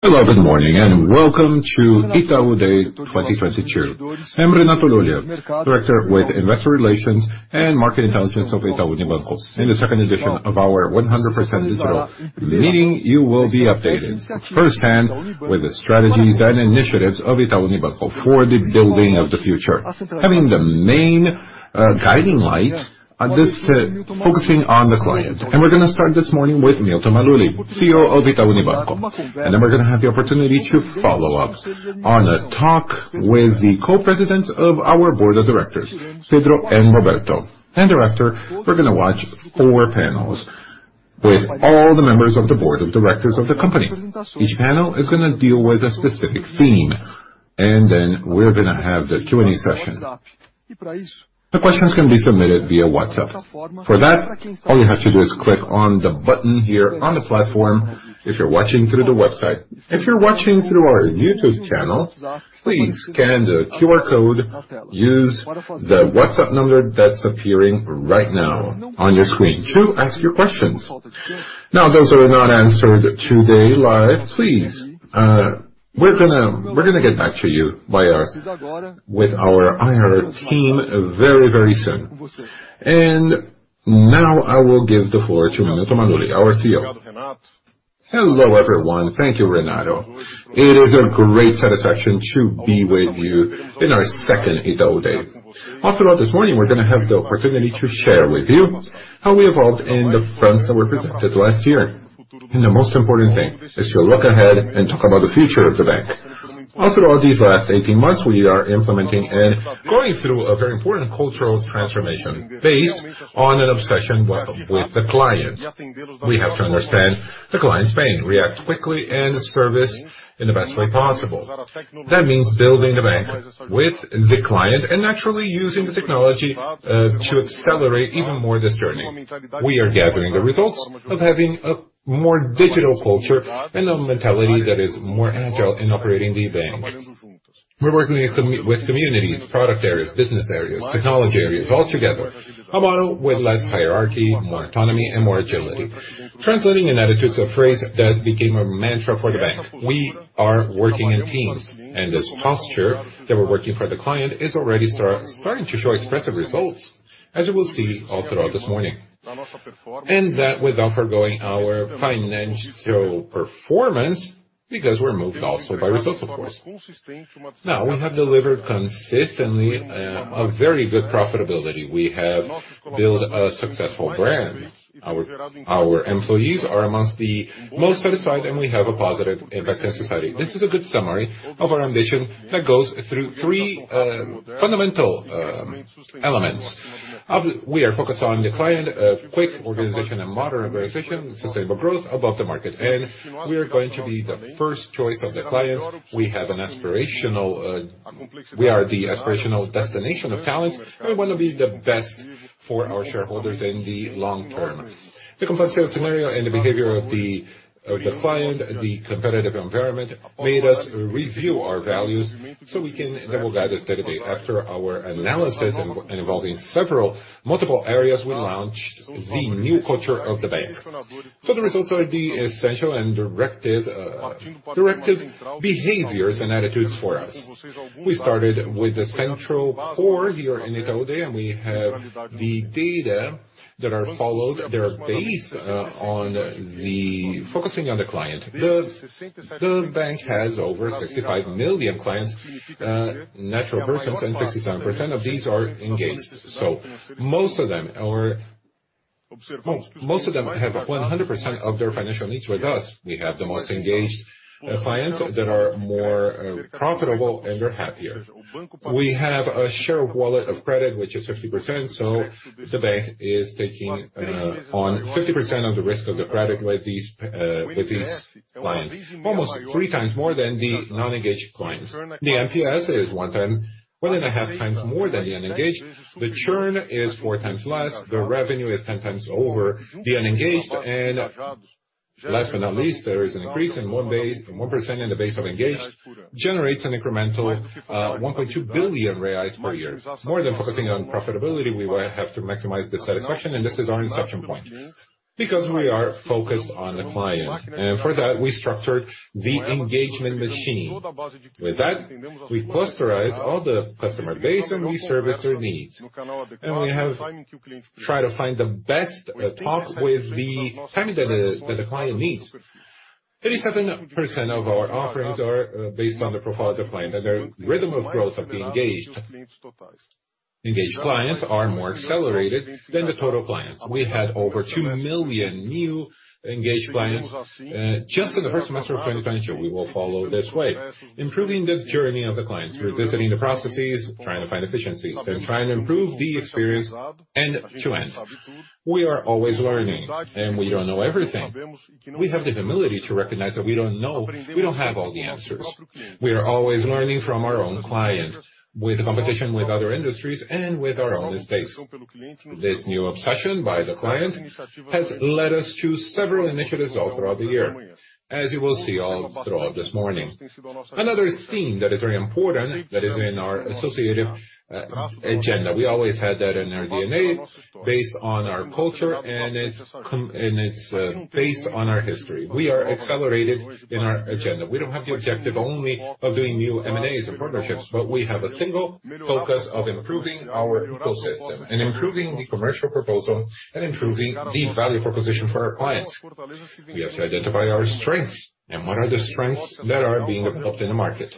Hello, good morning and welcome to Itaú Day 2022. I'm Renato Lulia, Director with Investor Relations and Market Intelligence of Itaú Unibanco. In the second edition of our 100% digital meeting, you will be updated firsthand with the strategies and initiatives of Itaú Unibanco for the building of the future. Having the main guiding light on this, focusing on the client. We're gonna start this morning with Milton Maluhy, CEO of Itaú Unibanco. Then we're gonna have the opportunity to follow up on a talk with the co-presidents of our board of directors, Pedro and Roberto. Thereafter, we're gonna watch four panels with all the members of the board of directors of the company. Each panel is gonna deal with a specific theme, and then we're gonna have the Q&A session. The questions can be submitted via WhatsApp. For that, all you have to do is click on the button here on the platform if you're watching through the website. If you're watching through our YouTube channel, please scan the QR code. Use the WhatsApp number that's appearing right now on your screen to ask your questions. Now, those are not answered today live, please, we're gonna get back to you with our IR team very, very soon. I will give the floor to Milton Maluhy, our CEO. Hello, everyone. Thank you, Renato. It is a great satisfaction to be with you in our second Itaú Day. All throughout this morning, we're gonna have the opportunity to share with you how we evolved in the fronts that were presented last year. The most important thing is to look ahead and talk about the future of the bank. All throughout these last 18 months, we are implementing and going through a very important cultural transformation based on an obsession with the client. We have to understand the client's pain, react quickly, and service in the best way possible. That means building the bank with the client and naturally using the technology to accelerate even more this journey. We are gathering the results of having a more digital culture and a mentality that is more agile in operating the bank. We're working with communities, product areas, business areas, technology areas all together. A model with less hierarchy, more autonomy, and more agility. This translates into an attitude or phrase that became a mantra for the bank. We are working in teams, and this posture that we're working for the client is already starting to show expressive results, as you will see all throughout this morning. That without forgoing our financial performance, because we're moved also by results, of course. Now, we have delivered consistently a very good profitability. We have built a successful brand. Our employees are among the most satisfied, and we have a positive impact in society. This is a good summary of our ambition that goes through three fundamental elements. We are focused on the client, quick organization and modernization, sustainable growth above the market. We are going to be the first choice of the clients. We are the aspirational destination of talents. We wanna be the best for our shareholders in the long term. The complexity of scenario and the behavior of the client, the competitive environment, made us review our values so we can then will guide us day-to-day. After our analysis involving several multiple areas, we launched the new culture of the bank. The results are the essential and directed behaviors and attitudes for us. We started with the central core here in Itaú Day, and we have the data that are followed. They're based on focusing on the client. The bank has over 65 million clients, natural persons, and 67% of these are engaged. Most of them, well, most of them have 100% of their financial needs with us. We have the most engaged clients that are more profitable and they're happier. We have a share of wallet of credit, which is 50%, so the bank is taking on 50% of the risk of the credit with these clients. Almost 3x more than the non-engaged clients. The NPS is 1x, 1.5x more than the unengaged. The churn is 4x less. The revenue is 10x over the unengaged. Last but not least, there is an increase in 1% in the base of engaged, generates an incremental, 1.2 billion reais per year. More than focusing on profitability, we will have to maximize the satisfaction, and this is our inception point because we are focused on the client. For that, we structured the engagement machine. With that, we clusterized all the customer base and we service their needs. We have tried to find the best talk with the timing that the client needs. 37% of our offerings are based on the profile of the client and the rhythm of growth of the engaged. Engaged clients are more accelerated than the total clients. We had over 2 million new engaged clients just in the first semester of 2022. We will follow this way, improving the journey of the clients, revisiting the processes, trying to find efficiencies, and trying to improve the experience end to end. We are always learning, and we don't know everything. We have the humility to recognize that we don't know, we don't have all the answers. We are always learning from our own client with the competition with other industries and with our own mistakes. This new obsession by the client has led us to several initiatives all throughout the year, as you will see all throughout this morning. Another theme that is very important, that is in our acquisitive agenda. We always had that in our DNA based on our culture, and it's based on our history. We are accelerating in our agenda. We don't have the objective only of doing new M&As and partnerships, but we have a single focus of improving our ecosystem and improving the commercial proposition and improving the value proposition for our clients. We have to identify our strengths and what are the strengths that are being adopted in the market,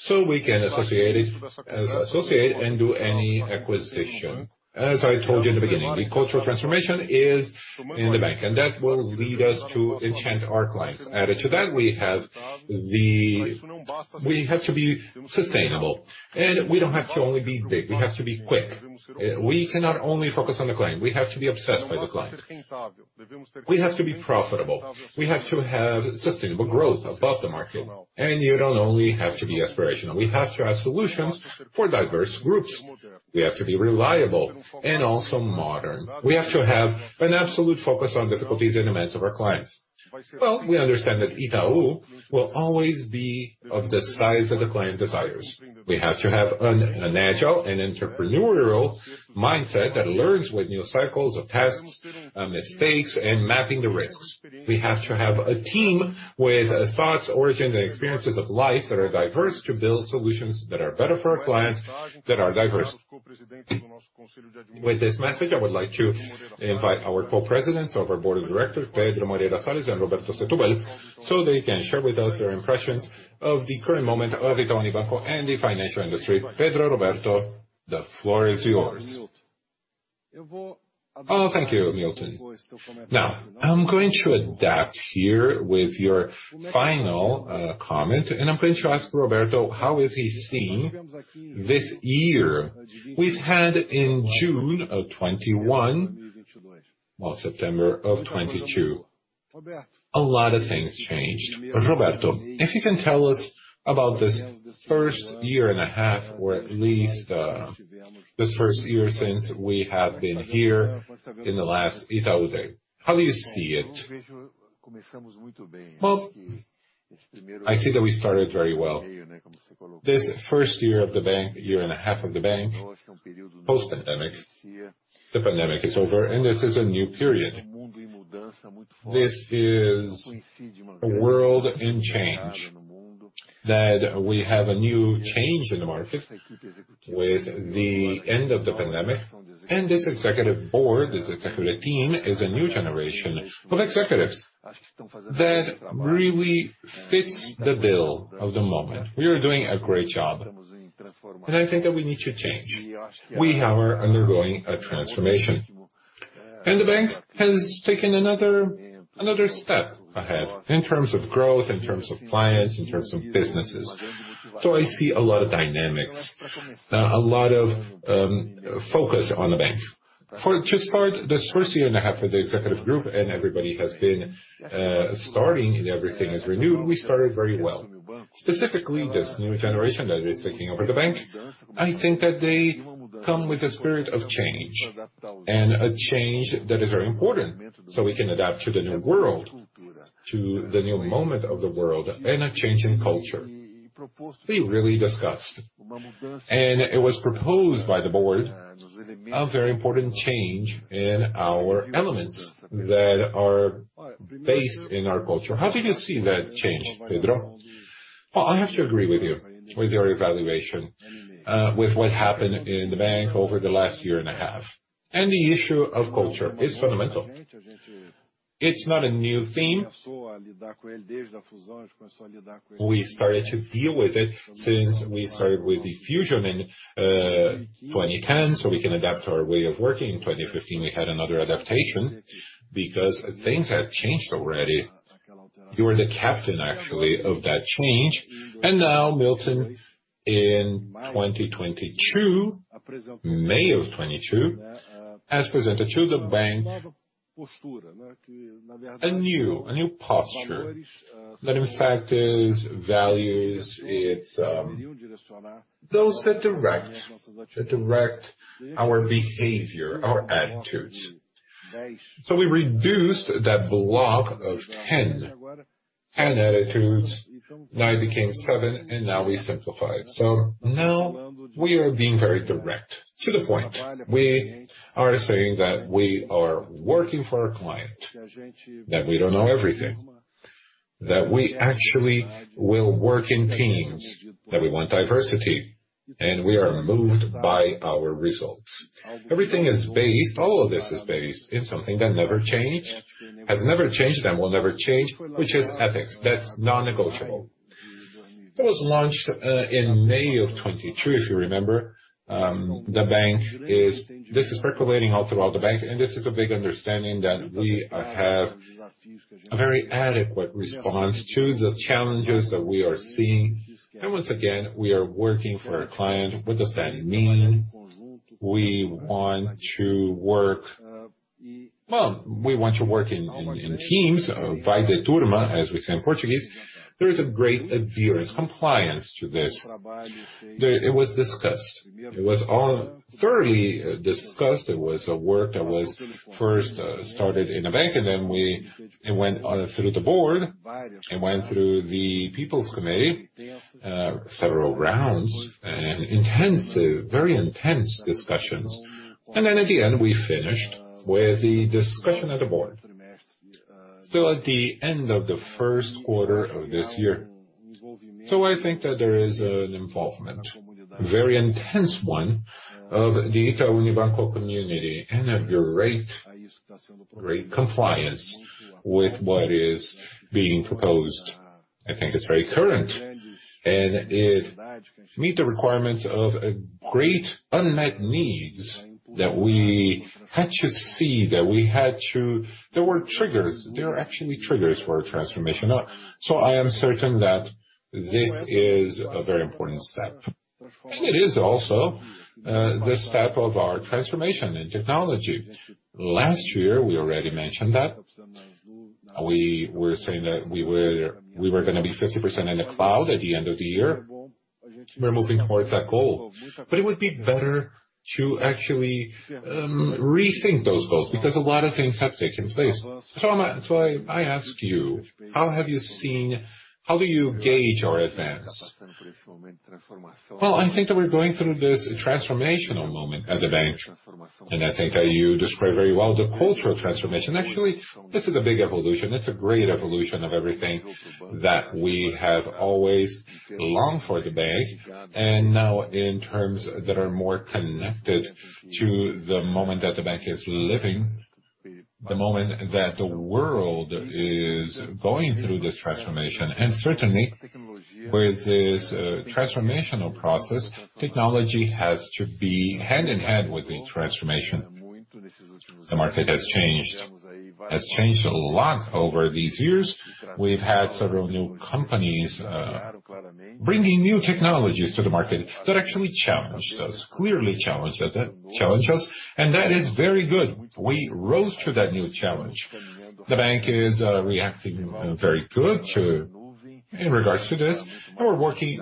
so we can associate it, as associate and do any acquisition. As I told you in the beginning, the cultural transformation is in the bank, and that will lead us to enchant our clients. Added to that, we have to be sustainable, and we don't have to only be big, we have to be quick. We cannot only focus on the client, we have to be obsessed by the client. We have to be profitable. We have to have sustainable growth above the market. You don't only have to be aspirational, we have to have solutions for diverse groups. We have to be reliable and also modern. We have to have an absolute focus on difficulties and demands of our clients. Well, we understand that Itaú will always be of the size that the client desires. We have to have an agile and entrepreneurial mindset that learns with new cycles of tests, mistakes, and mapping the risks. We have to have a team with thoughts, origin, and experiences of life that are diverse to build solutions that are better for our clients that are diverse. With this message, I would like to invite our co-presidents of our board of directors, Pedro Moreira Salles and Roberto Egydio Setubal, so they can share with us their impressions of the current moment of Itaú Unibanco and the financial industry. Pedro, Roberto, the floor is yours. Oh, thank you, Milton. Now, I'm going to adapt here with your final comment, and I'm going to ask Roberto, how is he seeing this year we've had in June of 2021. Well, September of 2022. A lot of things changed. Roberto, if you can tell us about this first year and a half, or at least this first year since we have been here in the last Itaú Day. How do you see it? Well, I see that we started very well. This first year of the bank, 1.5 year of the bank, post-pandemic, the pandemic is over, and this is a new period. This is a world in change, that we have a new change in the market with the end of the pandemic. This executive board, this executive team, is a new generation of executives that really fits the bill of the moment. We are doing a great job, and I think that we need to change. We are undergoing a transformation, and the bank has taken another step ahead in terms of growth, in terms of clients, in terms of businesses. I see a lot of dynamics, a lot of focus on the bank. To start, this first year and a half with the executive group and everybody has been starting and everything is renewed, we started very well. Specifically, this new generation that is taking over the bank, I think that they come with a spirit of change and a change that is very important, so we can adapt to the new world, to the new moment of the world and a change in culture. We really discussed, and it was proposed by the board, a very important change in our elements that are based in our culture. How did you see that change, Pedro? Well, I have to agree with you, with your evaluation, with what happened in the bank over the last year and a half. The issue of culture is fundamental. It's not a new theme. We started to deal with it since we started with the fusion in 2010, so we can adapt our way of working. In 2015, we had another adaptation because things had changed already. You were the captain, actually, of that change. Now Milton in 2022, May of 2022, has presented to the bank a new posture that, in fact, is values. It's those that direct our behavior, our attitudes. We reduced that block of 10 attitudes. Now it became seven, and now we simplified. Now we are being very direct, to the point. We are saying that we are working for our client, that we don't know everything, that we actually will work in teams, that we want diversity, and we are moved by our results. Everything is based, all of this is based in something that never change, has never changed, and will never change, which is ethics. That's non-negotiable. It was launched in May 2022, if you remember. This is percolating all throughout the bank, and this is a big understanding that we have a very adequate response to the challenges that we are seeing. Once again, we are working for a client with the same vein. Well, we want to work in teams by the turma, as we say in Portuguese. There is a great adherence, compliance to this. It was discussed. It was all thoroughly discussed. It was a work that was first started in a bank, and then it went through the board, it went through the people's committee, several rounds and very intense discussions. Then, at the end, we finished with the discussion at the board. Still at the end of the first quarter of this year. I think that there is an involvement, very intense one, of the Itaú Unibanco community and a great compliance with what is being proposed. I think it's very current, and it meet the requirements of a great unmet needs that we had to see, that we had to. There were triggers. There were actually triggers for a transformation. I am certain that this is a very important step. It is also the step of our transformation in technology. Last year, we already mentioned that. We were saying that we were gonna be 50% in the cloud at the end of the year. We're moving towards that goal. It would be better to actually rethink those goals because a lot of things have taken place. I ask you, how do you gauge our advance? Well, I think that we're going through this transformational moment at the bank, and I think that you described very well the cultural transformation. Actually, this is a big evolution. It's a great evolution of everything that we have always longed for the bank, and now in terms that are more connected to the moment that the bank is living, the moment that the world is going through this transformation. Certainly, with this transformational process, technology has to be hand in hand with the transformation. The market has changed a lot over these years. We've had several new companies bringing new technologies to the market that actually challenged us, and that is very good. We rose to that new challenge. The bank is reacting very good in regards to this. We're walking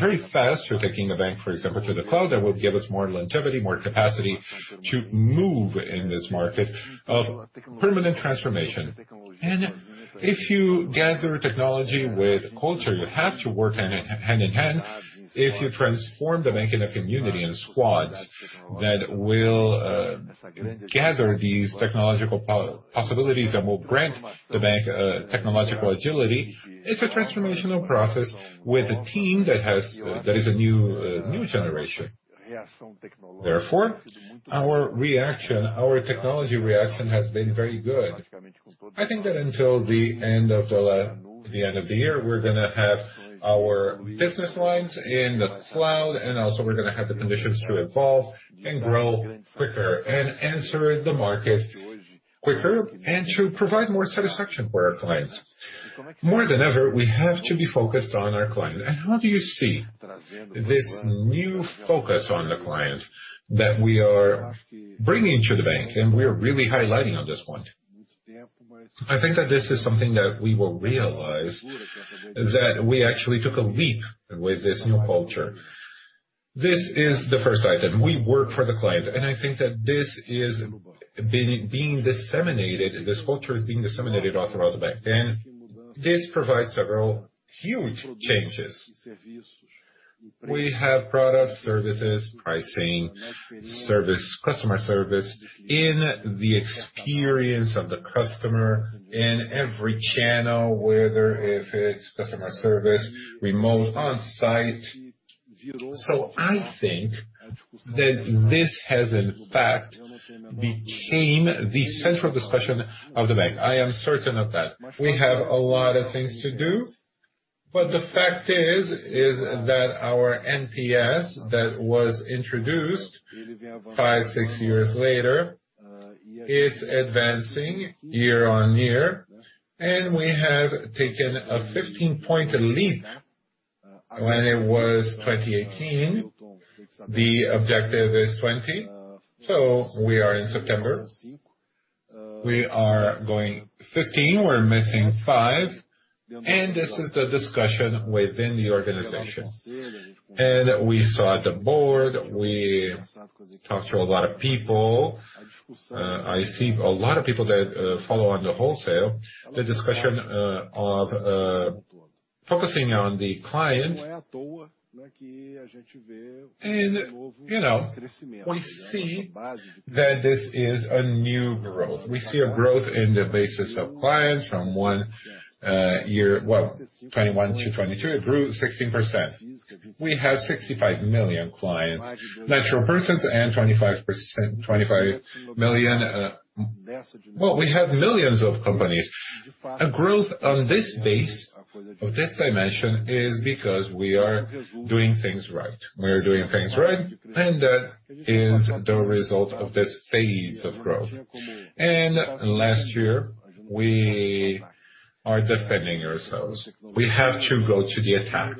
very fast. We're taking a bank, for example, to the cloud that will give us more longevity, more capacity to move in this market of permanent transformation. If you gather technology with culture, you have to work hand in hand. If you transform the bank into a community and squads that will gather these technological possibilities that will grant the bank technological agility, it's a transformational process with a team that has that is a new generation. Therefore, our reaction, our technology reaction has been very good. I think that until the end of the year, we're gonna have our business lines in the cloud, and also we're gonna have the conditions to evolve and grow quicker and answer the market quicker and to provide more satisfaction for our clients. More than ever, we have to be focused on our client. How do you see this new focus on the client that we are bringing to the bank, and we are really highlighting on this point? I think that this is something that we will realize, that we actually took a leap with this new culture. This is the first item. We work for the client, and I think that this is being disseminated, this culture is being disseminated all throughout the bank. This provides several huge changes. We have products, services, pricing, service, customer service in the experience of the customer in every channel, whether it's customer service, remote, on-site. I think that this has in fact became the central discussion of the bank. I am certain of that. We have a lot of things to do, but the fact is that our NPS that was introduced five, six years later, it's advancing year on year, and we have taken a 15-point leap when it was 2018. The objective is 20. We are in September. We are going 15, we're missing five, and this is the discussion within the organization. We saw at the board, we talked to a lot of people. I see a lot of people that follow on the wholesale the discussion of focusing on the client. You know, we see that this is a new growth. We see a growth in the base of clients from one year. Well, 2021 to 2022, it grew 16%. We have 65 million clients, natural persons and 25%, 25 million. Well, we have millions of companies. A growth on this base, of this dimension is because we are doing things right. We're doing things right, and that is the result of this phase of growth. Last year, we are defending ourselves. We have to go to the attack.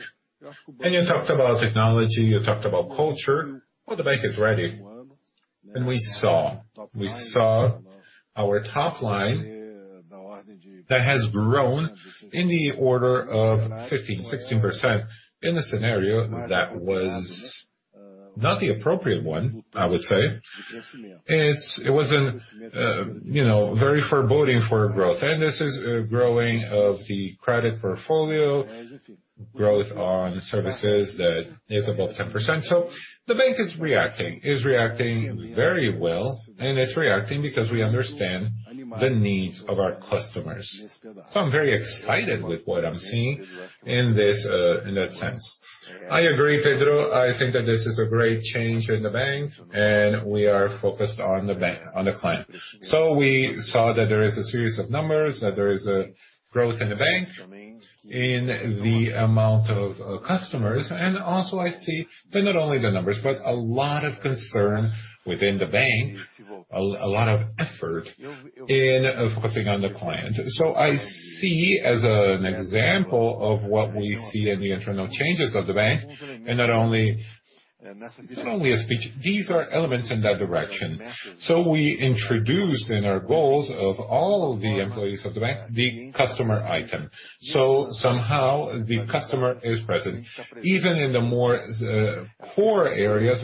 You talked about technology, you talked about culture. Well, the bank is ready. We saw our top line that has grown in the order of 15%-16% in a scenario that was not the appropriate one, I would say. It wasn't, you know, very foreboding for growth. This is a growing of the credit portfolio, growth on services that is above 10%. The bank is reacting. It's reacting very well, and it's reacting because we understand the needs of our customers. I'm very excited with what I'm seeing in this, in that sense. I agree, Pedro. I think that this is a great change in the bank, and we are focused on the bank, on the client. We saw that there is a series of numbers, that there is a growth in the bank, in the amount of customers. I see that not only the numbers, but a lot of concern within the bank, a lot of effort in focusing on the client. I see as an example of what we see in the internal changes of the bank, and not only, it's not only a speech, these are elements in that direction. We introduced in our goals of all the employees of the bank, the customer item. Somehow the customer is present, even in the more core areas,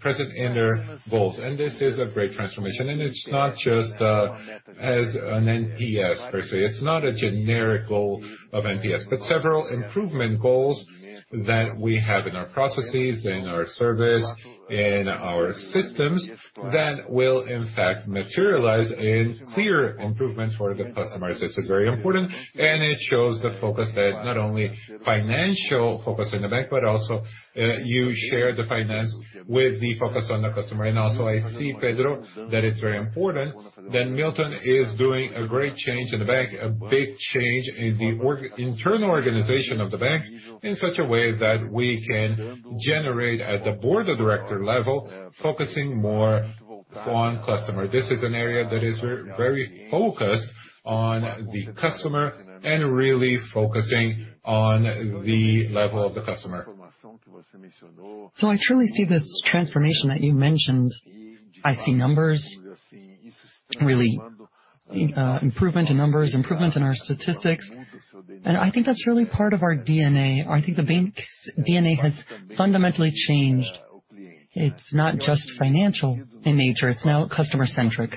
present in their goals. This is a great transformation. It's not just as an NPS per se. It's not a generic goal of NPS, but several improvement goals that we have in our processes, in our service, in our systems that will in fact materialize in clear improvements for the customers. This is very important, and it shows the focus that not only financial focus in the bank, but also, you share the finance with the focus on the customer. Also, I see, Pedro, that it's very important that Milton is doing a great change in the bank, a big change in the internal organization of the bank in such a way that we can generate at the board of director level, focusing more on customer. This is an area that is very focused on the customer and really focusing on the level of the customer. I truly see this transformation that you mentioned. I see numbers, really, improvement in numbers, improvement in our statistics, and I think that's really part of our DNA. I think the bank's DNA has fundamentally changed. It's not just financial in nature, it's now customer-centric.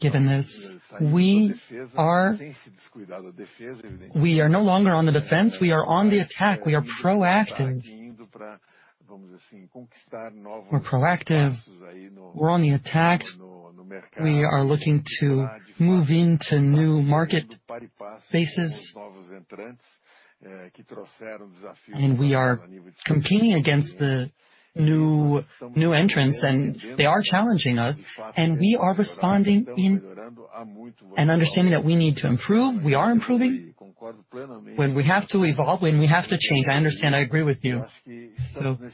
Given this, we are no longer on the defense, we are on the attack. We are proactive. We're on the attack. We are looking to move into new market spaces. We are competing against the new entrants, and they are challenging us, and we are responding in an understanding that we need to improve. We are improving. When we have to evolve, when we have to change, I understand, I agree with you.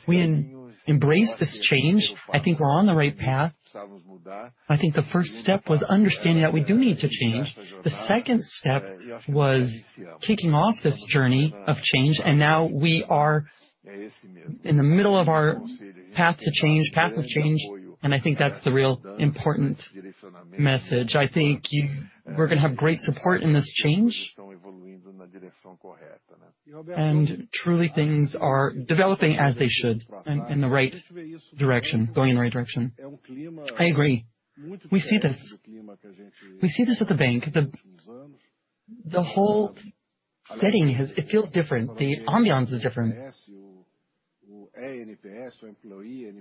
We embrace this change. I think we're on the right path. I think the first step was understanding that we do need to change. The second step was kicking off this journey of change, and now we are in the middle of our path of change, and I think that's the real important message. I think we're gonna have great support in this change. Truly, things are developing as they should in the right direction, going in the right direction. I agree. We see this. We see this at the bank. The whole setting has. It feels different. The ambiance is different.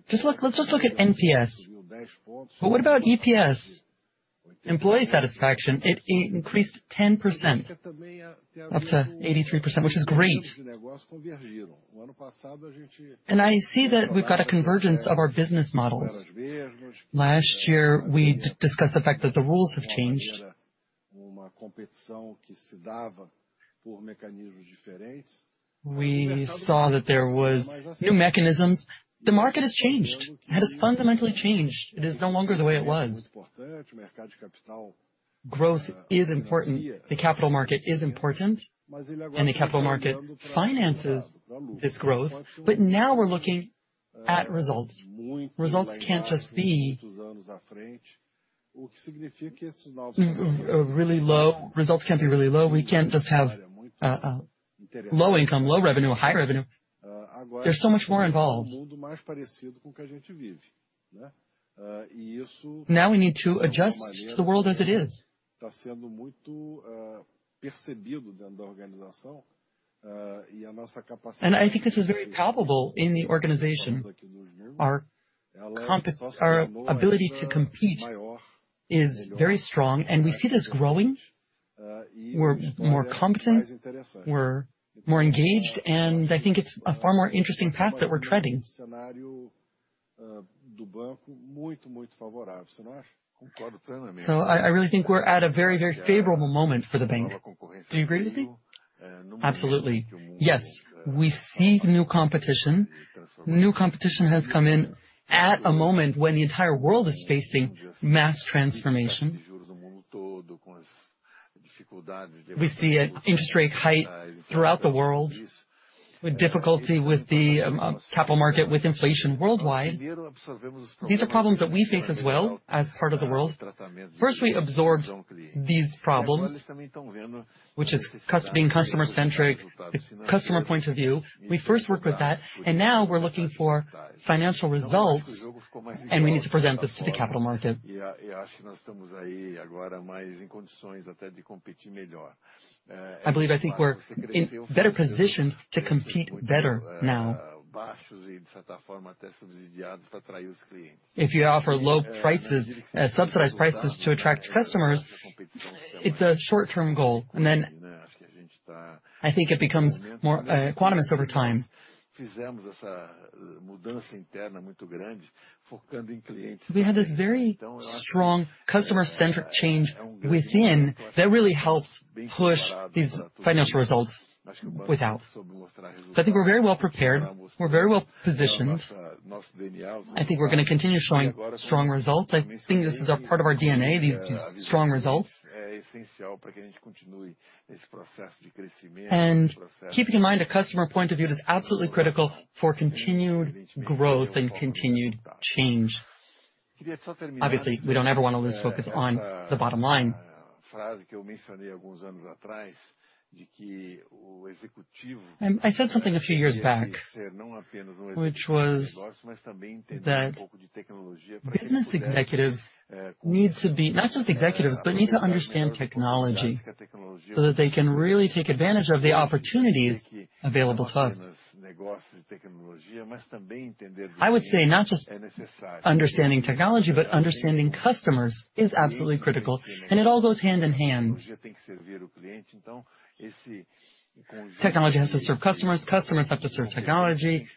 Just look, let's just look at NPS. What about eNPS, employee satisfaction? It increased 10%. That's 83%, which is great. I see that we've got a convergence of our business models. Last year, we discussed the fact that the rules have changed. We saw that there was new mechanisms. The market has changed. It has fundamentally changed. It is no longer the way it was. Growth is important. The capital market is important. The capital market finances this growth. Now we're looking at results. Results can't just be really low. Results can't be really low. We can't just have low income, low revenue, high revenue. There's so much more involved. Now we need to adjust to the world as it is. I think this is very palpable in the organization. Our ability to compete is very strong, and we see this growing. We're more competent, we're more engaged, and I think it's a far more interesting path that we're treading. I really think we're at a very, very favorable moment for the bank. Do you agree with me? Absolutely, yes. We see new competition. New competition has come in at a moment when the entire world is facing mass transformation. We see it, interest rate hike throughout the world with difficulty with the capital market, with inflation worldwide. These are problems that we face as well as part of the world. First, we absorb these problems, which is being customer-centric, the customer point of view. We first work with that, and now we're looking for financial results, and we need to present this to the capital market. I believe, I think we're in better position to compete better now. If you offer low prices, subsidized prices to attract customers, it's a short-term goal. I think it becomes more onerous over time. We had this very strong customer-centric change within that really helps push these financial results without. I think we're very well prepared, we're very well-positioned. I think we're gonna continue showing strong results. I think this is a part of our DNA, these strong results. Keeping in mind a customer point of view is absolutely critical for continued growth and continued change. Obviously, we don't ever wanna lose focus on the bottom line. I said something a few years back, which was that business executives need to understand technology so that they can really take advantage of the opportunities available to us. I would say not just understanding technology, but understanding customers is absolutely critical, and it all goes hand in hand. Technology has to serve customers have to serve technology,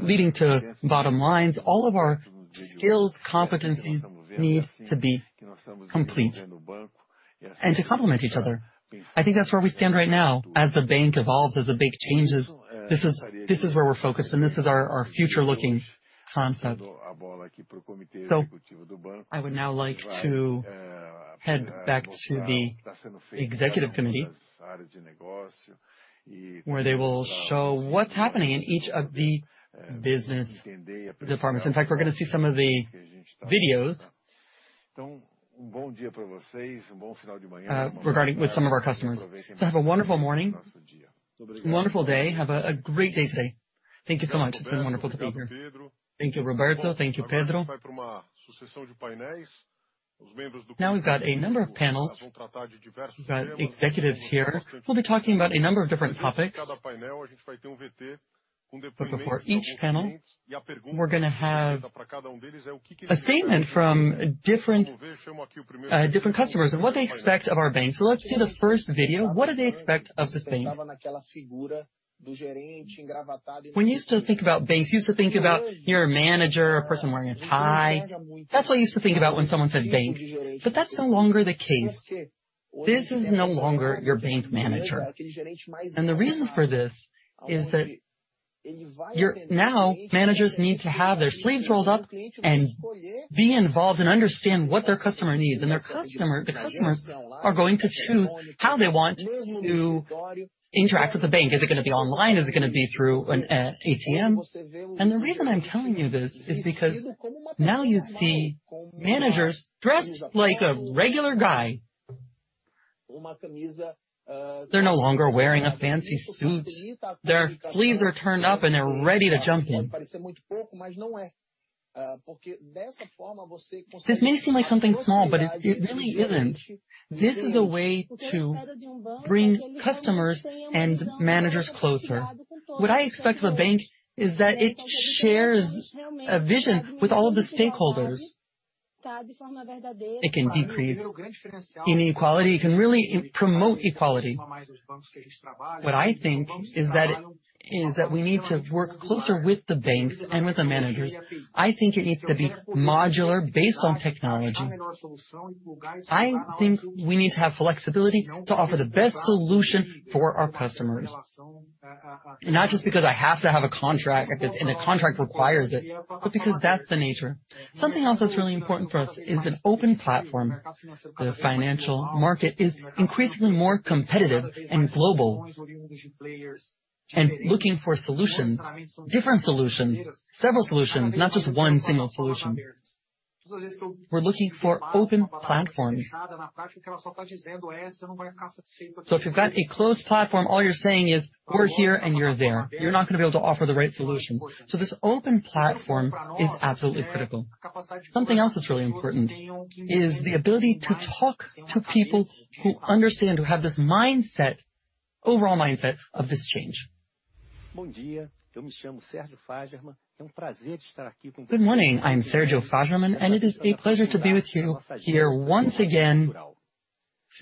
leading to bottom lines. All of our skills, competencies need to be complete and to complement each other. I think that's where we stand right now. As the bank evolves, as the bank changes, this is where we're focused and this is our future-looking concept. I would now like to head back to the executive committee where they will show what's happening in each of the business departments. In fact, we're gonna see some of the videos regarding with some of our customers. Have a wonderful morning, wonderful day. Have a great day today. Thank you so much. It's been wonderful to be here. Thank you, Roberto. Thank you, Pedro. Now we've got a number of panels. We've got executives here who'll be talking about a number of different topics. Before each panel, we're gonna have a statement from different customers of what they expect of our bank. Let's see the first video. What do they expect of this bank? When you used to think about banks, you used to think about your manager, a person wearing a tie. That's what you used to think about when someone said bank, but that's no longer the case. This is no longer your bank manager. The reason for this is that now managers need to have their sleeves rolled up and be involved and understand what their customer needs. Their customer, the customers are going to choose how they want to interact with the bank. Is it gonna be online? Is it gonna be through an ATM? The reason I'm telling you this is because now you see managers dressed like a regular guy. They're no longer wearing a fancy suit. Their sleeves are turned up, and they're ready to jump in. This may seem like something small, but it really isn't. This is a way to bring customers and managers closer. What I expect of a bank is that it shares a vision with all of the stakeholders. It can decrease inequality, it can really promote equality. What I think is that we need to work closer with the banks and with the managers. I think it needs to be modular based on technology. I think we need to have flexibility to offer the best solution for our customers, and not just because I have to have a contract if it's and the contract requires it, but because that's the nature. Something else that's really important for us is an open platform. The financial market is increasingly more competitive and global, and looking for solutions, different solutions, several solutions, not just one single solution. We're looking for open platforms. If you've got a closed platform, all you're saying is, "We're here, and you're there." You're not gonna be able to offer the right solutions. This open platform is absolutely critical. Something else that's really important is the ability to talk to people who understand, who have this mindset, overall mindset of this change. Good morning. I'm Sergio Fajerman, and it is a pleasure to be with you here once again.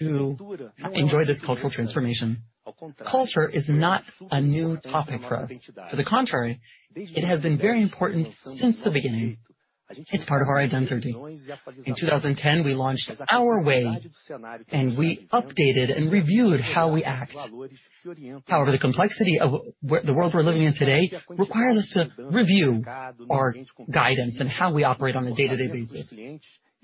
To enjoy this cultural transformation. Culture is not a new topic for us. To the contrary, it has been very important since the beginning. It's part of our identity. In 2010, we launched Our Way, and we updated and reviewed how we act. However, the complexity of the world we're living in today requires us to review our guidance and how we operate on a day-to-day basis.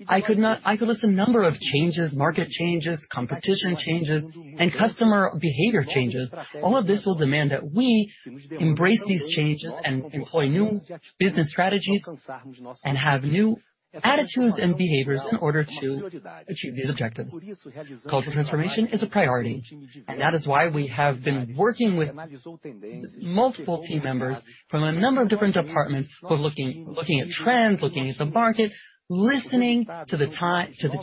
I could list a number of changes, market changes, competition changes, and customer behavior changes. All of this will demand that we embrace these changes and employ new business strategies and have new attitudes and behaviors in order to achieve these objectives. Cultural transformation is a priority, and that is why we have been working with multiple team members from a number of different departments who are looking at trends, looking at the market, listening to the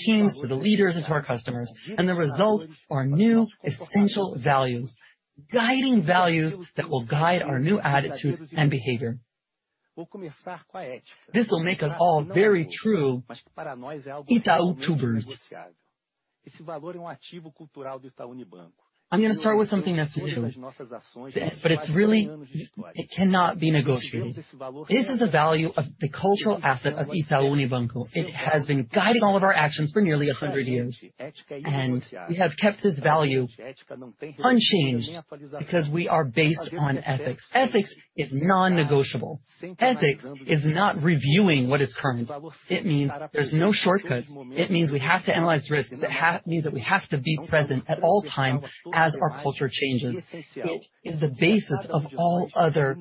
teams, to the leaders, and to our customers. The results are new, essential values, guiding values that will guide our new attitudes and behavior. This will make us all very true Itautubers. I'm gonna start with something that's true. But it's really. It cannot be negotiated. This is a value of the cultural asset of Itaú Unibanco. It has been guiding all of our actions for nearly 100 years, and we have kept this value unchanged because we are based on ethics. Ethics is non-negotiable. Ethics is not reviewing what is current. It means there's no shortcut. It means we have to analyze risks. It means that we have to be present at all times as our culture changes. It is the basis of all other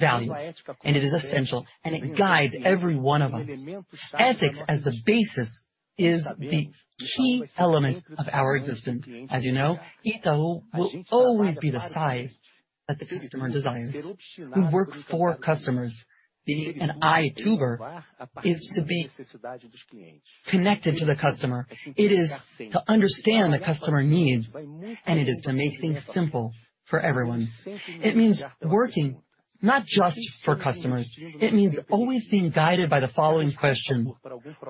values, and it is essential, and it guides every one of us. Ethics as the basis is the key element of our existence. As you know, Itaú will always be the size that the customer desires. We work for customers. Being an Ituber is to be connected to the customer. It is to understand the customer needs, and it is to make things simple for everyone. It means working not just for customers. It means always being guided by the following question.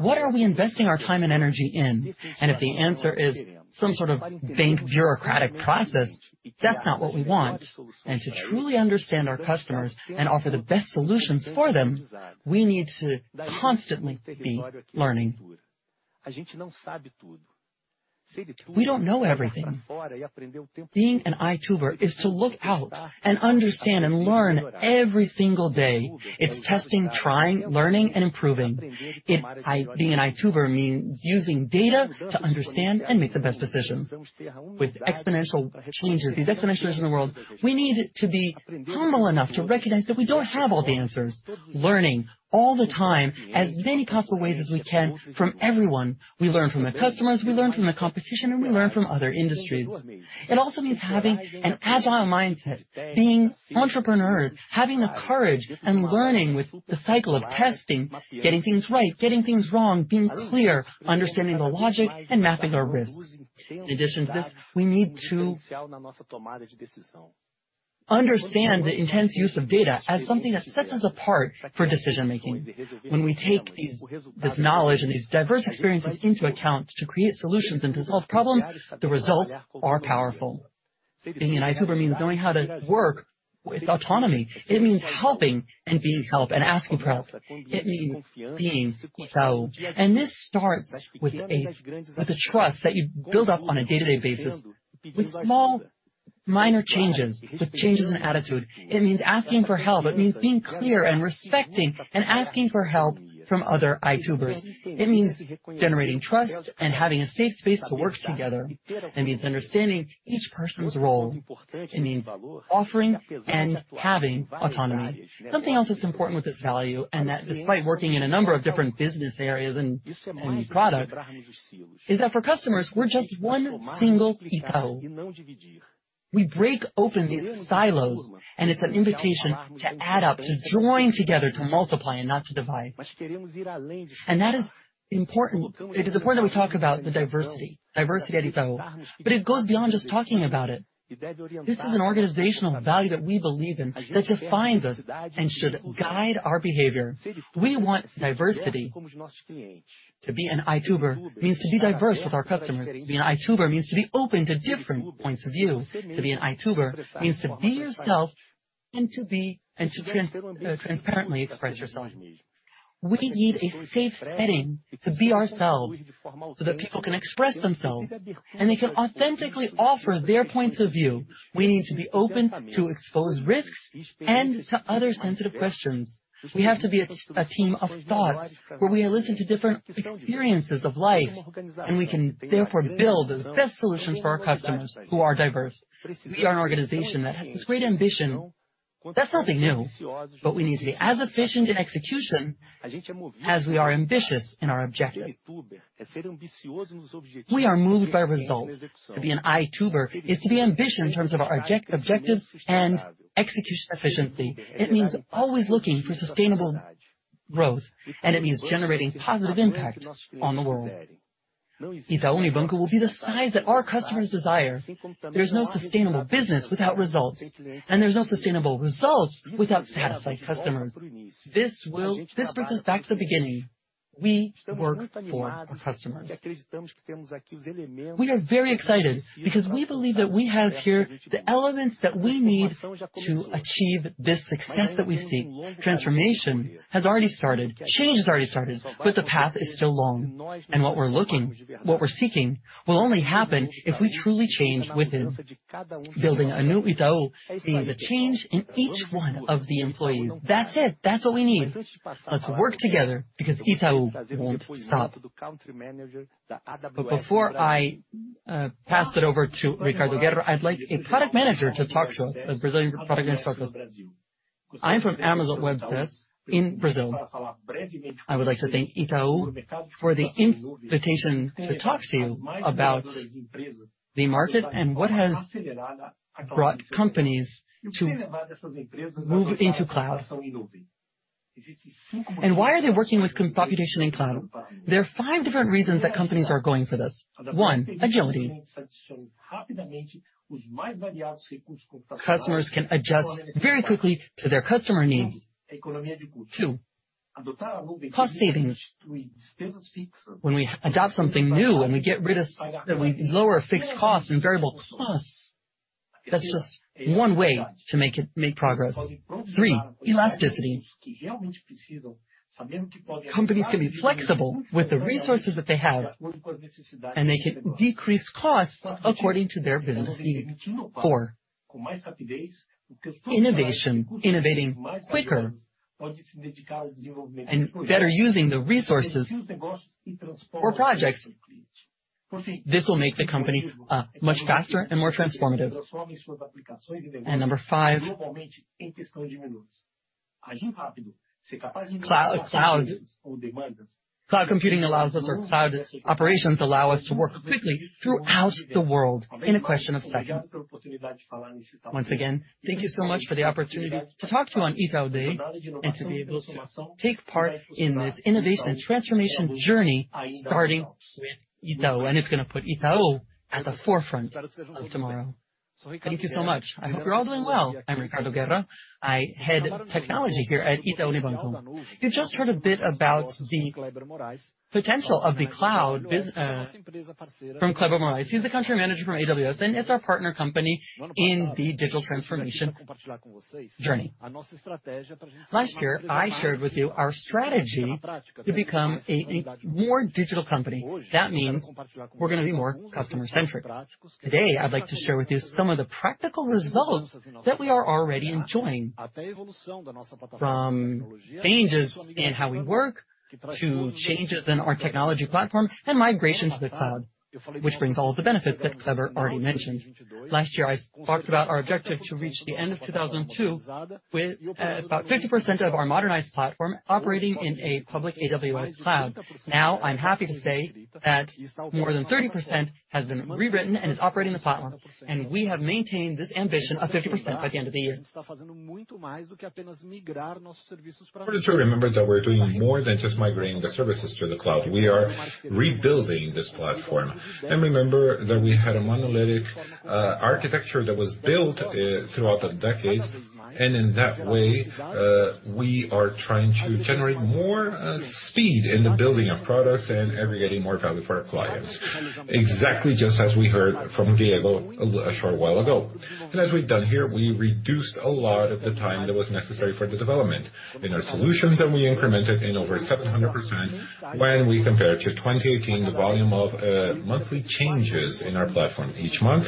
What are we investing our time and energy in? If the answer is some sort of bank bureaucratic process, that's not what we want. To truly understand our customers and offer the best solutions for them, we need to constantly be learning. We don't know everything. Being an Ituber is to look out and understand and learn every single day. It's testing, trying, learning, and improving. Being an Ituber means using data to understand and make the best decisions. With exponential changes, these exponential changes in the world, we need to be humble enough to recognize that we don't have all the answers. Learning all the time, as many possible ways as we can from everyone. We learn from the customers, we learn from the competition, and we learn from other industries. It also means having an agile mindset, being entrepreneurs, having the courage and learning with the cycle of testing, getting things right, getting things wrong, being clear, understanding the logic, and mapping our risks. In addition to this, we need to understand the intense use of data as something that sets us apart for decision-making. When we take these, this knowledge and these diverse experiences into account to create solutions and to solve problems, the results are powerful. Being an Ituber means knowing how to work with autonomy. It means helping and being helped and asking for help. It means being Itaú. This starts with a trust that you build up on a day-to-day basis with small minor changes, with changes in attitude. It means asking for help. It means being clear and respecting and asking for help from other Itubers. It means generating trust and having a safe space to work together. It means understanding each person's role. It means offering and having autonomy. Something else that's important with this value, and that despite working in a number of different business areas and products, is that for customers, we're just one single Itaú. We break open these silos, and it's an invitation to add up, to join together, to multiply and not to divide. That is important. It is important that we talk about the diversity at Itaú, but it goes beyond just talking about it. This is an organizational value that we believe in, that defines us, and should guide our behavior. We want diversity. To be an Ituber means to be diverse with our customers. To be an Ituber means to be open to different points of view. To be an Ituber means to be yourself and to be, and to transparently express yourself. We need a safe setting to be ourselves so that people can express themselves, and they can authentically offer their points of view. We need to be open to exposed risks and to other sensitive questions. We have to be a team of thoughts, where we listen to different experiences of life, and we can therefore build the best solutions for our customers who are diverse. We are an organization that has this great ambition. That's nothing new, but we need to be as efficient in execution as we are ambitious in our objective. We are moved by results. To be an Ituber is to be ambitious in terms of our objective and execution efficiency. It means always looking for sustainable growth, and it means generating positive impact on the world. Itaú Unibanco will be the size that our customers desire. There's no sustainable business without results, and there's no sustainable results without satisfied customers. This brings us back to the beginning. We work for our customers. We are very excited because we believe that we have here the elements that we need to achieve this success that we seek. Transformation has already started. Change has already started, but the path is still long. What we're looking, what we're seeking, will only happen if we truly change within. Building a new Itaú means a change in each one of the employees. That's it. That's what we need. Let's work together because Itaú won't stop. Before I pass it over to Ricardo Guerra, I'd like a product manager to talk to us. A Brazilian product manager to talk to us. I'm from Amazon Web Services in Brazil. I would like to thank Itaú for the invitation to talk to you about the market and what has brought companies to move into the cloud. Why are they working with cloud computing? There are five different reasons that companies are going for this. One, agility. Customers can adjust very quickly to their customer needs. Two, cost savings. When we adopt something new, that we lower fixed costs and variable costs, that's just one way to make progress. Three, elasticity. Companies can be flexible with the resources that they have, and they can decrease costs according to their business need. Four, innovation. Innovating quicker and better using the resources for projects. This will make the company much faster and more transformative. Number five, cloud. Cloud computing allows us, or cloud operations allow us to work quickly throughout the world in a matter of seconds. Once again, thank you so much for the opportunity to talk to you on Itaú Day and to be able to take part in this innovation transformation journey starting with Itaú, and it's gonna put Itaú at the forefront of tomorrow. Thank you so much. I hope you're all doing well. I'm Ricardo Guerra. I head technology here at Itaú Unibanco. You just heard a bit about the potential of the cloud business from Cleber Morais. He's the country manager from AWS, and it's our partner company in the digital transformation journey. Last year, I shared with you our strategy to become a more digital company. That means we're gonna be more customer-centric. Today, I'd like to share with you some of the practical results that we are already enjoying, from changes in how we work to changes in our technology platform and migration to the cloud, which brings all of the benefits that Cleber already mentioned. Last year, I talked about our objective to reach the end of 2022 with about 50% of our modernized platform operating in a public AWS cloud. Now, I'm happy to say that more than 30% has been rewritten and is operating the platform, and we have maintained this ambition of 50% by the end of the year. To remember that we're doing more than just migrating the services to the cloud. We are rebuilding this platform. Remember that we had a monolithic architecture that was built throughout the decades. In that way, we are trying to generate more speed in the building of products and ever getting more value for our clients. Exactly just as we heard from Diego a short while ago. As we've done here, we reduced a lot of the time that was necessary for the development in our solutions, and we incremented in over 700% when we compare to 2018 volume of monthly changes in our platform. Each month,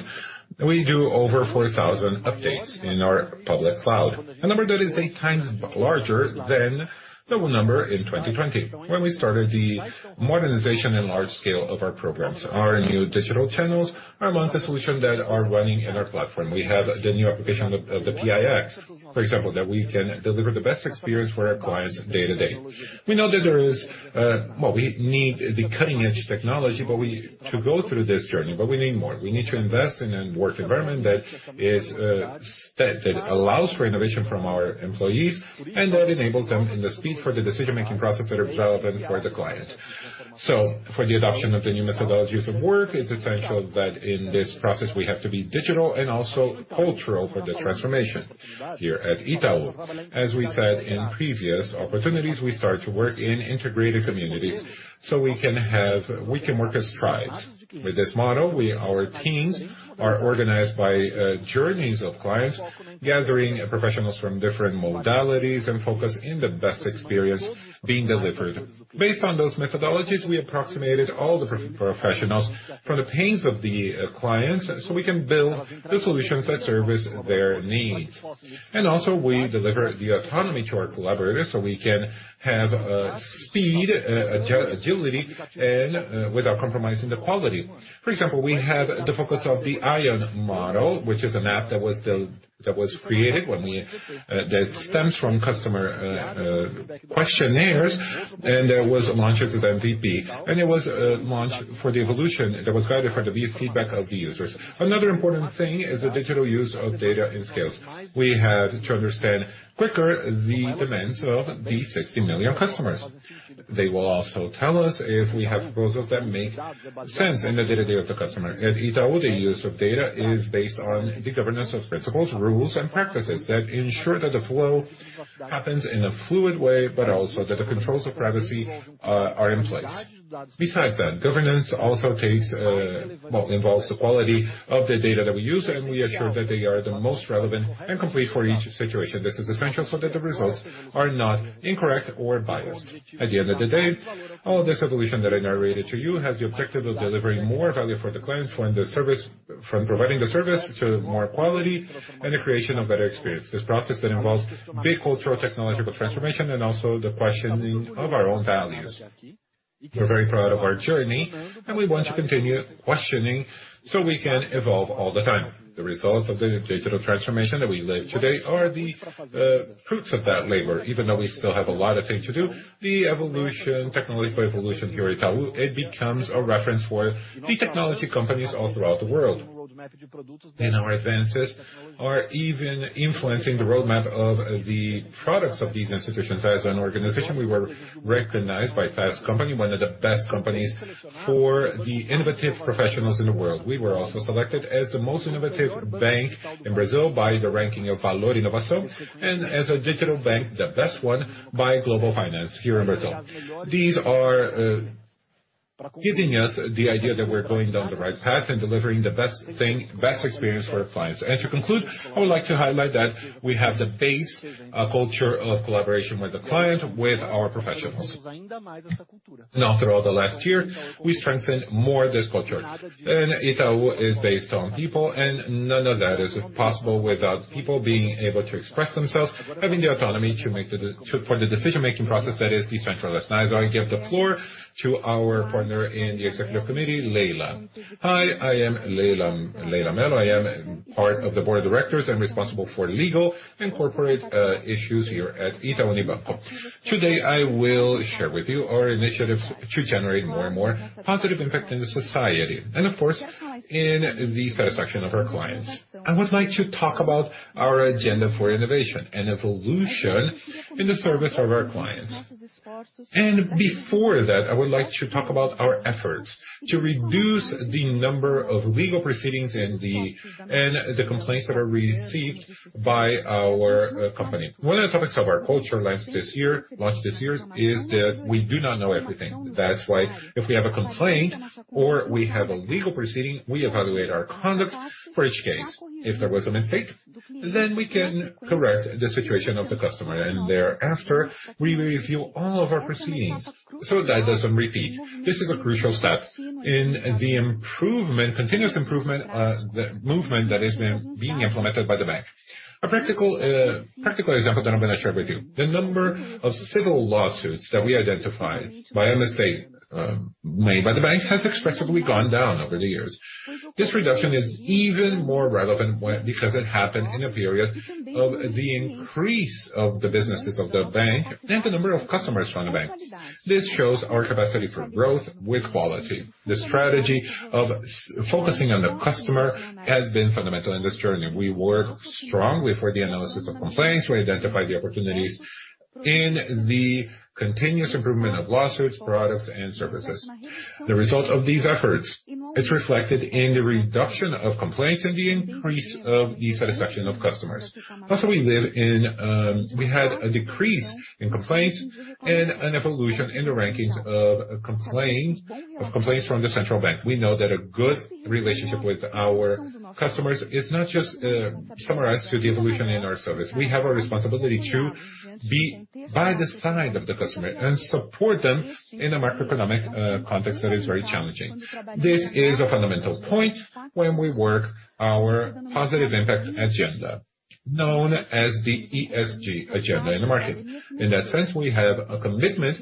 we do over 4,000 updates in our public cloud. A number that is eight times larger than the number in 2020 when we started the modernization and large scale of our programs. Our new digital channels are among the solutions that are running in our platform. We have the new application of the PIX, for example, that we can deliver the best experience for our clients day to day. We know that there is. Well, we need the cutting-edge technology to go through this journey, but we need more. We need to invest in a work environment that allows for innovation from our employees and that enables them in the speed for the decision-making process that are relevant for the client. For the adoption of the new methodologies of work, it's essential that in this process we have to be digital and also cultural for this transformation. Here at Itaú, as we said in previous opportunities, we start to work in integrated communities, so we can work as tribes. With this model, our teams are organized by journeys of clients, gathering professionals from different modalities and focusing on the best experience being delivered. Based on those methodologies, we approximate all the professionals to the pains of the clients, so we can build the solutions that serve their needs. We deliver the autonomy to our collaborators, so we can have speed, agility and without compromising the quality. For example, we have the focus of the íon model, which is an app that stems from customer questionnaires, and there was a launch of the MVP. It was launched for the evolution that was guided for the feedback of the users. Another important thing is the digital use of data and skills. We had to understand quicker the demands of the 60 million customers. They will also tell us if we have processes that make sense in the day-to-day of the customer. At Itaú, the use of data is based on the governance of principles, rules, and practices that ensure that the flow happens in a fluid way, but also that the controls of privacy are in place. Besides that, governance also, well, involves the quality of the data that we use, and we ensure that they are the most relevant and complete for each situation. This is essential so that the results are not incorrect or biased. At the end of the day, all of this evolution that I narrated to you has the objective of delivering more value for the clients from providing the service to more quality and the creation of better experience. This process that involves big cultural technological transformation and also the questioning of our own values. We're very proud of our journey, and we want to continue questioning so we can evolve all the time. The results of the digital transformation that we live today are the fruits of that labor. Even though we still have a lot of things to do, the evolution, technological evolution here at Itaú, it becomes a reference for the technology companies all throughout the world. Our advances are even influencing the roadmap of the products of these institutions. As an organization, we were recognized by Fast Company, one of the best companies for the innovative professionals in the world. We were also selected as the most innovative bank in Brazil by the ranking of Valor Inovação, and as a digital bank, the best one by Global Finance here in Brazil. These are giving us the idea that we're going down the right path and delivering the best thing, best experience for our clients. To conclude, I would like to highlight that we have the base culture of collaboration with the client, with our professionals. After all the last year, we strengthened more this culture. Itaú is based on people, and none of that is possible without people being able to express themselves, having the autonomy for the decision-making process that is decentralized. Now I give the floor to our partner in the executive committee, Leila. Hi, I am Leila Melo. I am part of the board of directors and responsible for legal and corporate issues here at Itaú Unibanco. Today, I will share with you our initiatives to generate more and more positive impact in society, and of course, in the satisfaction of our clients. I would like to talk about our agenda for innovation and evolution in the service of our clients. Before that, I would like to talk about our efforts to reduce the number of legal proceedings and the complaints that are received by our company. One of the topics of our culture launched this year is that we do not know everything. That's why if we have a complaint or we have a legal proceeding, we evaluate our conduct for each case. If there was a mistake, then we can correct the situation of the customer. Thereafter, we review all of our proceedings so that doesn't repeat. This is a crucial step in the improvement, continuous improvement, the movement that is being implemented by the bank. A practical example that I'm gonna share with you. The number of civil lawsuits that we identified by a mistake made by the bank has expressively gone down over the years. This reduction is even more relevant because it happened in a period of the increase of the businesses of the bank and the number of customers from the bank. This shows our capacity for growth with quality. The strategy of focusing on the customer has been fundamental in this journey. We work strongly for the analysis of complaints. We identify the opportunities in the continuous improvement of lawsuits, products and services. The result of these efforts is reflected in the reduction of complaints and the increase of the satisfaction of customers. Also, we had a decrease in complaints and an evolution in the rankings of complaints from the Central Bank. We know that a good relationship with our customers is not just summarized to the evolution in our service. We have a responsibility to be by the side of the customer and support them in a macroeconomic context that is very challenging. This is a fundamental point when we work our positive impact agenda, known as the ESG agenda in the market. In that sense, we have a commitment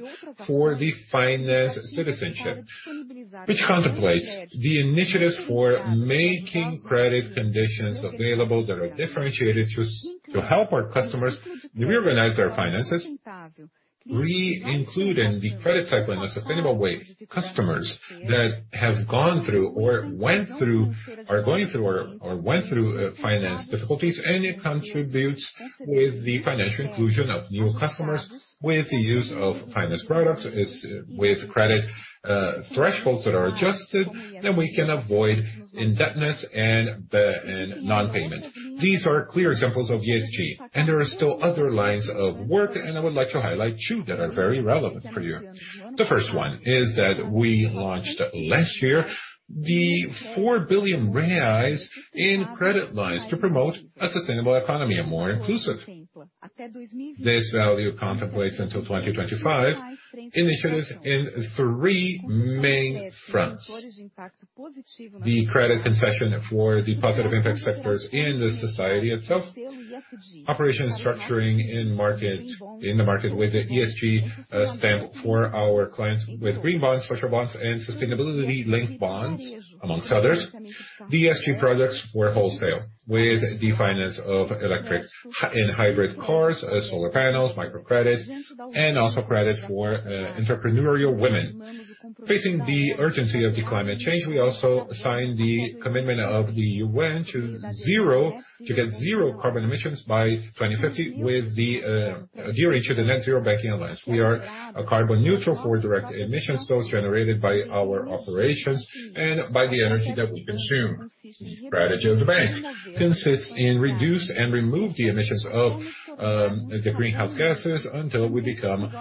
for the financial citizenship, which contemplates the initiatives for making credit conditions available that are differentiated to help our customers reorganize their finances. We include in the credit cycle in a sustainable way customers that have gone through or are going through financial difficulties, and it contributes with the financial inclusion of new customers with the use of financial products such as credit thresholds that are adjusted, then we can avoid indebtedness and non-payment. These are clear examples of ESG, and there are still other lines of work, and I would like to highlight two that are very relevant for you. The first one is that we launched last year 4 billion reais in credit lines to promote a sustainable economy and more inclusive. This value contemplates until 2025 initiatives in three main fronts. The credit concession for the positive impact sectors in the society itself, operations structuring in the market with the ESG stamp for our clients with green bonds, social bonds, and sustainability-linked bonds, among others. The ESG products were wholesale with the finance of electric and hybrid cars, solar panels, microcredit, and also credit for entrepreneurial women. Facing the urgency of the climate change, we also signed the commitment of the UN to zero, to get zero carbon emissions by 2050 with the reach of the Net-Zero Banking Alliance. We are carbon neutral for direct emission source generated by our operations and by the energy that we consume. The strategy of the bank consists in reduce and remove the emissions of the greenhouse gases until we become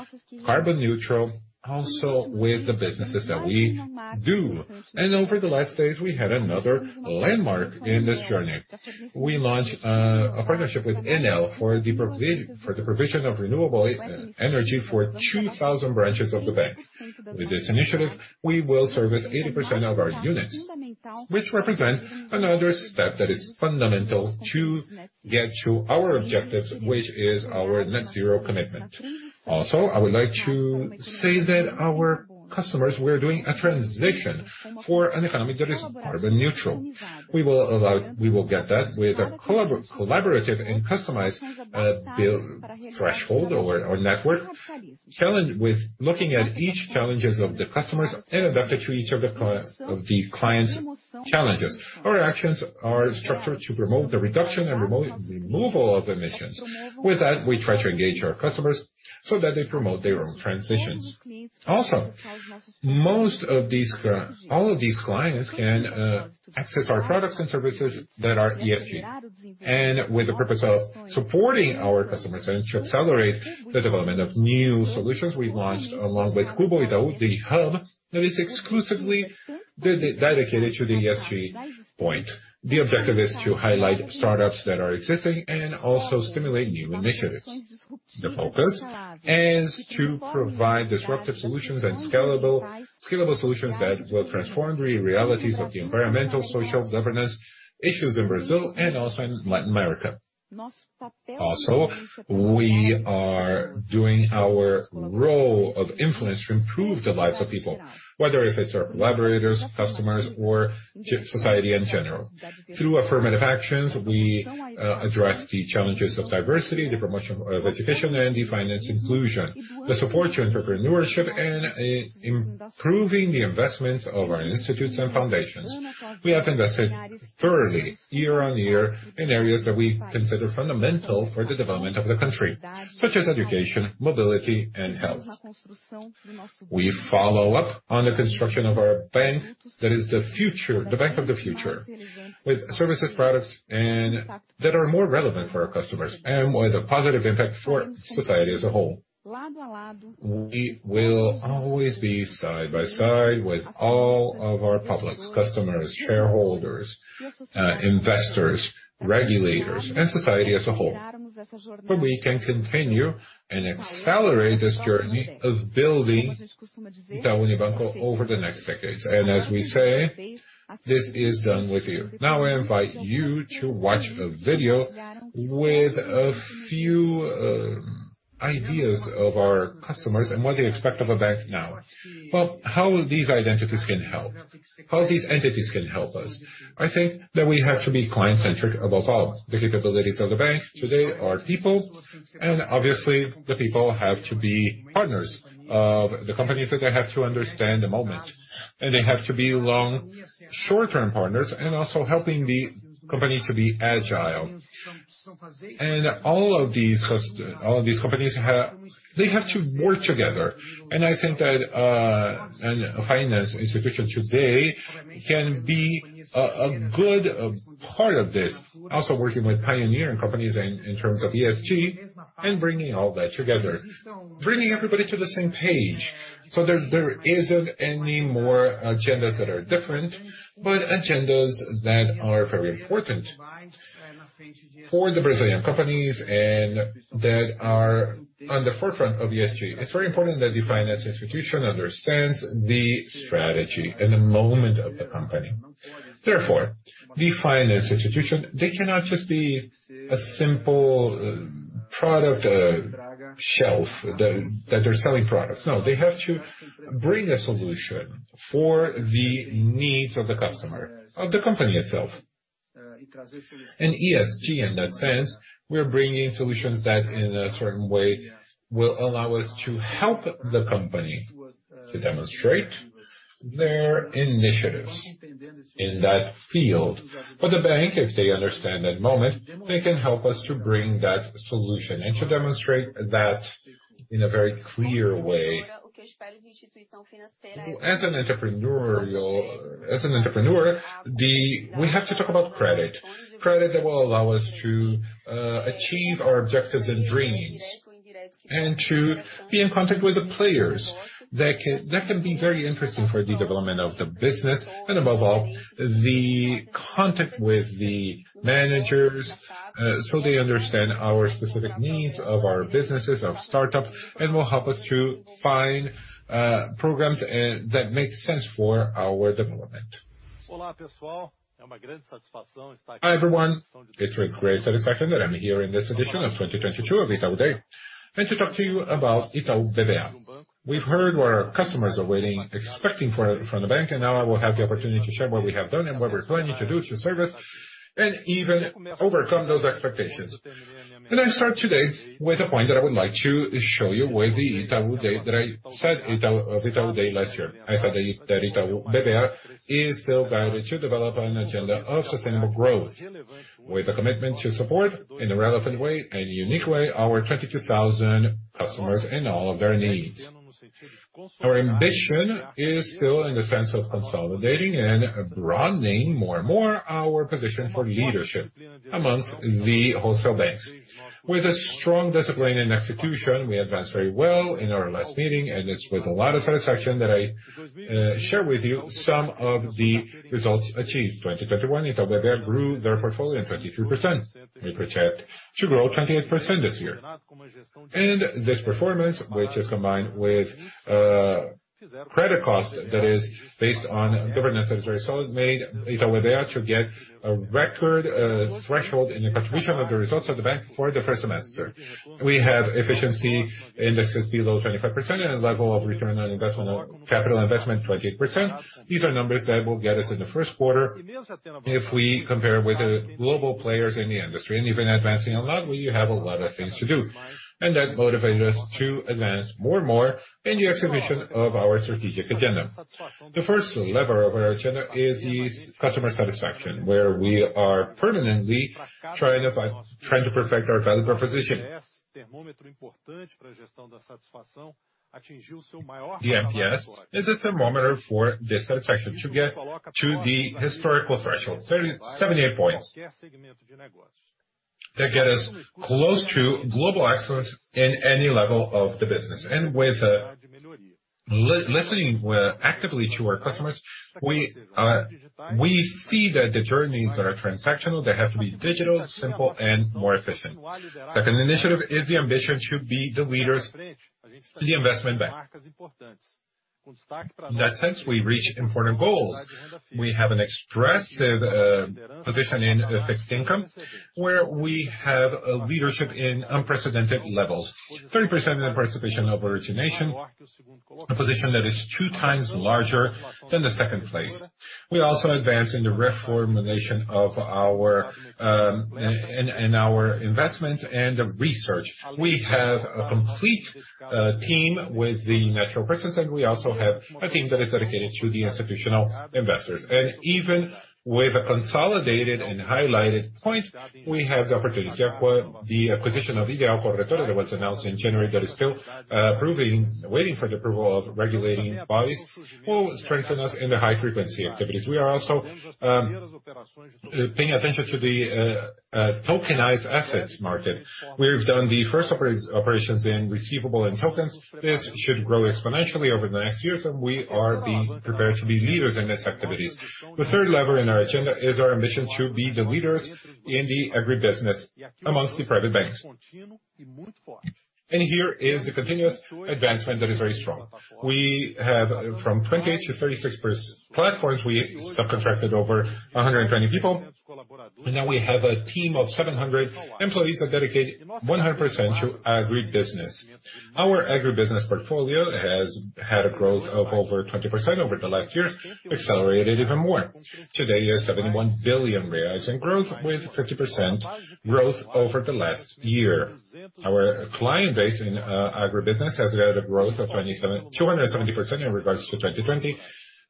carbon neutral, also with the businesses that we do. Over the last days, we had another landmark in this journey. We launched a partnership with Enel for the provision of renewable energy for 2,000 branches of the bank. With this initiative, we will service 80% of our units, which represent another step that is fundamental to get to our objectives, which is our net-zero commitment. Also, I would like to say that our customers were doing a transition to an economy that is carbon neutral. We will get that with a collaborative and customized approach, looking at each challenges of the customers and adapted to each of the client's challenges. Our actions are structured to promote the reduction and net removal of emissions. With that, we try to engage our customers so that they promote their own transitions. All of these clients can access our products and services that are ESG. With the purpose of supporting our customers and to accelerate the development of new solutions, we launched, along with Google, the Itaú ESG hub that is exclusively dedicated to ESG. The objective is to highlight startups that are existing and also stimulate new initiatives. The focus is to provide disruptive solutions and scalable solutions that will transform the realities of the environmental, social, governance issues in Brazil and also in Latin America. We are doing our role of influence to improve the lives of people, whether it's our collaborators, customers or society in general. Through affirmative actions, we address the challenges of diversity, the promotion of education, and financial inclusion, the support to entrepreneurship and improving the investments of our institutes and foundations. We have invested thoroughly year on year in areas that we consider fundamental for the development of the country, such as education, mobility and health. We follow up on the construction of our bank, that is the future, the bank of the future, with services, products that are more relevant for our customers and with a positive impact for society as a whole. We will always be side by side with all of our publics, customers, shareholders, investors, regulators and society as a whole, where we can continue and accelerate this journey of building the Itaú Unibanco over the next decades. As we say, this is done with you. Now, I invite you to watch a video with a few ideas of our customers and what they expect of a bank now. Well, how these entities can help? How these entities can help us? I think that we have to be client-centric above all. The capabilities of the bank today are people, and obviously the people have to be partners of the companies, that they have to understand the moment, and they have to be long short-term partners, and also helping the company to be agile. All of these companies have to work together. I think that a finance institution today can be a good part of this, also working with pioneering companies in terms of ESG and bringing all that together, bringing everybody to the same page, so there isn't any more agendas that are different, but agendas that are very important for the Brazilian companies and that are on the forefront of ESG. It's very important that the finance institution understands the strategy and the moment of the company. Therefore, the finance institution, they cannot just be a simple product shelf that they're selling products. No, they have to bring a solution for the needs of the customer, of the company itself. ESG in that sense, we're bringing solutions that, in a certain way, will allow us to help the company to demonstrate their initiatives in that field. For the bank, if they understand that moment, they can help us to bring that solution and to demonstrate that in a very clear way. As an entrepreneur, we have to talk about credit. Credit that will allow us to achieve our objectives and dreams, and to be in contact with the players that can be very interesting for the development of the business and above all, the contact with the managers, so they understand our specific needs of our businesses, of startup, and will help us to find programs that make sense for our development. Hi, everyone. It's with great satisfaction that I'm here in this edition of 2022 of Itaú Day, and to talk to you about Itaú BBA. We've heard what our customers are waiting, expecting for, from the bank, and now I will have the opportunity to share what we have done and what we're planning to do to service and even overcome those expectations. I start today with a point that I would like to show you with the Itaú Day, that I said at Itaú Day last year. I said that Itaú BBA is still guided to develop an agenda of sustainable growth with a commitment to support, in a relevant way and unique way, our 22,000 customers and all of their needs. Our ambition is still in the sense of consolidating and broadening more and more our position for leadership amongst the wholesale banks. With a strong discipline and execution, we advanced very well in our last meeting, and it's with a lot of satisfaction that I share with you some of the results achieved. 2021, Itaú BBA grew their portfolio in 23%. We project to grow 28% this year. This performance, which is combined with credit cost that is based on governance that is very solid, made Itaú BBA to get a record threshold in the contribution of the results of the bank for the first semester. We have efficiency indexes below 25% and a level of return on investment or capital investment, 28%. These are numbers that will get us in the first quarter if we compare with the global players in the industry. Even advancing a lot, we have a lot of things to do. That motivated us to advance more and more in the execution of our strategic agenda. The first lever of our agenda is customer satisfaction, where we are permanently trying to perfect our value proposition. The NPS is a thermometer for the satisfaction to get to the historical threshold, 78 points. That get us close to global excellence in any level of the business. With listening we're actively to our customers, we see that the journeys that are transactional, they have to be digital, simple, and more efficient. Second initiative is the ambition to be the leaders in the investment bank. In that sense, we reach important goals. We have an expressive position in fixed income, where we have a leadership in unprecedented levels. 30% in participation of origination, a position that is two times larger than the second place. We also advance in the reformulation of our in our investments and research. We have a complete team with the natural persons, and we also have a team that is dedicated to the institutional investors. Even with a consolidated and highlighted point, we have the opportunity. The acquisition of Ideal Corretora that was announced in January that is still waiting for the approval of regulatory bodies, will strengthen us in the high-frequency activities. We are also paying attention to the tokenized assets market. We've done the first operations in receivable and tokens. This should grow exponentially over the next years, and we are being prepared to be leaders in these activities. The third lever in our agenda is our ambition to be the leaders in the agribusiness amongst the private banks. Here is the continuous advancement that is very strong. We have from 20 to 36 platforms. We subcontracted over 120 people. Now we have a team of 700 employees that dedicate 100% to agribusiness. Our agribusiness portfolio has had a growth of over 20% over the last years, accelerated even more. Today is 71 billion reais in growth with 50% growth over the last year. Our client base in agribusiness has had a growth of 270% in regards to 2020,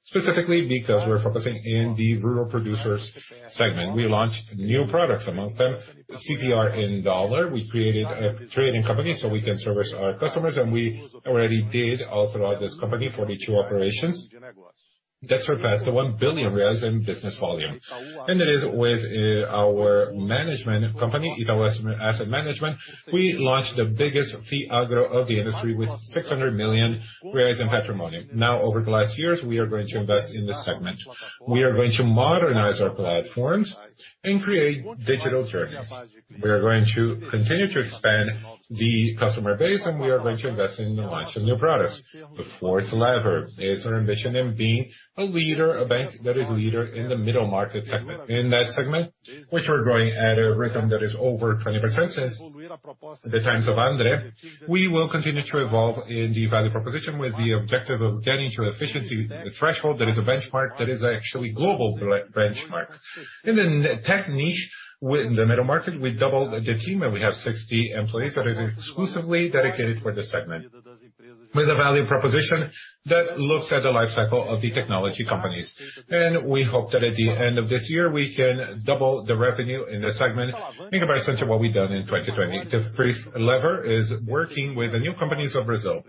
specifically because we're focusing in the rural producers segment. We launched new products. Among them, CPR in dollar. We created a trading company so we can service our customers, and we already did authorize this company 42 operations. That surpassed 1 billion reais in business volume. It is with our management company, Itaú Asset Management, we launched the biggest FIA agro of the industry with 600 million reais in patrimony. Now, over the last years, we are going to invest in this segment. We are going to modernize our platforms and create digital journeys. We are going to continue to expand the customer base, and we are going to invest in the launch of new products. The fourth lever is our ambition in being a leader, a bank that is leader in the middle market segment. In that segment, which we're growing at a rhythm that is over 20% since the times of André, we will continue to evolve in the value proposition with the objective of getting to efficiency threshold that is a benchmark, that is actually global benchmark. In the fintech niche with the middle market, we doubled the team, and we have 60 employees that is exclusively dedicated for this segment. With a value proposition that looks at the life cycle of the technology companies. We hope that at the end of this year, we can double the revenue in that segment, make it very similar to what we've done in 2020. The fifth lever is working with the new companies of Brazil.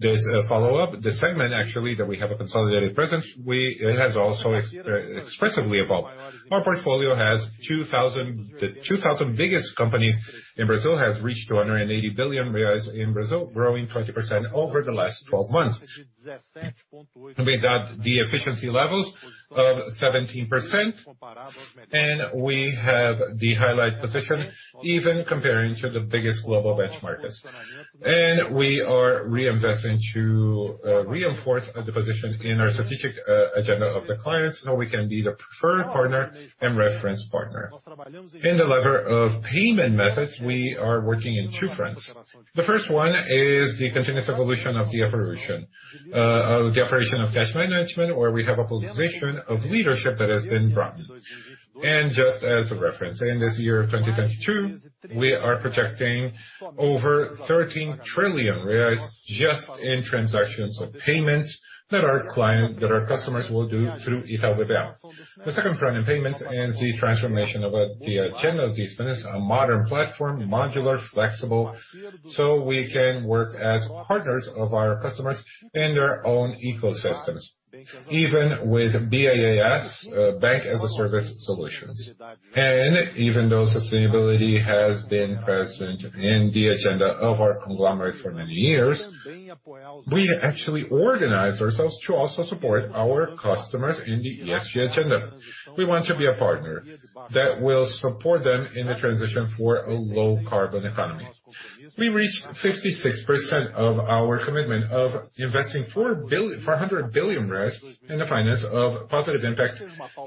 This follow-up, the segment actually that we have a consolidated presence, it has also expressively evolved. The 2,000 biggest companies in Brazil have reached 280 billion reais in Brazil, growing 20% over the last 12 months. With that, the efficiency levels of 17%, and we have the highlight position even comparing to the biggest global benchmarks. We are reinvesting to reinforce the position in our strategic agenda of the clients, so we can be the preferred partner and reference partner. In the lever of payment methods, we are working in two fronts. The first one is the continuous evolution of the operation of cash management, where we have a position of leadership that has been brought. Just as a reference, in this year of 2022, we are projecting over 13 trillion reais just in transactions of payments that our customers will do through Itaú Ideal. The second front in payments is the transformation of the agenda of this business, a modern platform, modular, flexible, so we can work as partners of our customers in their own ecosystems, even with BaaS, Bank-as-a-Service solutions. Even though sustainability has been present in the agenda of our conglomerate for many years, we actually organize ourselves to also support our customers in the ESG agenda. We want to be a partner that will support them in the transition for a low carbon economy. We reached 56% of our commitment of investing 400 billion in the finance of positive impact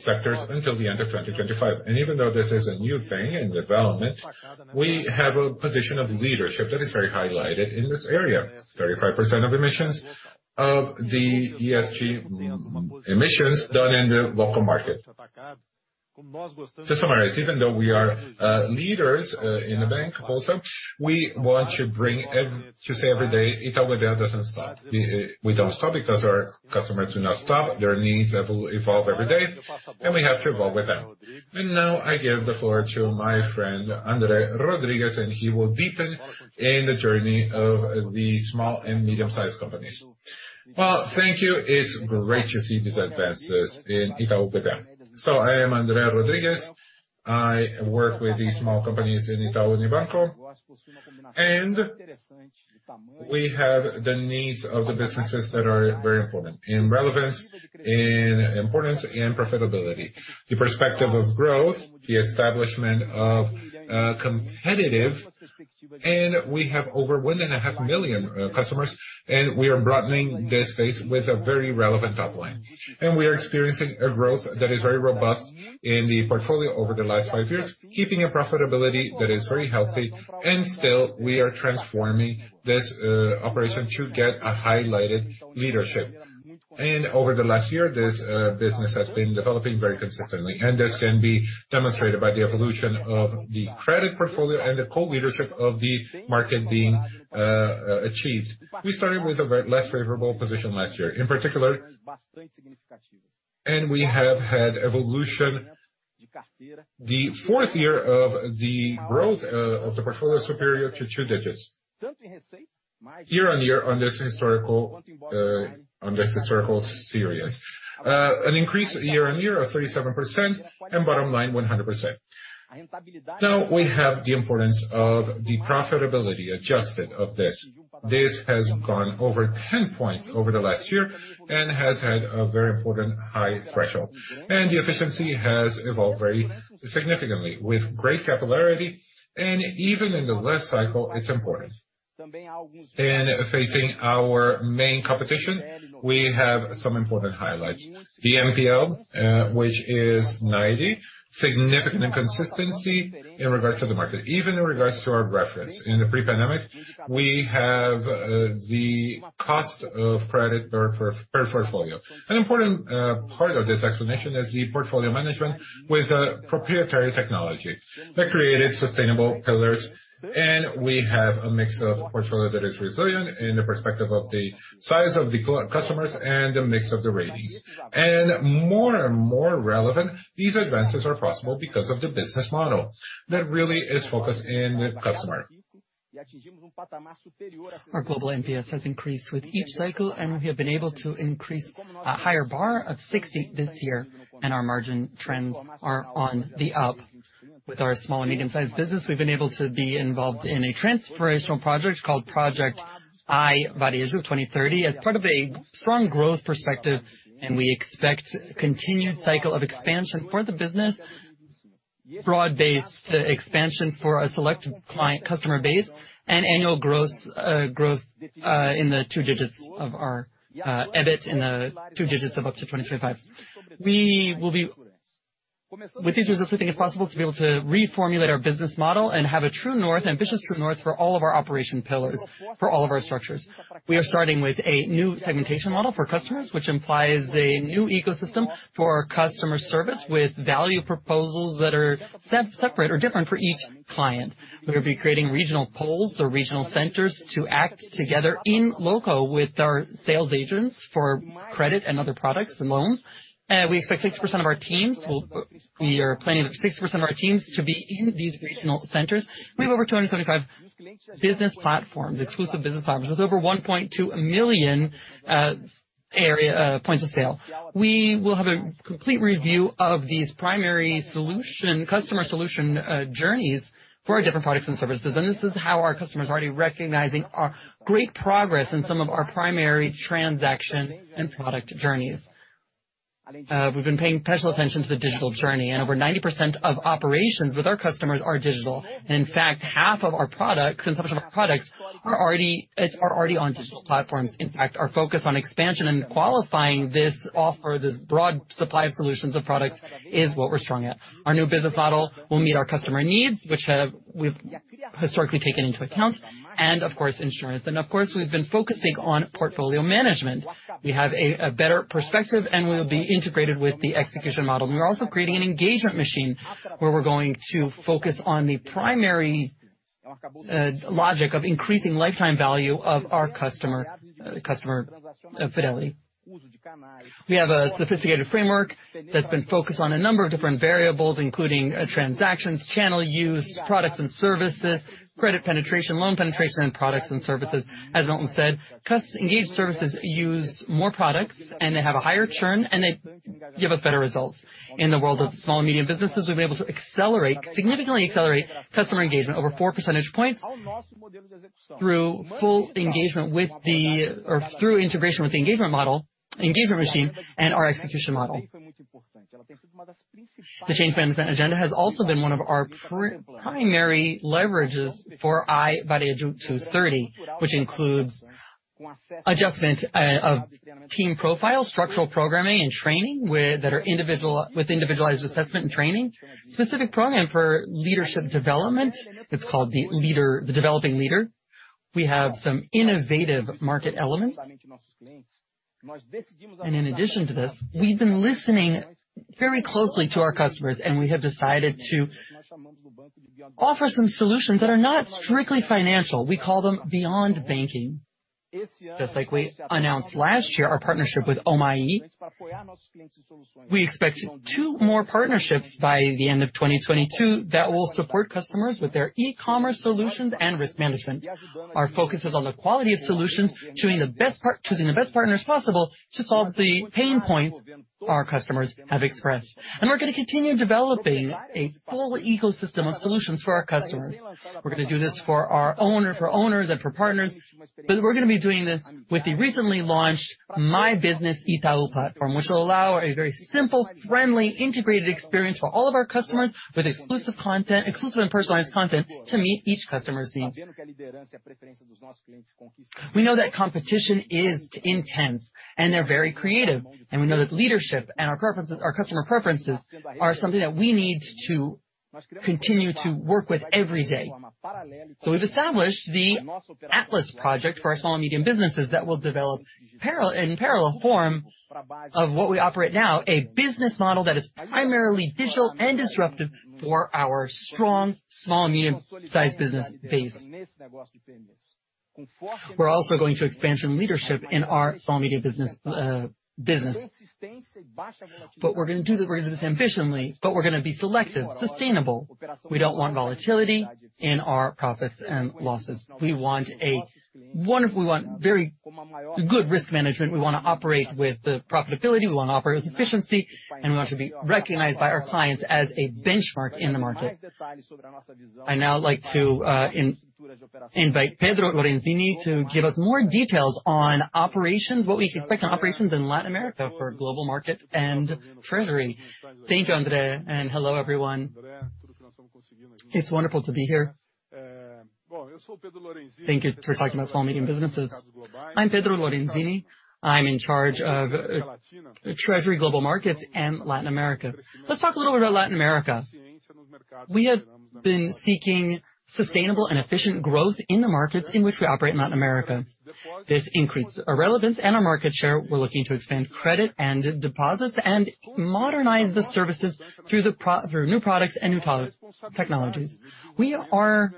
sectors until the end of 2025. Even though this is a new thing in development, we have a position of leadership that is very highlighted in this area. 35% of emissions of the ESG emissions done in the local market. To summarize, even though we are leaders in the bank also, we want to say every day, Itaú Ideal doesn't stop. We don't stop because our customers do not stop. Their needs have evolved every day, and we have to evolve with them. Now I give the floor to my friend, André Rodrigue, and he will deepen in the journey of the small and medium-sized companies. Well, thank you. It's great to see these advances in Itaú bank. I am André Rodrigues. I work with these small companies in Itaú Unibanco, and we have the needs of the businesses that are very important in relevance, in importance, and profitability. The perspective of growth, the establishment of competitive. We have over 1.5 million customers, and we are broadening this space with a very relevant top line. We are experiencing a growth that is very robust in the portfolio over the last five years, keeping a profitability that is very healthy. Still, we are transforming this operation to get a highlighted leadership. Over the last year, this business has been developing very consistently. This can be demonstrated by the evolution of the credit portfolio and the co-leadership of the market being achieved. We started with a very less favorable position last year. In particular, we have had evolution. The fourth year of the growth of the portfolio superior to two digits year-on-year on this historical series. An increase year-on-year of 37% and bottom line 100%. Now we have the importance of the profitability adjusted of this. This has gone over 10 points over the last year and has had a very important high threshold. The efficiency has evolved very significantly with great capillarity and even in the low cycle it's important. Facing our main competition, we have some important highlights. The NPL, which is 90, significant consistency in regards to the market. Even in regards to our reference. In the pre-pandemic, we have the cost of credit per portfolio. An important part of this explanation is the portfolio management with a proprietary technology that created sustainable pillars, and we have a mix of portfolio that is resilient in the perspective of the size of the customers and the mix of the ratings. More and more relevant, these advances are possible because of the business model that really is focused in the customer. Our global NPS has increased with each cycle and we have been able to increase a higher bar of 60 this year and our margin trends are on the up. With our small and medium-sized business, we've been able to be involved in a transformational project called iVarejo 2030 as part of a strong growth perspective and we expect continued cycle of expansion for the business, broad-based expansion for a select client customer base and annual growth in the two digits of our EBIT in two digits up to 2025. With these resources, I think it's possible to be able to reformulate our business model and have a true north, ambitious true north for all of our operation pillars, for all of our structures. We are starting with a new segmentation model for customers, which implies a new ecosystem for customer service with value proposals that are separate or different for each client. We'll be creating regional poles or regional centers to act together in loco with our sales agents for credit and other products and loans. We are planning for 60% of our teams to be in these regional centers. We have over 275 business platforms, exclusive business platforms, with over 1.2 million points of sale. We will have a complete review of these primary solution, customer solution, journeys for our different products and services. This is how our customers are already recognizing our great progress in some of our primary transaction and product journeys. We've been paying special attention to the digital journey, and over 90% of operations with our customers are digital. In fact, half of our products, consumption of our products are already on digital platforms. In fact, our focus on expansion and qualifying this offer, this broad supply of solutions of products is what we're strong at. Our new business model will meet our customer needs, which we've historically taken into account, and of course, insurance. Of course, we've been focusing on portfolio management. We have a better perspective, and we'll be integrated with the execution model. We're also creating an engagement machine where we're going to focus on the primary logic of increasing lifetime value of our customer fidelity. We have a sophisticated framework that's been focused on a number of different variables, including transactions, channel use, products and services, credit penetration, loan penetration, and products and services. As Milton said, customer-engaged services use more products and they have a higher churn, and they give us better results. In the world of small and medium businesses, we've been able to significantly accelerate customer engagement over 4 percentage points through full engagement, or through integration with the engagement model, engagement machine and our execution model. The change management agenda has also been one of our primary leverages for iVarejo 2030, which includes adjustment of team profile, structural programming and training that are individual, with individualized assessment and training. Specific program for leadership development. It's called the developing leader. We have some innovative market elements. In addition to this, we've been listening very closely to our customers, and we have decided to offer some solutions that are not strictly financial. We call them beyond banking. Just like we announced last year, our partnership with Omie. We expect two more partnerships by the end of 2022 that will support customers with their e-commerce solutions and risk management. Our focus is on the quality of solutions, choosing the best partners possible to solve the pain points our customers have expressed. We're gonna continue developing a full ecosystem of solutions for our customers. We're gonna do this for our owner, for owners, and for partners, but we're gonna be doing this with the recently launched Itaú Meu Negócio platform, which will allow a very simple, friendly, integrated experience for all of our customers with exclusive content, exclusive and personalized content to meet each customer's needs. We know that competition is intense, and they're very creative, and we know that leadership and our preferences, our customer preferences are something that we need to continue to work with every day. We've established the Atlas project for our small and medium businesses that will develop parallel, in parallel form of what we operate now, a business model that is primarily digital and disruptive for our strong, small, and medium-sized business base. We're also going to expand leadership in our small and medium business. We're gonna do this ambitiously, but we're gonna be selective, sustainable. We don't want volatility in our profits and losses. We want very good risk management. We wanna operate with the profitability, we wanna operate with efficiency, and we want to be recognized by our clients as a benchmark in the market. I'd like to invite Pedro Lorenzini to give us more details on operations, what we can expect on operations in Latin America for global markets and treasury. Thank you, André, and hello, everyone. It's wonderful to be here. Thank you for talking about small and medium businesses. I'm Pedro Lorenzini. I'm in charge of treasury global markets and Latin America. Let's talk a little bit about Latin America. We have been seeking sustainable and efficient growth in the markets in which we operate in Latin America. This increased our relevance and our market share. We're looking to expand credit and deposits and modernize the services through new products and new technologies. We understand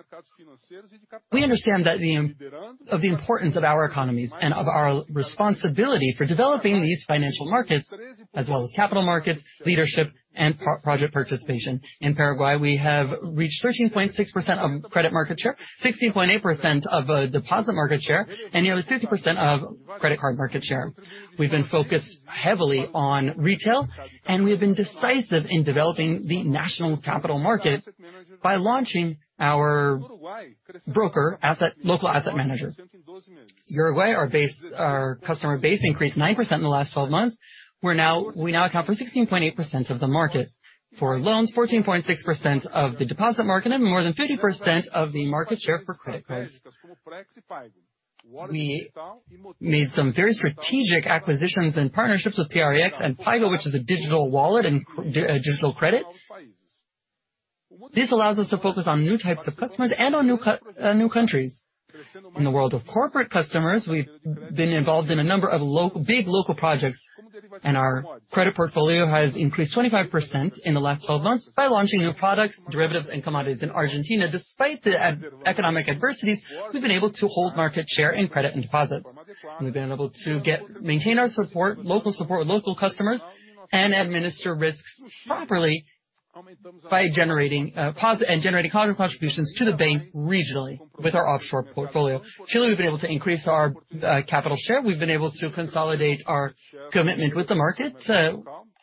the importance of our economies and of our responsibility for developing these financial markets as well as capital markets, leadership, and project participation. In Paraguay, we have reached 13.6% of credit market share, 16.8% of deposit market share, and nearly 50% of credit card market share. We've been focused heavily on retail, and we've been decisive in developing the national capital market by launching our broker asset, local asset manager. Uruguay, our customer base increased 9% in the last 12 months. We now account for 16.8% of the market. For loans, 14.6% of the deposit market and more than 50% of the market share for credit cards. We made some very strategic acquisitions and partnerships with Prex and Paigo, which is a digital wallet and digital credit. This allows us to focus on new types of customers and on new countries. In the world of corporate customers, we've been involved in a number of local projects, and our credit portfolio has increased 25% in the last 12 months by launching new products, derivatives, and commodities in Argentina. Despite the economic adversities, we've been able to hold market share in credit and deposits. We've been able to maintain our support, local support with local customers and administer risks properly by generating positive contributions to the bank regionally with our offshore portfolio. Chile, we've been able to increase our market share. We've been able to consolidate our commitment with the market,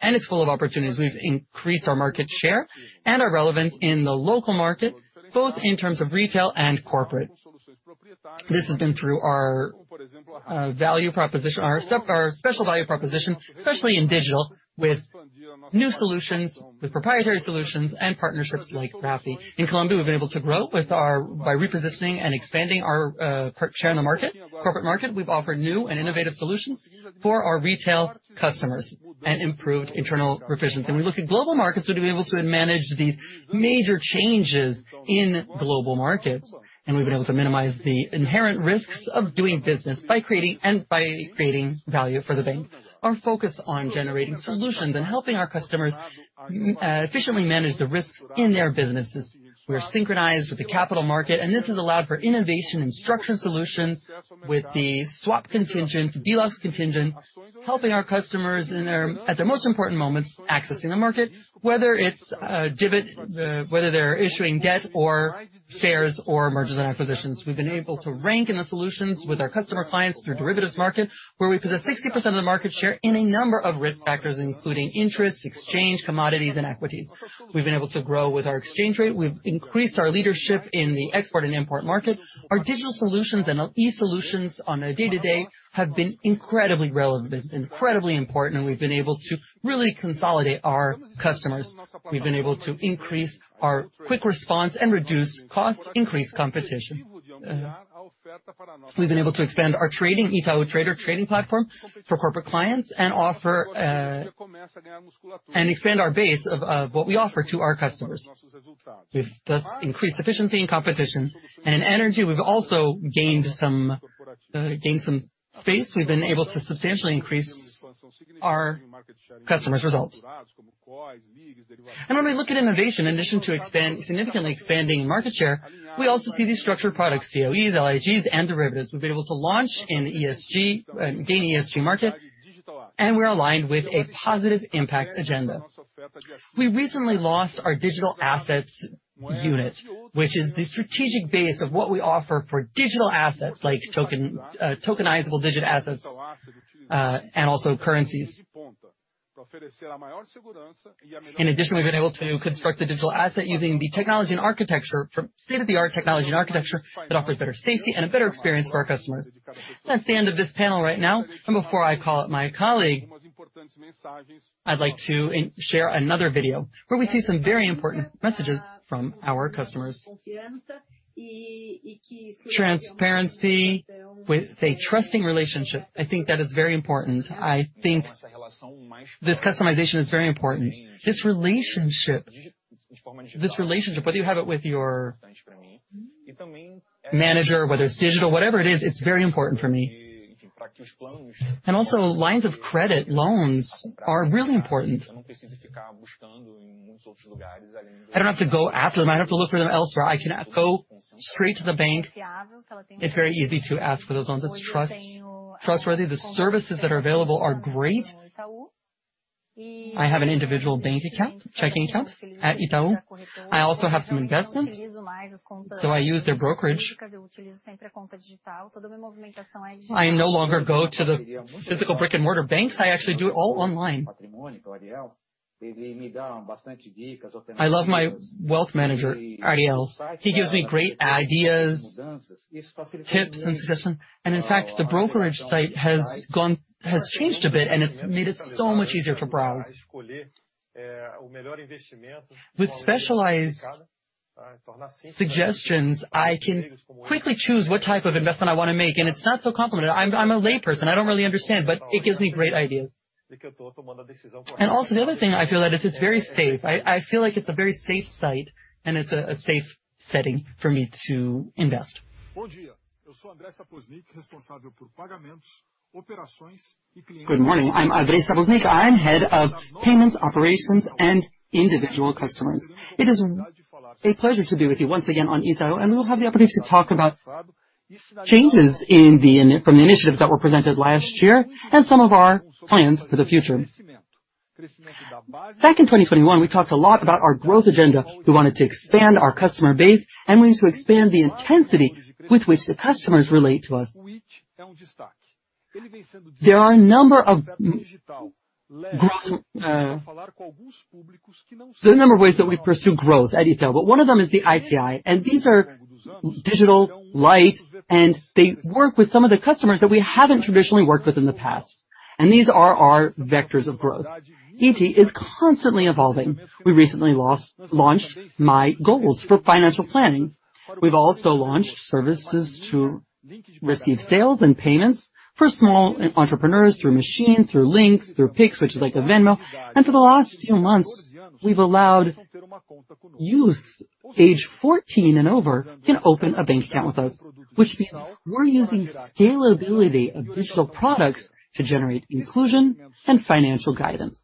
and it's full of opportunities. We've increased our market share and our relevance in the local market, both in terms of retail and corporate. This has been through our value proposition, our special value proposition, especially in digital, with new solutions, with proprietary solutions and partnerships like Rappi. In Colombia, we've been able to grow by repositioning and expanding our market share in the corporate market. We've offered new and innovative solutions for our retail customers and improved internal efficiency. When we look at global markets, we've been able to manage these major changes in global markets, and we've been able to minimize the inherent risks of doing business by creating value for the bank. Our focus on generating solutions and helping our customers efficiently manage the risks in their businesses. We're synchronized with the capital market, and this has allowed for innovation and structured solutions with the swap contingente, the dólar contingente, helping our customers at their most important moments accessing the market, whether they're issuing debt or shares or mergers and acquisitions. We've been able to rank in the solutions with our customer clients through derivatives market, where we possess 60% of the market share in a number of risk factors, including interest, exchange, commodities, and equities. We've been able to grow with our exchange rate. We've increased our leadership in the export and import market. Our digital solutions and e-solutions on a day-to-day have been incredibly relevant and incredibly important, and we've been able to really consolidate our customers. We've been able to increase our quick response and reduce costs, increase competition. We've been able to expand our trading, Itaú Trader trading platform for corporate clients and offer, and expand our base of what we offer to our customers. We've thus increased efficiency and competition. In energy, we've also gained some space. We've been able to substantially increase our customers' results. When we look at innovation, in addition to significantly expanding market share, we also see these structured products, COEs, LCAs, and derivatives. We've been able to launch in ESG, gain ESG market, and we're aligned with a positive impact agenda. We recently launched our digital assets unit, which is the strategic base of what we offer for digital assets like tokenizable digital assets, and also currencies. In addition, we've been able to construct the digital asset using the technology and architecture from state-of-the-art technology and architecture that offers better safety and a better experience for our customers. That's the end of this panel right now. Before I call out my colleague, I'd like to share another video where we see some very important messages from our customers. Transparency with a trusting relationship. I think that is very important. I think this customization is very important. This relationship, whether you have it with your manager, whether it's digital, whatever it is, it's very important for me. Also, lines of credit, loans are really important. I don't have to go after them. I don't have to look for them elsewhere. I can go straight to the bank. It's very easy to ask for those loans. It's trustworthy. The services that are available are great. I have an individual bank account, checking account at Itaú. I also have some investments, so I use their brokerage. I no longer go to the physical brick-and-mortar banks. I actually do it all online. I love my wealth manager, Ariel. He gives me great ideas, tips, and suggestions. In fact, the brokerage site has changed a bit, and it's made it so much easier to browse. With specialized suggestions, I can quickly choose what type of investment I wanna make, and it's not so complicated. I'm a lay person. I don't really understand, but it gives me great ideas. Also, the other thing I feel that it's very safe. I feel like it's a very safe site, and it's a safe setting for me to invest. Good morning. I'm André Sapoznik. I'm Head of Payments, Operations, and Individual Customers. It is a pleasure to be with you once again on Itaú, and we'll have the opportunity to talk about changes from the initiatives that were presented last year and some of our plans for the future. Back in 2021, we talked a lot about our growth agenda. We wanted to expand our customer base and ways to expand the intensity with which the customers relate to us. There are a number of ways that we pursue growth at Itaú, but one of them is the iti, and these are digital light, and they work with some of the customers that we haven't traditionally worked with in the past. These are our vectors of growth. iti is constantly evolving. We recently launched My Goals for financial planning. We've also launched services to receive sales and payments for small entrepreneurs through machines, through links, through Pix, which is like a Venmo. For the last few months, we've allowed youths age 14 and over can open a bank account with us, which means we're using scalability of digital products to generate inclusion and financial guidance.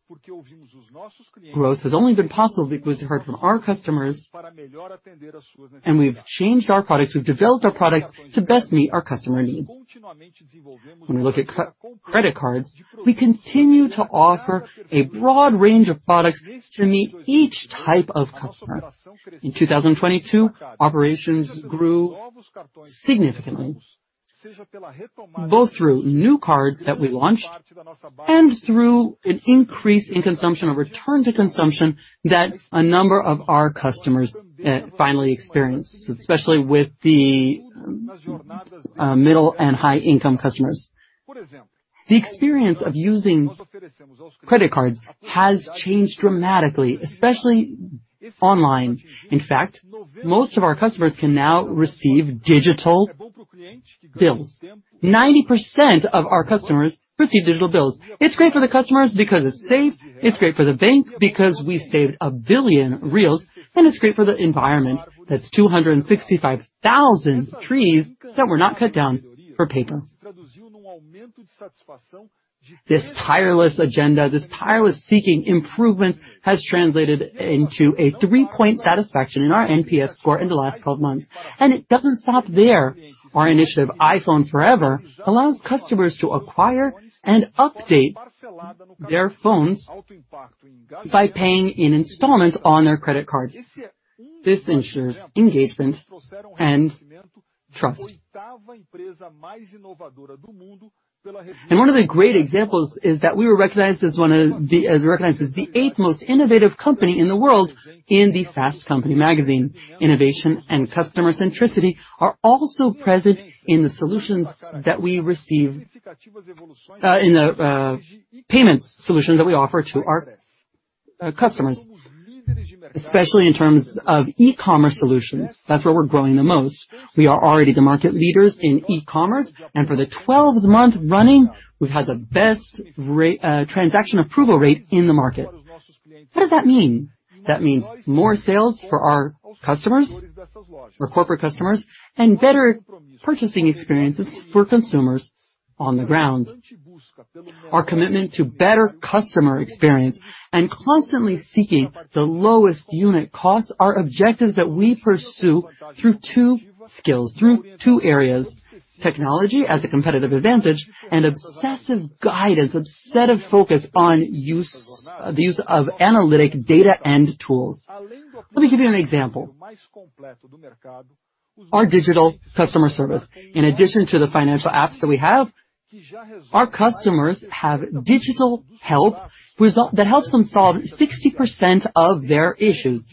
Growth has only been possible because we heard from our customers, and we've changed our products. We've developed our products to best meet our customer needs. When we look at credit cards, we continue to offer a broad range of products to meet each type of customer. In 2022, operations grew significantly, both through new cards that we launched and through an increase in consumption or return to consumption that a number of our customers finally experienced, especially with the middle and high income customers. The experience of using credit cards has changed dramatically, especially online. In fact, most of our customers can now receive digital bills. 90% of our customers receive digital bills. It's great for the customers because it's safe. It's great for the bank because we saved 1 billion reais, and it's great for the environment. That's 265,000 trees that were not cut down for paper. This tireless agenda, this tireless seeking improvement, has translated into a 3-point satisfaction in our NPS score in the last 12 months, and it doesn't stop there. Our initiative, iPhone Forever, allows customers to acquire and update their phones by paying in installments on their credit card. This ensures engagement and trust. One of the great examples is that we were recognized as the eighth most innovative company in the world in the Fast Company magazine. Innovation and customer centricity are also present in the solutions that we offer in the payments solutions that we offer to our customers, especially in terms of e-commerce solutions. That's where we're growing the most. We are already the market leaders in e-commerce, and for the 12th month running, we've had the best transaction approval rate in the market. What does that mean? That means more sales for our customers, our corporate customers, and better purchasing experiences for consumers on the ground. Our commitment to better customer experience and constantly seeking the lowest unit costs are objectives that we pursue through two skills, through two areas. Technology as a competitive advantage and obsessive guidance, obsessive focus on the use of analytical data and tools. Let me give you an example. Our digital customer service. In addition to the financial apps that we have, our customers have digital help resource that helps them solve 60% of their issues.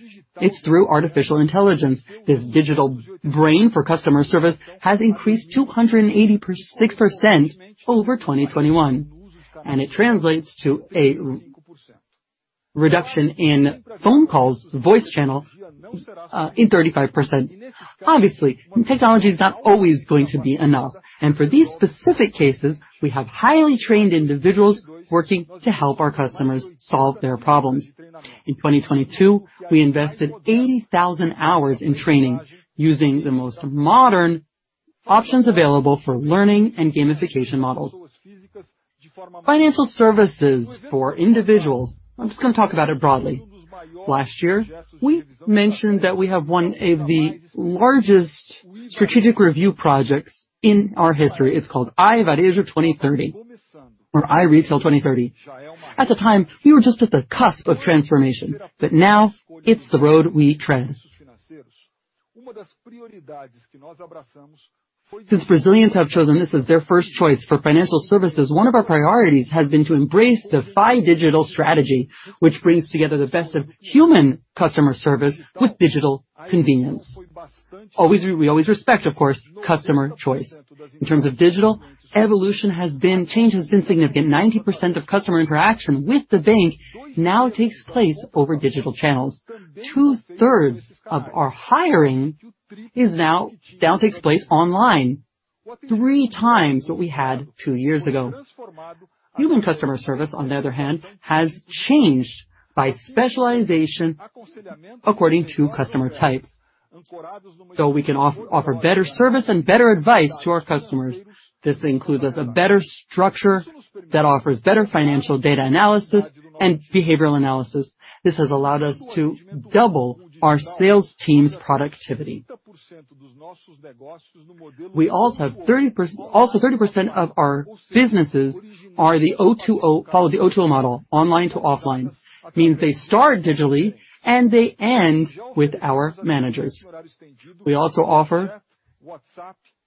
It's through artificial intelligence. This digital brain for customer service has increased 286% over 2021, and it translates to a reduction in phone calls, voice channel, in 35%. Obviously, technology is not always going to be enough, and for these specific cases, we have highly trained individuals working to help our customers solve their problems. In 2022, we invested 80,000 hours in training using the most modern options available for learning and gamification models. Financial services for individuals. I'm just gonna talk about it broadly. Last year, we mentioned that we have one of the largest strategic review projects in our history. It's called iVarejo 2030 or iRetail 2030. At the time, we were just at the cusp of transformation, but now it's the road we tread. Since Brazilians have chosen this as their first choice for financial services, one of our priorities has been to embrace the phygital strategy, which brings together the best of human customer service with digital convenience. We always respect, of course, customer choice. In terms of digital, change has been significant. 90% of customer interaction with the bank now takes place over digital channels. Two-thirds of our hiring now takes place online, three times what we had two years ago. Human customer service, on the other hand, has changed by specialization according to customer type. We can offer better service and better advice to our customers. This includes a better structure that offers better financial data analysis and behavioral analysis. This has allowed us to double our sales team's productivity. We also have 30% of our businesses follow the O2O model, online to offline. Means they start digitally, and they end with our managers. We also offer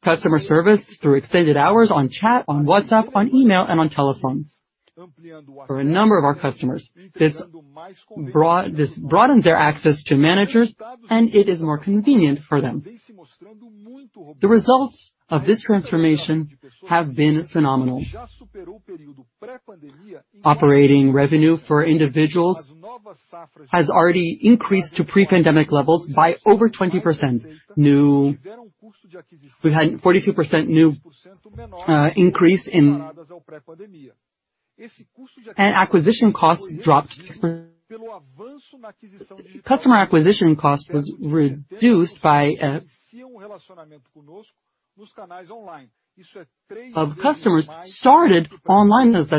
customer service through extended hours on chat, on WhatsApp, on email, and on telephones. For a number of our customers, this broadens their access to managers, and it is more convenient for them. The results of this transformation have been phenomenal. Operating revenue for individuals has already increased to pre-pandemic levels by over 20%. We've had 42% new. Acquisition costs dropped. Customer acquisition cost was reduced by 80%. 80% of customers started online, with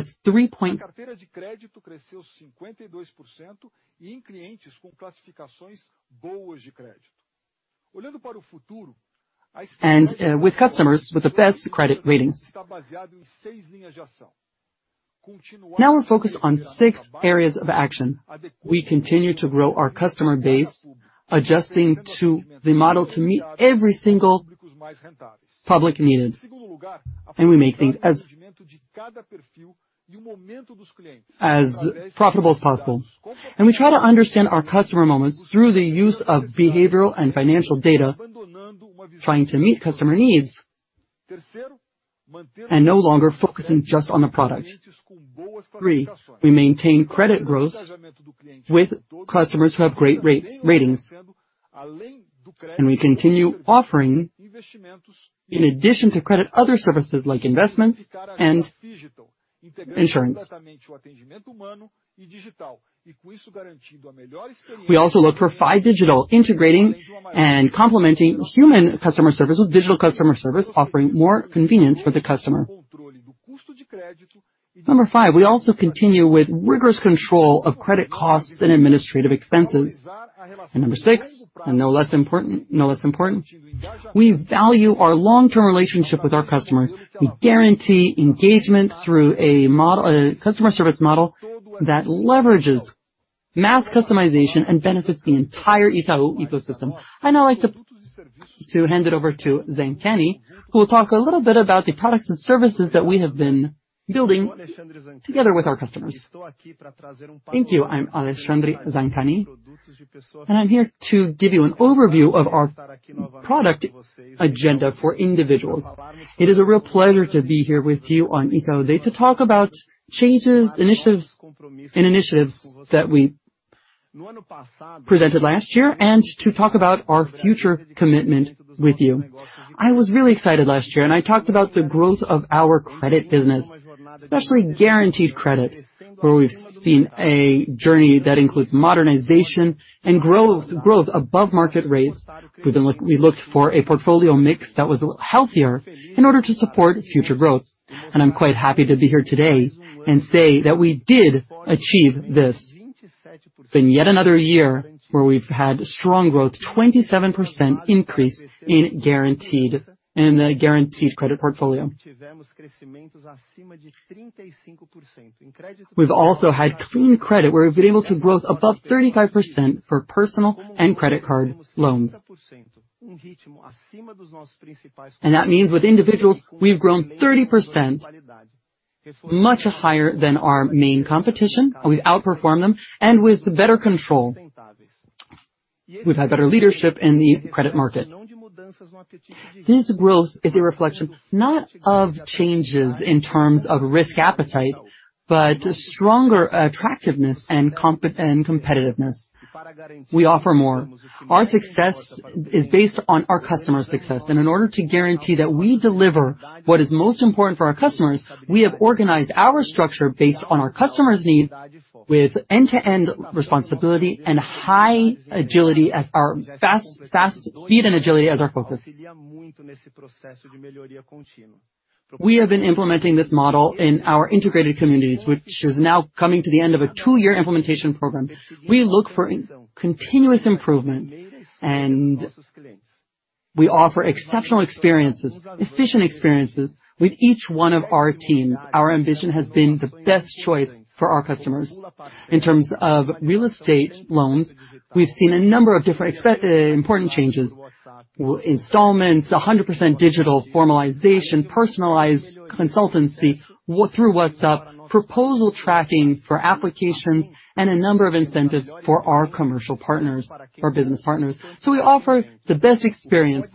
customers with the best credit ratings. Now we're focused on six areas of action. We continue to grow our customer base, adjusting to the model to meet every single public need, and we make things as profitable as possible. We try to understand our customer moments through the use of behavioral and financial data, trying to meet customer needs and no longer focusing just on the product. Three, we maintain credit growth with customers who have great ratings, and we continue offering, in addition to credit, other services like investments and insurance. We also look for phygital, integrating and complementing human customer service with digital customer service, offering more convenience for the customer. Number five, we also continue with rigorous control of credit costs and administrative expenses. Number six, no less important, we value our long-term relationship with our customers. We guarantee engagement through a model, a customer service model that leverages mass customization and benefits the entire Itaú ecosystem. I'd now like to hand it over to Zancani, who will talk a little bit about the products and services that we have been building together with our customers. Thank you. I'm Alexandre Zancani, and I'm here to give you an overview of our product agenda for individuals. It is a real pleasure to be here with you on Itaú Day to talk about changes, initiatives that we presented last year and to talk about our future commitment with you. I was really excited last year, and I talked about the growth of our credit business, especially guaranteed credit, where we've seen a journey that includes modernization and growth above market rates. We looked for a portfolio mix that was healthier in order to support future growth. I'm quite happy to be here today and say that we did achieve this. It's been yet another year where we've had strong growth, 27% increase in the guaranteed credit portfolio. We've also had clean credit, where we've been able to grow above 35% for personal and credit card loans. That means with individuals, we've grown 30%, much higher than our main competition. We've outperformed them and with better control. We've had better leadership in the credit market. This growth is a reflection, not of changes in terms of risk appetite, but stronger attractiveness and competitiveness. We offer more. Our success is based on our customer success. In order to guarantee that we deliver what is most important for our customers, we have organized our structure based on our customer's need with end-to-end responsibility and high agility as our fast speed and agility as our focus. We have been implementing this model in our integrated communities, which is now coming to the end of a two-year implementation program. We look for continuous improvement, and we offer exceptional experiences, efficient experiences with each one of our teams. Our ambition has been the best choice for our customers. In terms of real estate loans, we've seen a number of different important changes. Installments, 100% digital formalization, personalized consultancy through WhatsApp, proposal tracking for applications, and a number of incentives for our commercial partners, our business partners. We offer the best experience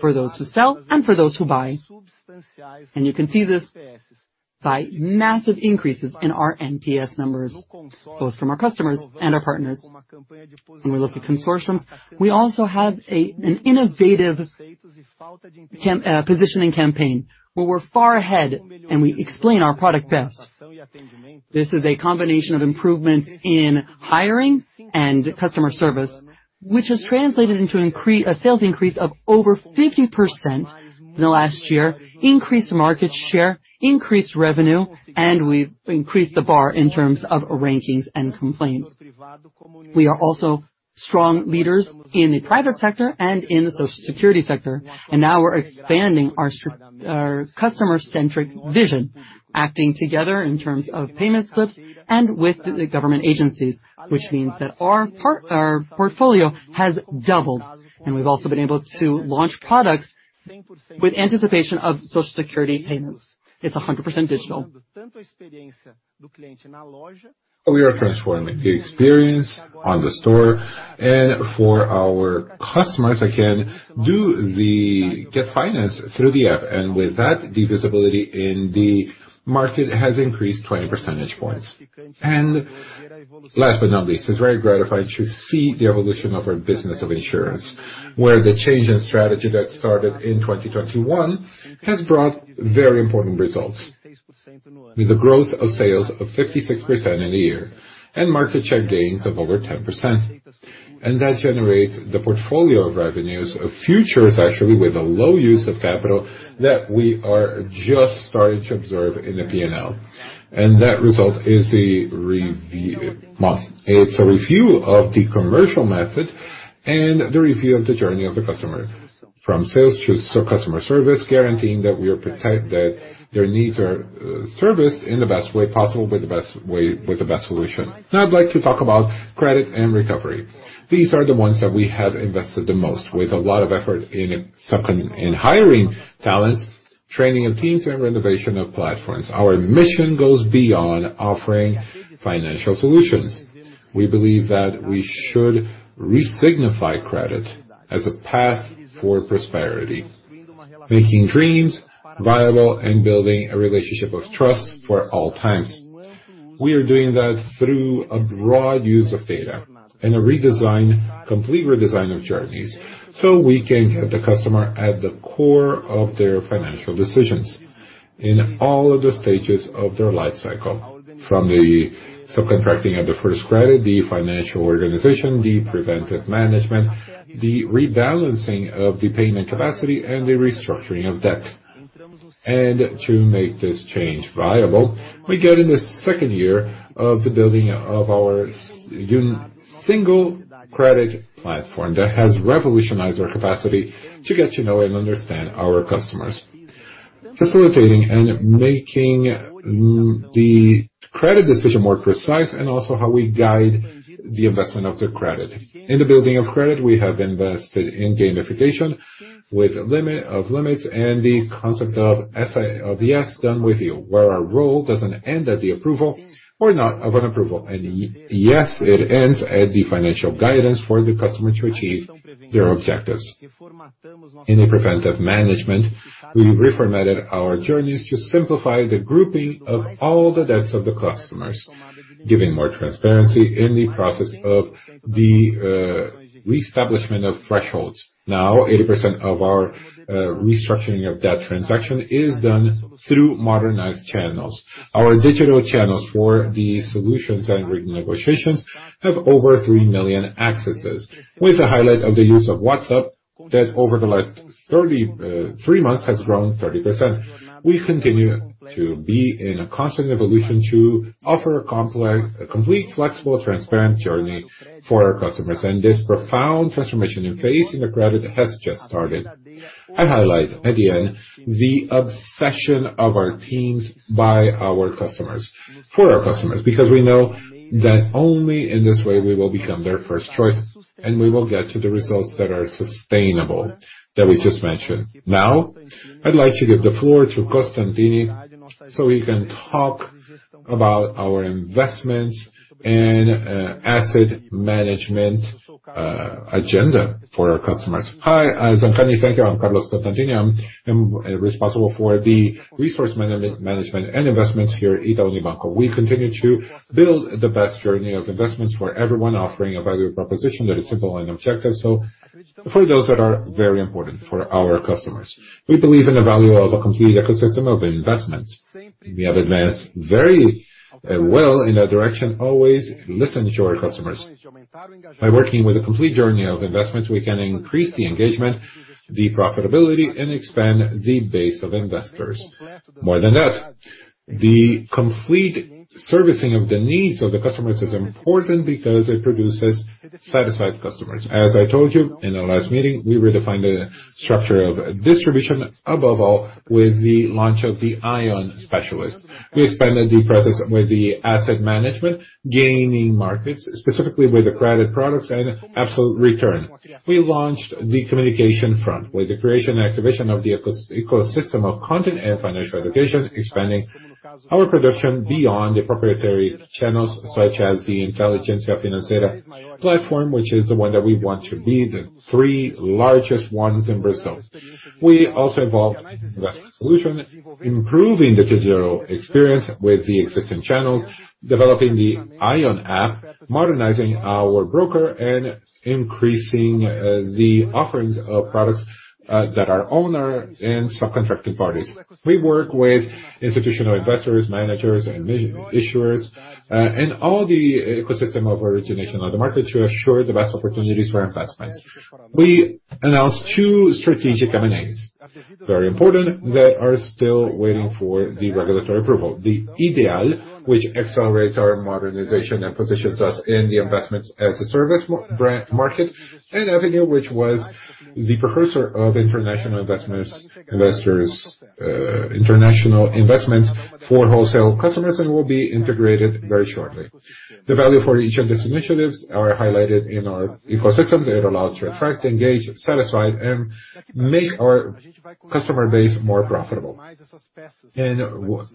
for those who sell and for those who buy. You can see this by massive increases in our NPS numbers, both from our customers and our partners. When we look at consortiums, we also have an innovative positioning campaign, where we're far ahead and we explain our product best. This is a combination of improvements in hiring and customer service, which has translated into a sales increase of over 50% in the last year, increased market share, increased revenue, and we've increased the bar in terms of rankings and complaints. We are also strong leaders in the private sector and in the social security sector, and now we're expanding our customer-centric vision, acting together in terms of payment slips and with the government agencies, which means that our portfolio has doubled, and we've also been able to launch products with anticipation of Social Security payments. It's 100% digital. We are transforming the experience on the store, and for our customers, again, they get financing through the app. With that, the visibility in the market has increased 20 percentage points. Last but not least, it's very gratifying to see the evolution of our business of insurance, where the change in strategy that started in 2021 has brought very important results. With the growth of sales of 56% in a year and market share gains of over 10%. That generates the portfolio of revenues of futures, actually, with a low use of capital that we are just starting to observe in the P&L. That result is a review of the commercial method and the review of the journey of the customer from sales to customer service, guaranteeing that their needs are serviced in the best way possible with the best solution. Now I'd like to talk about credit and recovery. These are the ones that we have invested the most with a lot of effort in hiring talents, training of teams, and renovation of platforms. Our mission goes beyond offering financial solutions. We believe that we should resignify credit as a path for prosperity, making dreams viable and building a relationship of trust for all times. We are doing that through a broad use of data and a redesign, complete redesign of journeys, so we can have the customer at the core of their financial decisions in all of the stages of their life cycle, from the subcontracting of the first credit, the financial organization, the preventive management, the rebalancing of the payment capacity, and the restructuring of debt. To make this change viable, we get in the second year of the building of our single credit platform that has revolutionized our capacity to get to know and understand our customers, facilitating and making the credit decision more precise, and also how we guide the investment of the credit. In the building of credit, we have invested in gamification with limits and the concept of say yes, done with you, where our role doesn't end at the approval or not of an approval. Yes, it ends at the financial guidance for the customer to achieve their objectives. In the preventive management, we reformatted our journeys to simplify the grouping of all the debts of the customers, giving more transparency in the process of the reestablishment of thresholds. Now, 80% of our restructuring of debt transaction is done through modernized channels. Our digital channels for the solutions and written negotiations have over 3 million accesses, with the highlight of the use of WhatsApp. That over the last 33 months has grown 30%. We continue to be in a constant evolution to offer a complete, flexible, transparent journey for our customers. This profound transformation in phase in the credit has just started. I highlight at the end the obsession of our teams for our customers, because we know that only in this way we will become their first choice, and we will get to the results that are sustainable that we just mentioned. Now, I'd like to give the floor to Constantini, so he can talk about our investments and asset management agenda for our customers. Hi, Anthony. Thank you. I'm Carlos Constantini. I'm responsible for the resource management and investments here at Itaú Unibanco. We continue to build the best journey of investments for everyone, offering a value proposition that is simple and objective, so for those that are very important to our customers. We believe in the value of a complete ecosystem of investments. We have advanced very well in that direction, always listening to our customers. By working with a complete journey of investments, we can increase the engagement, the profitability, and expand the base of investors. More than that, the complete servicing of the needs of the customers is important because it produces satisfied customers. As I told you in our last meeting, we redefined the structure of distribution, above all, with the launch of the íon Specialist. We expanded the process with the asset management, gaining markets, specifically with the credit products and absolute return. We launched the communication front with the creation and activation of the ecosystem of content and financial education, expanding our production beyond the proprietary channels, such as the Inteligência Financeira platform, which is the one that we want to be the three largest ones in Brazil. We also evolved the solution, improving the digital experience with the existing channels, developing the íon app, modernizing our broker, and increasing the offerings of products that our own and sub-contractor partners. We work with institutional investors, managers, and issuers, and all the ecosystem of origination on the market to assure the best opportunities for investments. We announced two strategic M&As, very important, that are still waiting for the regulatory approval. The Ideal, which accelerates our modernization and positions us in the investments as a service B2B market, and Avenue, which was the precursor of international investors, international investments for wholesale customers and will be integrated very shortly. The value for each of these initiatives are highlighted in our ecosystems. It allows to attract, engage, satisfy, and make our customer base more profitable.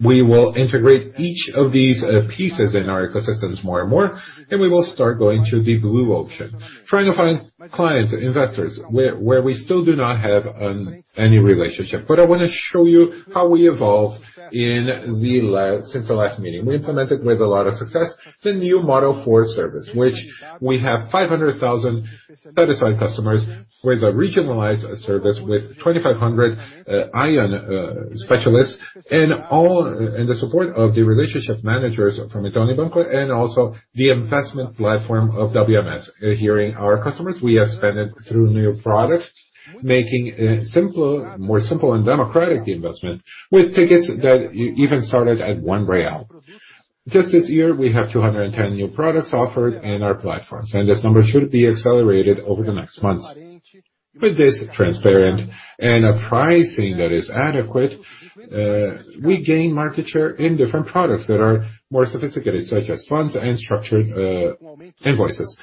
We will integrate each of these pieces in our ecosystems more and more, and we will start going to the blue ocean. Trying to find clients, investors, where we still do not have any relationship. I wanna show you how we evolved since the last meeting. We implemented with a lot of success the new model for service, which we have 500,000 satisfied customers with a regionalized service, with 2,500 íon specialists in the support of the relationship managers from Itaú Unibanco and also the investment platform of WMS. Hearing our customers, we expanded through new products, making simpler, more simple and democratic investment with tickets that even started at 1 real. Just this year, we have 210 new products offered in our platforms, and this number should be accelerated over the next months. With this transparent and a pricing that is adequate, we gain market share in different products that are more sophisticated, such as funds and structured investments.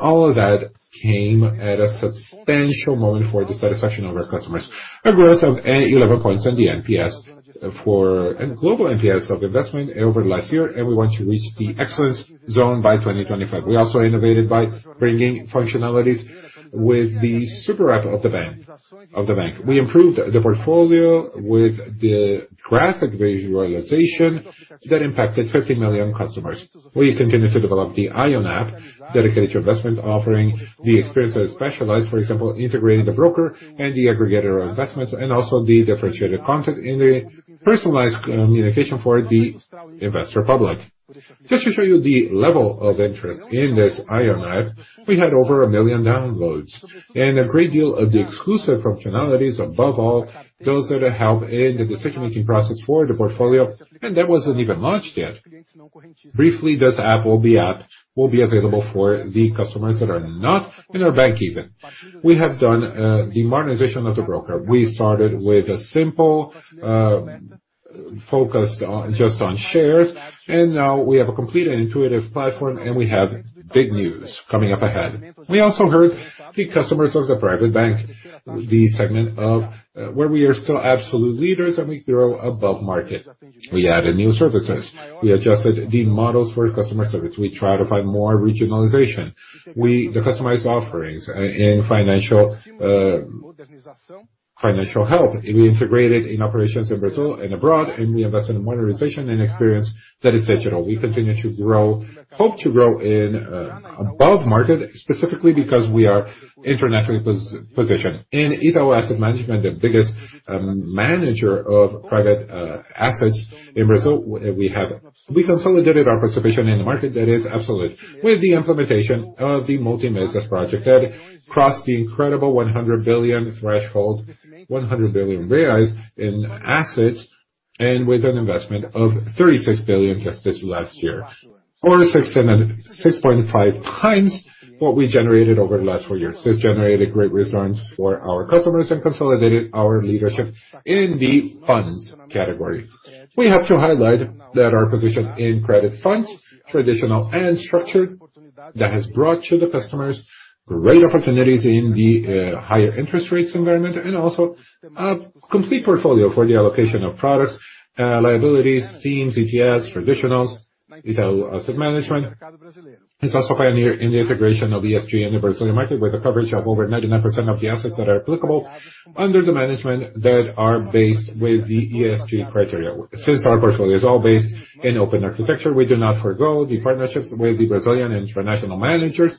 All of that came at a substantial moment for the satisfaction of our customers. A growth of 11 points on the NPS. A global NPS of investment over last year, and we want to reach the excellence zone by 2025. We also innovated by bringing functionalities with the super app of the bank. We improved the portfolio with the graphic visualization that impacted 50 million customers. We continue to develop the íon app dedicated to investment, offering the experience that is specialized. For example, integrating the broker and the aggregator investments, and also the differentiated content in the personalized communication for the investor public. Just to show you the level of interest in this íon app, we had over 1 million downloads and a great deal of the exclusive functionalities, above all, those that help in the decision-making process for the portfolio. That wasn't even launched yet. Briefly, this app will be available for the customers that are not in our bank even. We have done the modernization of the broker. We started with a simple focused on just on shares, and now we have a complete and intuitive platform, and we have big news coming up ahead. We also heard the customers of the private bank, the segment of where we are still absolute leaders, and we grow above market. We added new services. We adjusted the models for customer service. We try to find more regionalization. The customized offerings in financial help. We integrated in operations in Brazil and abroad, and we invest in modernization and experience that is digital. We continue to grow. Hope to grow in above market, specifically because we are internationally positioned. In Itaú Asset Management, the biggest manager of private assets in Brazil, we consolidated our participation in the market that is absolute with the implementation of the multimesas project that crossed the incredible 100 billion threshold, 100 billion reais in assets. With an investment of 36 billion just this last year, or 6.5 times what we generated over the last four years. This generated great returns for our customers and consolidated our leadership in the funds category. We have to highlight that our position in credit funds, traditional and structured, that has brought to the customers great opportunities in the higher interest rates environment, and also a complete portfolio for the allocation of products, liabilities, themes, ETFs, traditionals. Itaú Asset Management is also pioneer in the integration of ESG in the Brazilian market, with a coverage of over 99% of the assets that are applicable under the management that are based with the ESG criteria. Since our portfolio is all based in open architecture, we do not forgo the partnerships with the Brazilian international managers,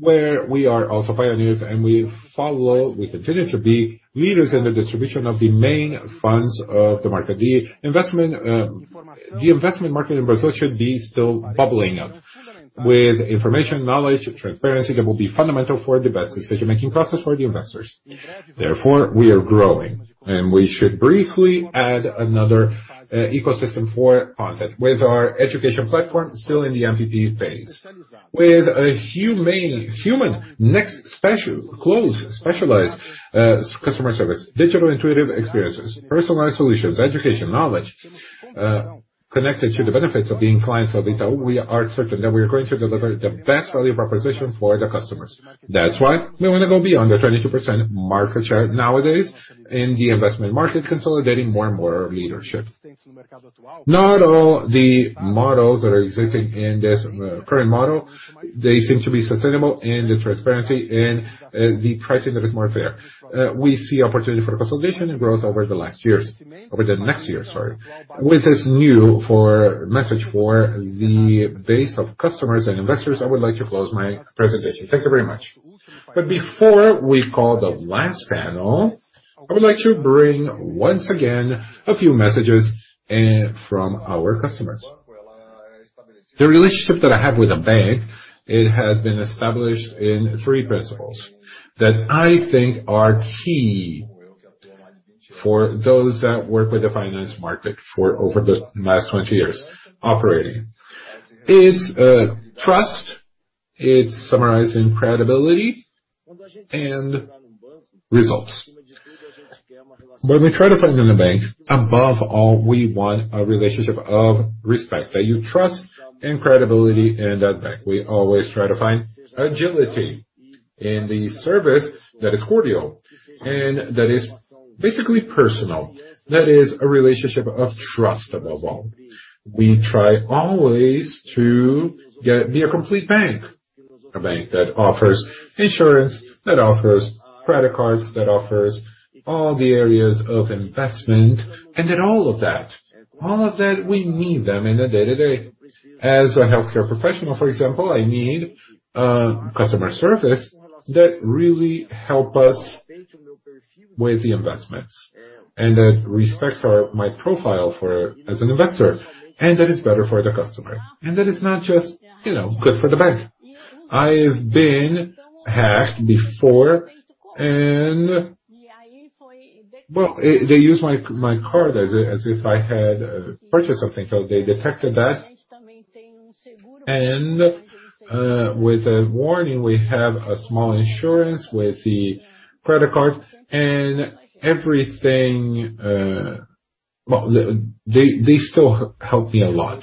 where we are also pioneers and we continue to be leaders in the distribution of the main funds of the market. The investment market in Brazil should be still bubbling up with information, knowledge, transparency that will be fundamental for the best decision-making process for the investors. Therefore, we are growing, and we should briefly add another ecosystem for content with our education platform still in the MVP phase. With a human-centric specialized customer service, digital intuitive experiences, personalized solutions, education, knowledge connected to the benefits of being clients of Itaú, we are certain that we are going to deliver the best value proposition for the customers. That's why we wanna go beyond the 22% market share nowadays in the investment market, consolidating more and more leadership. Not all the models that are existing in this current model, they seem to be sustainable in the transparency and the pricing that is more fair. We see opportunity for consolidation and growth over the next year, sorry. With this new message for the base of customers and investors, I would like to close my presentation. Thank you very much. Before we call the last panel, I would like to bring once again a few messages from our customers. The relationship that I have with a bank, it has been established in three principles that I think are key for those that work with the finance market for over the last 20 years operating. It's trust, it's summarized in credibility and results. When we try to find in a bank, above all, we want a relationship of respect. That you trust in credibility and that bank. We always try to find agility in the service that is cordial and that is basically personal. That is a relationship of trust above all. We try always to be a complete bank. A bank that offers insurance, that offers credit cards, that offers all the areas of investment, and that all of that we need them in the day-to-day. As a healthcare professional, for example, I need a customer service that really help us with the investments and that respects my profile as an investor, and that is better for the customer, and that is not just, you know, good for the bank. I've been hacked before and, well, they used my card as if I had purchased something. They detected that, and with a warning, we have a small insurance with the credit card and everything. Well, they still help me a lot.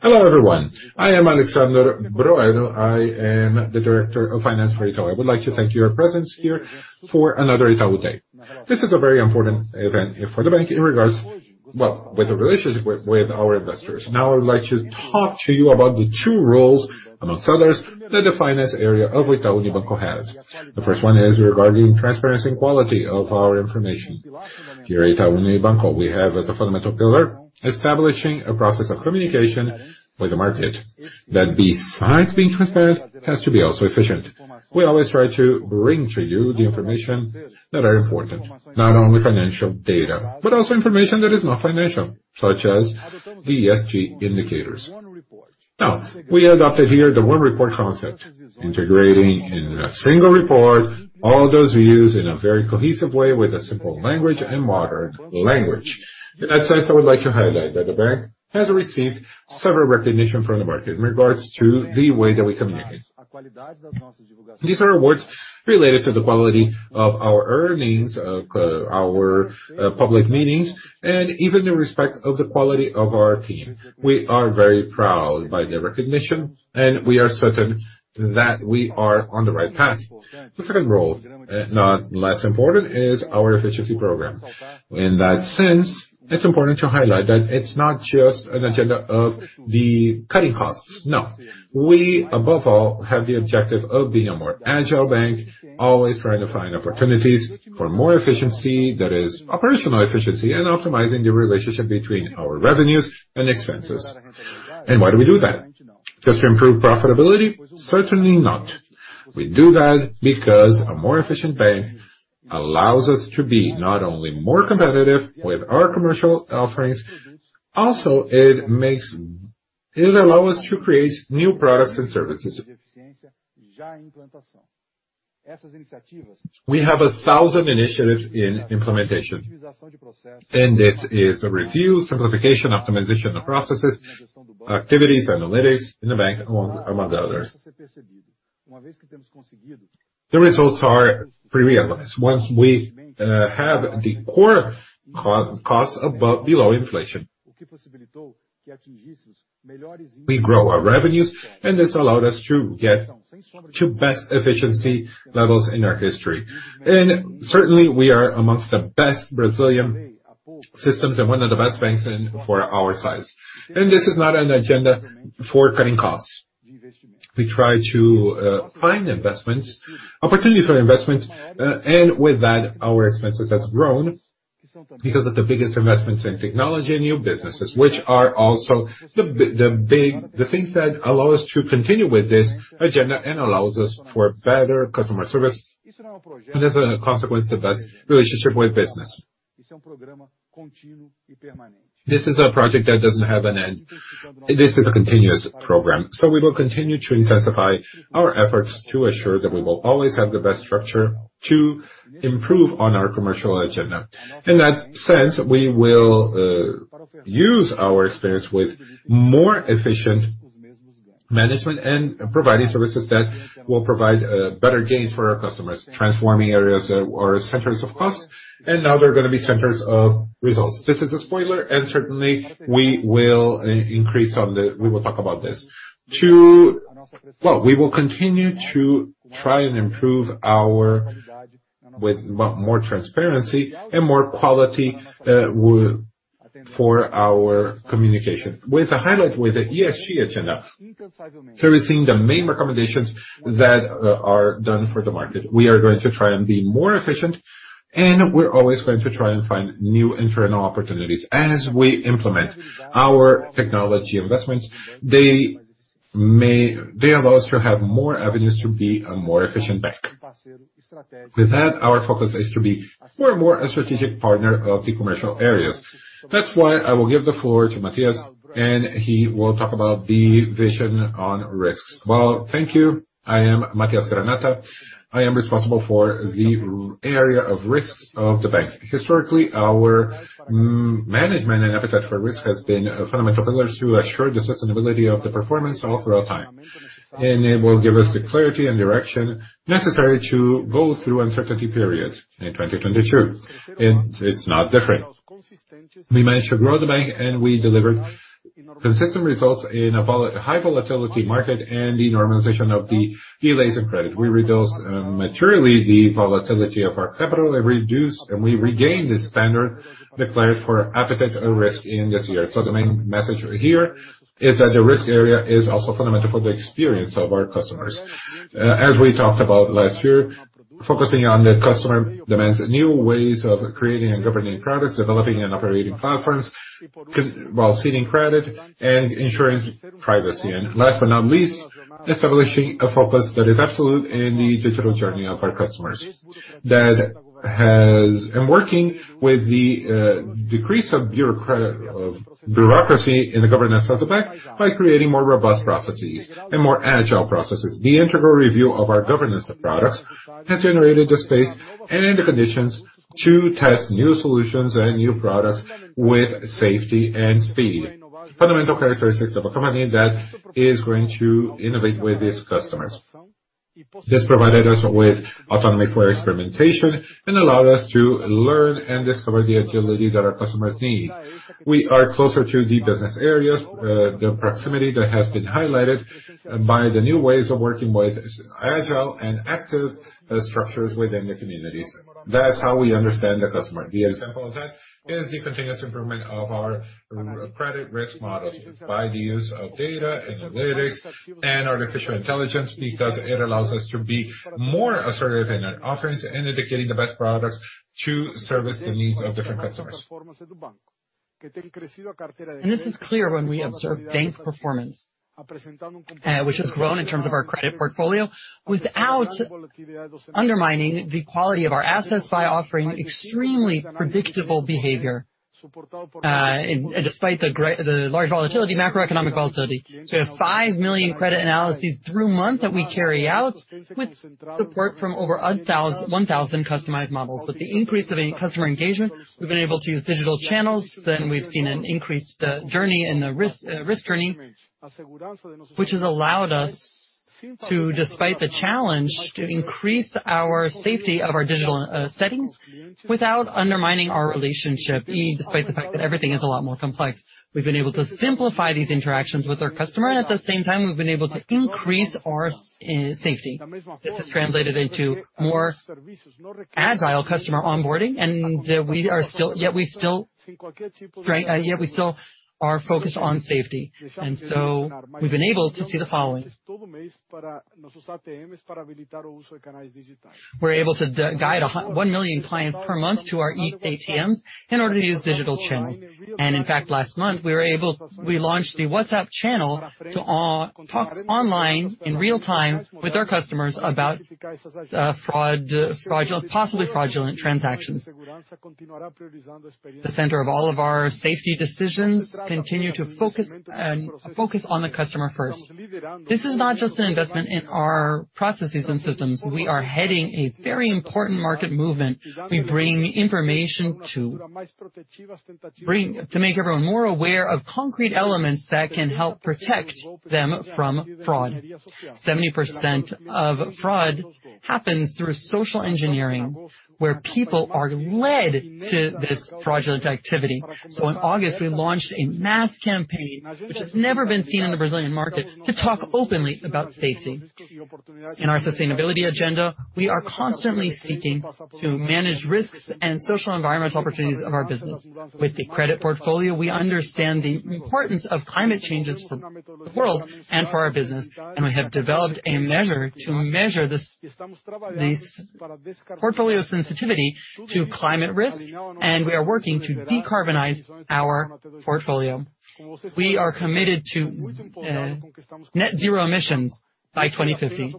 Hello, everyone. I am Alexsandro Broedel Lopes. I am the Director of Finance for Itaú Unibanco. I would like to thank your presence here for another Itaú Day. This is a very important event here for the bank in regards, well, with the relationship with our investors. Now I would like to talk to you about the two roles, among others, that the finance area of Itaú Unibanco has. The first one is regarding transparency and quality of our information. Here at Itaú Unibanco, we have as a fundamental pillar, establishing a process of communication with the market that, besides being transparent, has to be also efficient. We always try to bring to you the information that are important, not only financial data, but also information that is not financial, such as the ESG indicators. Now, we adopted here the one report concept, integrating in a single report all those views in a very cohesive way with a simple language and modern language. In that sense, I would like to highlight that the bank has received several recognitions from the market in regards to the way that we communicate. These are awards related to the quality of our earnings, of our public meetings, and even in respect of the quality of our team. We are very proud of the recognition, and we are certain that we are on the right path. The second role, not less important, is our efficiency program. In that sense, it's important to highlight that it's not just an agenda of cutting costs. No. We, above all, have the objective of being a more agile bank, always trying to find opportunities for more efficiency, that is operational efficiency, and optimizing the relationship between our revenues and expenses. Why do we do that? Just to improve profitability? Certainly not. We do that because a more efficient bank allows us to be not only more competitive with our commercial offerings, also it'll allow us to create new products and services. We have 1,000 initiatives in implementation, and this is a review, simplification, optimization of processes, activities, analytics in the bank, among the others. The results are pretty obvious. Once we have the core costs below inflation, we grow our revenues, and this allowed us to get to best efficiency levels in our history. Certainly, we are among the best in the Brazilian system and one of the best banks in the world for our size. This is not an agenda for cutting costs. We try to find investments, opportunities for investments, and with that, our expenses has grown because of the biggest investments in technology and new businesses, which are also the things that allow us to continue with this agenda and allows us for better customer service. As a consequence, the best relationship with business. This is a project that doesn't have an end. This is a continuous program, so we will continue to intensify our efforts to assure that we will always have the best structure to improve on our commercial agenda. In that sense, we will use our experience with more efficient management and providing services that will provide better gains for our customers, transforming areas or centers of cost, and now they're gonna be centers of results. This is a spoiler, and certainly we will increase on the. We will talk about this. Well, we will continue to try and improve with more transparency and more quality for our communication. With a highlight with the ESG agenda, servicing the main recommendations that are done for the market. We are going to try and be more efficient, and we're always going to try and find new internal opportunities as we implement our technology investments. They allow us to have more avenues to be a more efficient bank. With that, our focus is to be more and more a strategic partner of the commercial areas. That's why I will give the floor to Matias, and he will talk about the vision on risks. Well, thank you. I am Matias Granata. I am responsible for the risk area of the bank. Historically, our management and appetite for risk has been a fundamental pillars to assure the sustainability of the performance all through our time. It will give us the clarity and direction necessary to go through uncertainty periods in 2022, and it's not different. We managed to grow the bank, and we delivered consistent results in a high volatility market and the normalization of the delays in credit. We reduced materially the volatility of our capital. We reduced, and we regained the standard declared for appetite and risk in this year. The main message here is that the risk area is also fundamental for the experience of our customers. As we talked about last year, focusing on the customer demands new ways of creating and governing products, developing and operating platforms, while seeding credit and ensuring privacy. Last but not least, establishing a focus that is absolute in the digital journey of our customers that has and working with the decrease of bureaucracy in the governance of the bank by creating more robust processes and more agile processes. The integral review of our governance of products has generated the space and the conditions to test new solutions and new products with safety and speed. Fundamental characteristics of a company that is going to innovate with its customers. This provided us with autonomy for experimentation and allowed us to learn and discover the agility that our customers need. We are closer to the business areas, the proximity that has been highlighted by the new ways of working with agile and active structures within the communities. That's how we understand the customer. The example of that is the continuous improvement of our credit risk models by the use of data, analytics, and artificial intelligence, because it allows us to be more assertive in our offerings and indicating the best products to service the needs of different customers. This is clear when we observe bank performance, which has grown in terms of our credit portfolio, without undermining the quality of our assets by offering extremely predictable behavior, despite the large volatility, macroeconomic volatility. We have 5 million credit analyses per month that we carry out with support from over 1,000 customized models. With the increase of customer engagement, we've been able to use digital channels, we've seen an increased risk journey, which has allowed us Despite the challenge to increase our safety of our digital settings without undermining our relationships, despite the fact that everything is a lot more complex. We've been able to simplify these interactions with our customers. At the same time, we've been able to increase our safety. This has translated into more agile customer onboarding, and yet we still are focused on safety. We've been able to see the following. We're able to guide 1 million clients per month to our e-ATMs in order to use digital channels. In fact, last month, we launched the WhatsApp channel to interact online in real time with our customers about fraud, possibly fraudulent transactions. The center of all of our safety decisions continues to focus on the customer first. This is not just an investment in our processes and systems. We are heading a very important market movement. We bring information to make everyone more aware of concrete elements that can help protect them from fraud. 70% of fraud happens through social engineering, where people are led to this fraudulent activity. In August, we launched a mass campaign, which has never been seen in the Brazilian market, to talk openly about safety. In our sustainability agenda, we are constantly seeking to manage risks and socio-environmental opportunities of our business. With the credit portfolio, we understand the importance of climate changes for the world and for our business, and we have developed a measure to measure this portfolio sensitivity to climate risk, and we are working to decarbonize our portfolio. We are committed to net zero emissions by 2050.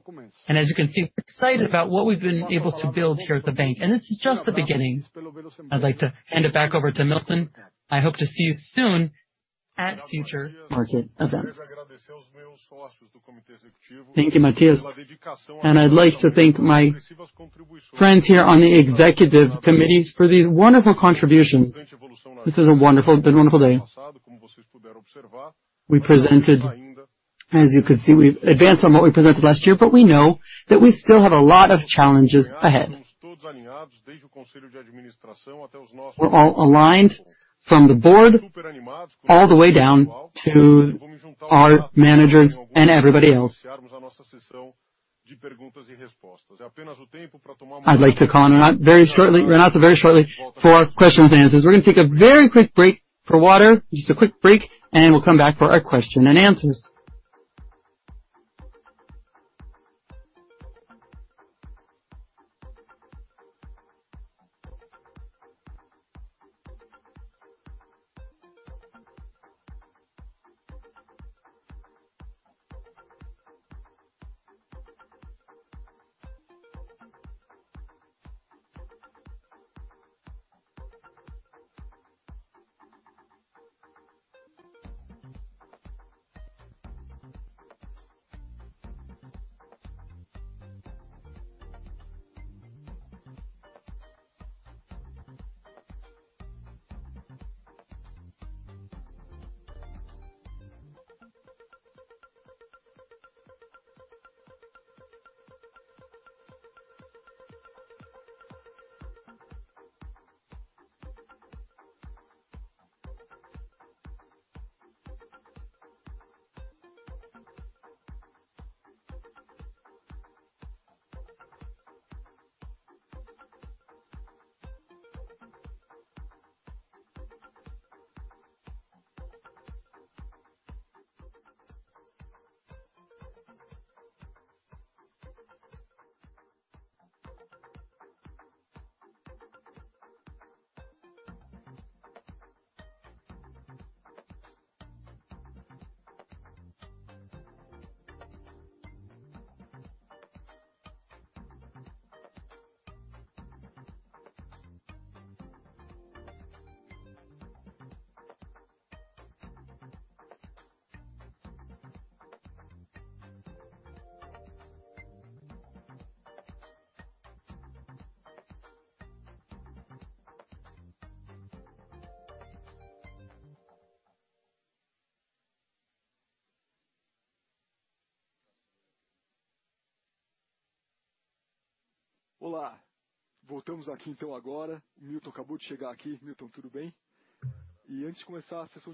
As you can see, we're excited about what we've been able to build here at the bank, and it's just the beginning. I'd like to hand it back over to Milton. I hope to see you soon at future market events. Thank you, Matias. I'd like to thank my friends here on the executive committees for these wonderful contributions. This has been a wonderful day. We presented, as you can see, we've advanced on what we presented last year, but we know that we still have a lot of challenges ahead. We're all aligned from the board all the way down to our managers and everybody else. I'd like to call on Renato very shortly for questions and answers. We're gonna take a very quick break for water. Just a quick break, and we'll come back for our question and answers.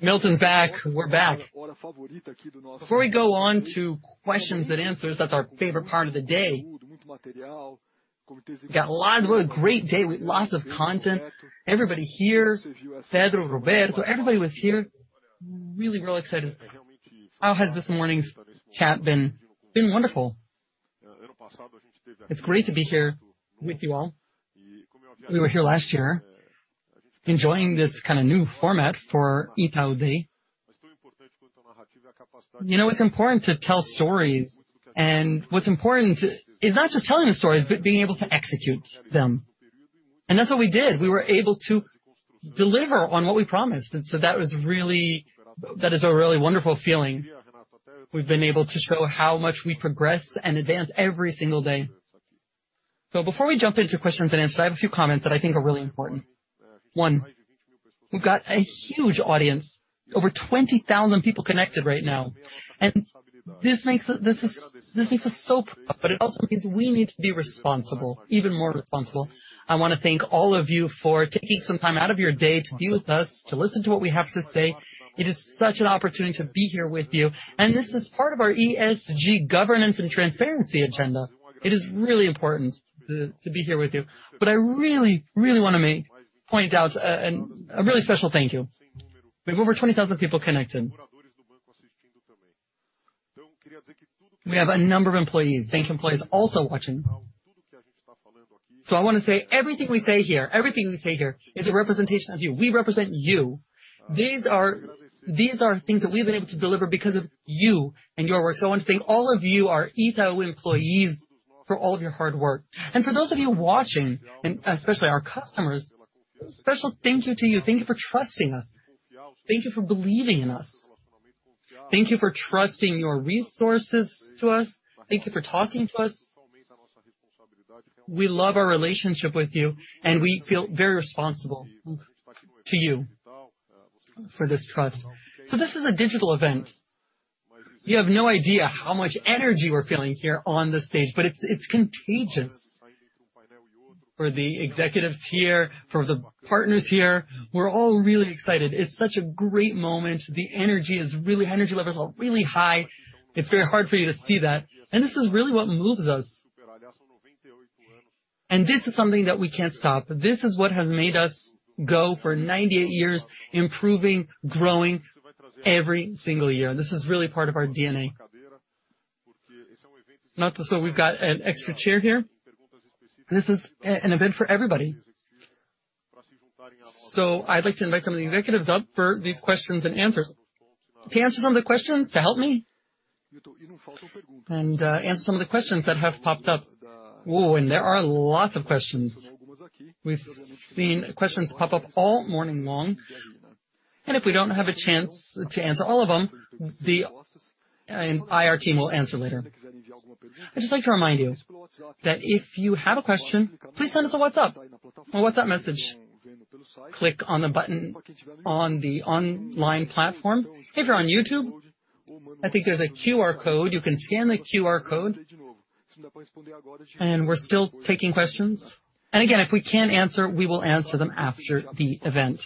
Milton's back. We're back. Before we go on to questions and answers, that's our favorite part of the day. We got a lot of. What a great day with lots of content. Everybody here, Pedro, Roberto, everybody was here. Really, really excited. How has this morning's chat been? Been wonderful. It's great to be here with you all. We were here last year, enjoying this kinda new format for Itaú Day. You know, it's important to tell stories, and what's important is not just telling the stories, but being able to execute them. That's what we did. We were able to deliver on what we promised, and so that was really. That is a really wonderful feeling. We've been able to show how much we progress and advance every single day. So before we jump into questions and answers, I have a few comments that I think are really important. One, we've got a huge audience, over 20,000 people connected right now. This makes us so proud, but it also means we need to be responsible, even more responsible. I wanna thank all of you for taking some time out of your day to be with us, to listen to what we have to say. It is such an opportunity to be here with you, and this is part of our ESG governance and transparency agenda. It is really important to be here with you. I really wanna point out a really special thank you. We have over 20,000 people connected. We have a number of employees, bank employees also watching. I wanna say everything we say here is a representation of you. We represent you. These are things that we've been able to deliver because of you and your work. I wanna thank all of you, our Itaú employees, for all of your hard work. For those of you watching, and especially our customers, special thank you to you. Thank you for trusting us. Thank you for believing in us. Thank you for trusting your resources to us. Thank you for talking to us. We love our relationship with you, and we feel very responsible to you for this trust. This is a digital event. You have no idea how much energy we're feeling here on the stage, but it's contagious. For the executives here, for the partners here, we're all really excited. It's such a great moment. The energy is really. Energy levels are really high. It's very hard for you to see that, and this is really what moves us. This is something that we can't stop. This is what has made us go for 98 years, improving, growing every single year. This is really part of our DNA. Notice that we've got an extra chair here. This is an event for everybody. I'd like to invite some of the executives up for these questions and answers. To answer some of the questions, to help me answer some of the questions that have popped up. There are lots of questions. We've seen questions pop up all morning long, and if we don't have a chance to answer all of them, the IR team will answer later. I'd just like to remind you that if you have a question, please send us a WhatsApp. A WhatsApp message. Click on the button on the online platform. If you're on YouTube, I think there's a QR code. You can scan the QR code. We're still taking questions. Again, if we can't answer, we will answer them after the event.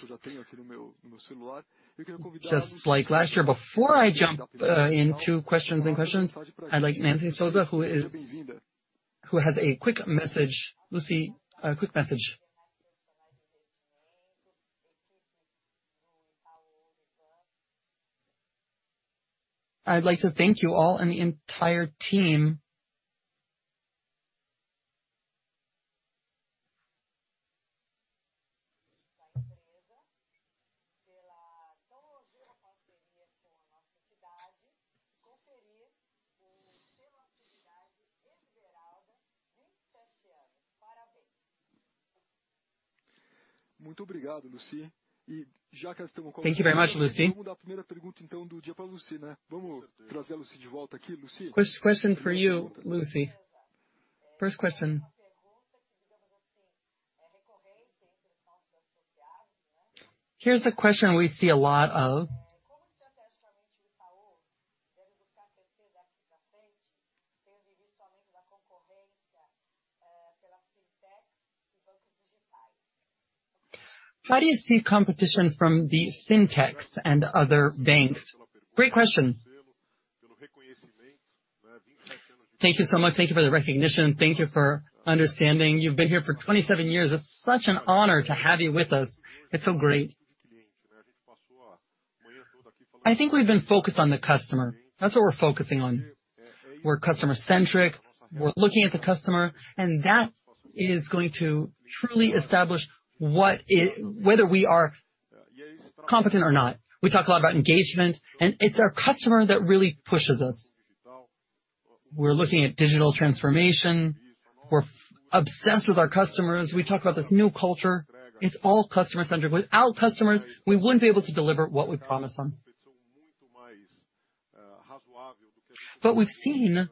Just like last year, before I jump into questions, I'd like Lucy Souza, who has a quick message. Lucy, a quick message. I'd like to thank you all and the entire team. Thank you very much, Lucy. Question for you, Lucy. First question. Here's a question we see a lot of. How do you see competition from the fintechs and other banks? Great question. Thank you so much. Thank you for the recognition. Thank you for understanding. You've been here for 27 years. It's such an honor to have you with us. It's so great. I think we've been focused on the customer. That's what we're focusing on. We're customer-centric. We're looking at the customer, and that is going to truly establish whether we are competent or not. We talk a lot about engagement, and it's our customer that really pushes us. We're looking at digital transformation. We're obsessed with our customers. We talk about this new culture. It's all customer-centric. Without customers, we wouldn't be able to deliver what we promise them. We've seen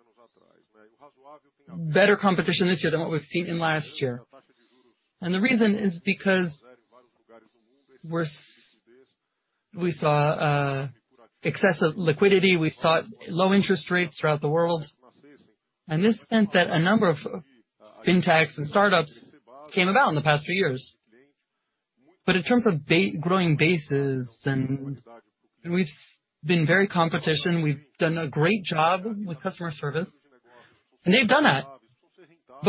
better competition this year than what we've seen in last year. The reason is because we saw excessive liquidity. We saw low interest rates throughout the world. This meant that a number of fintechs and startups came about in the past few years. In terms of growing bases and we've been very competitive. We've done a great job with customer service, and they've done that.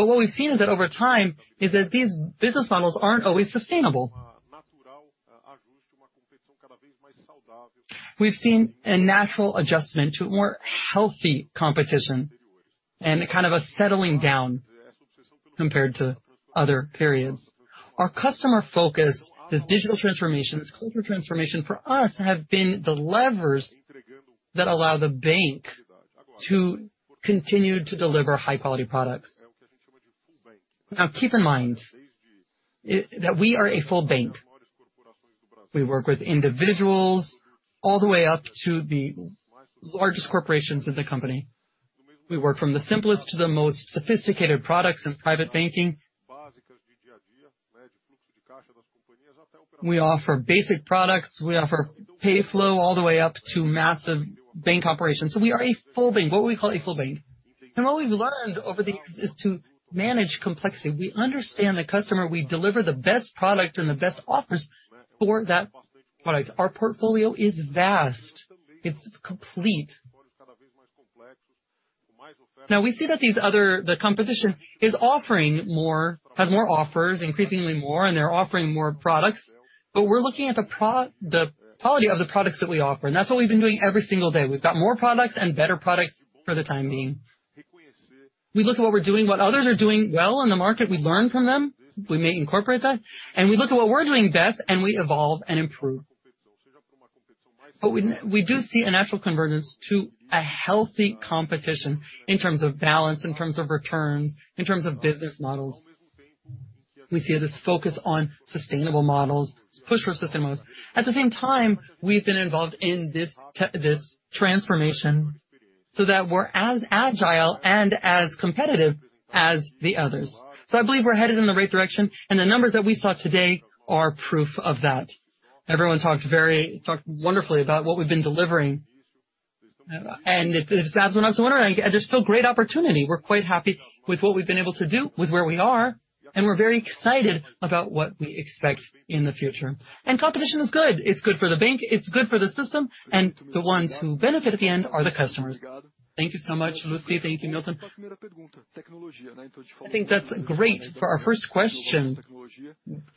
What we've seen is that over time, is that these business models aren't always sustainable. We've seen a natural adjustment to more healthy competition and a kind of a settling down compared to other periods. Our customer focus, this digital transformation, this culture transformation, for us, have been the levers that allow the bank to continue to deliver high-quality products. Now, keep in mind that we are a full bank. We work with individuals all the way up to the largest corporations of the country. We work from the simplest to the most sophisticated products in private banking. We offer basic products. We offer pay flow all the way up to massive bank operations. We are a full bank, what we call a full bank. What we've learned over the years is to manage complexity. We understand the customer. We deliver the best product and the best offers for that product. Our portfolio is vast. It's complete. Now, we see that the competition is offering more, has more offers, increasingly more, and they're offering more products. We're looking at the quality of the products that we offer, and that's what we've been doing every single day. We've got more products and better products for the time being. We look at what we're doing, what others are doing well in the market. We learn from them. We may incorporate that, and we look at what we're doing best, and we evolve and improve. We do see a natural convergence to a healthy competition in terms of balance, in terms of returns, in terms of business models. We see this focus on sustainable models, push for sustainable. At the same time, we've been involved in this transformation, so that we're as agile and as competitive as the others. I believe we're headed in the right direction, and the numbers that we saw today are proof of that. Everyone talked wonderfully about what we've been delivering. If that's what I was wondering, there's still great opportunity. We're quite happy with what we've been able to do with where we are, and we're very excited about what we expect in the future. Competition is good. It's good for the bank, it's good for the system, and the ones who benefit at the end are the customers. Thank you so much, Lucy. Thank you, Milton. I think that's great for our first question.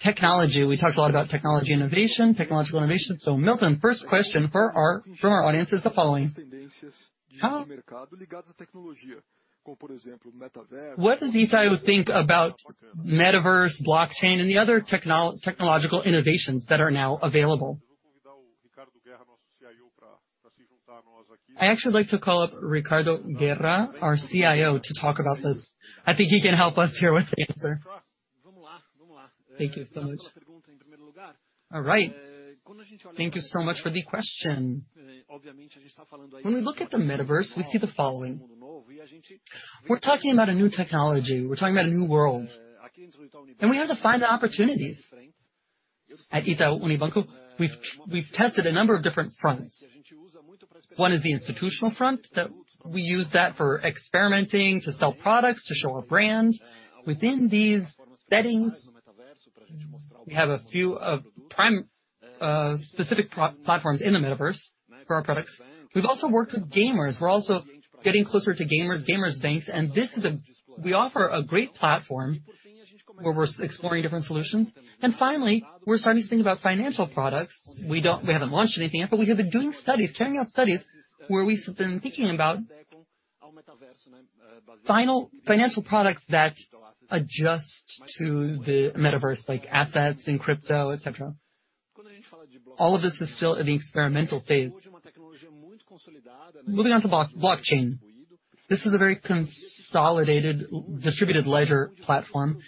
Technology. We talked a lot about technology innovation, technological innovation. Milton, first question from our audience is the following. What does Itaú think about Metaverse, blockchain, and the other technological innovations that are now available? I actually like to call up Ricardo Guerra, our CIO, to talk about this. I think he can help us here with the answer. Thank you so much. All right. Thank you so much for the question. When we look at the Metaverse, we see the following. We're talking about a new technology. We're talking about a new world. We have to find the opportunities. At Itaú Unibanco, we've tested a number of different fronts. One is the institutional front that we use that for experimenting, to sell products, to show our brand. Within these settings, we have a few prime specific platforms in the Metaverse for our products. We've also worked with gamers. We're also getting closer to gamers, gamer banks. We offer a great platform where we're exploring different solutions. Finally, we're starting to think about financial products. We haven't launched anything yet, but we have been doing studies, carrying out studies where we've been thinking about financial products that adjust to the Metaverse, like assets and crypto, et cetera. All of this is still in the experimental phase. Moving on to blockchain. This is a very consolidated distributed ledger platform.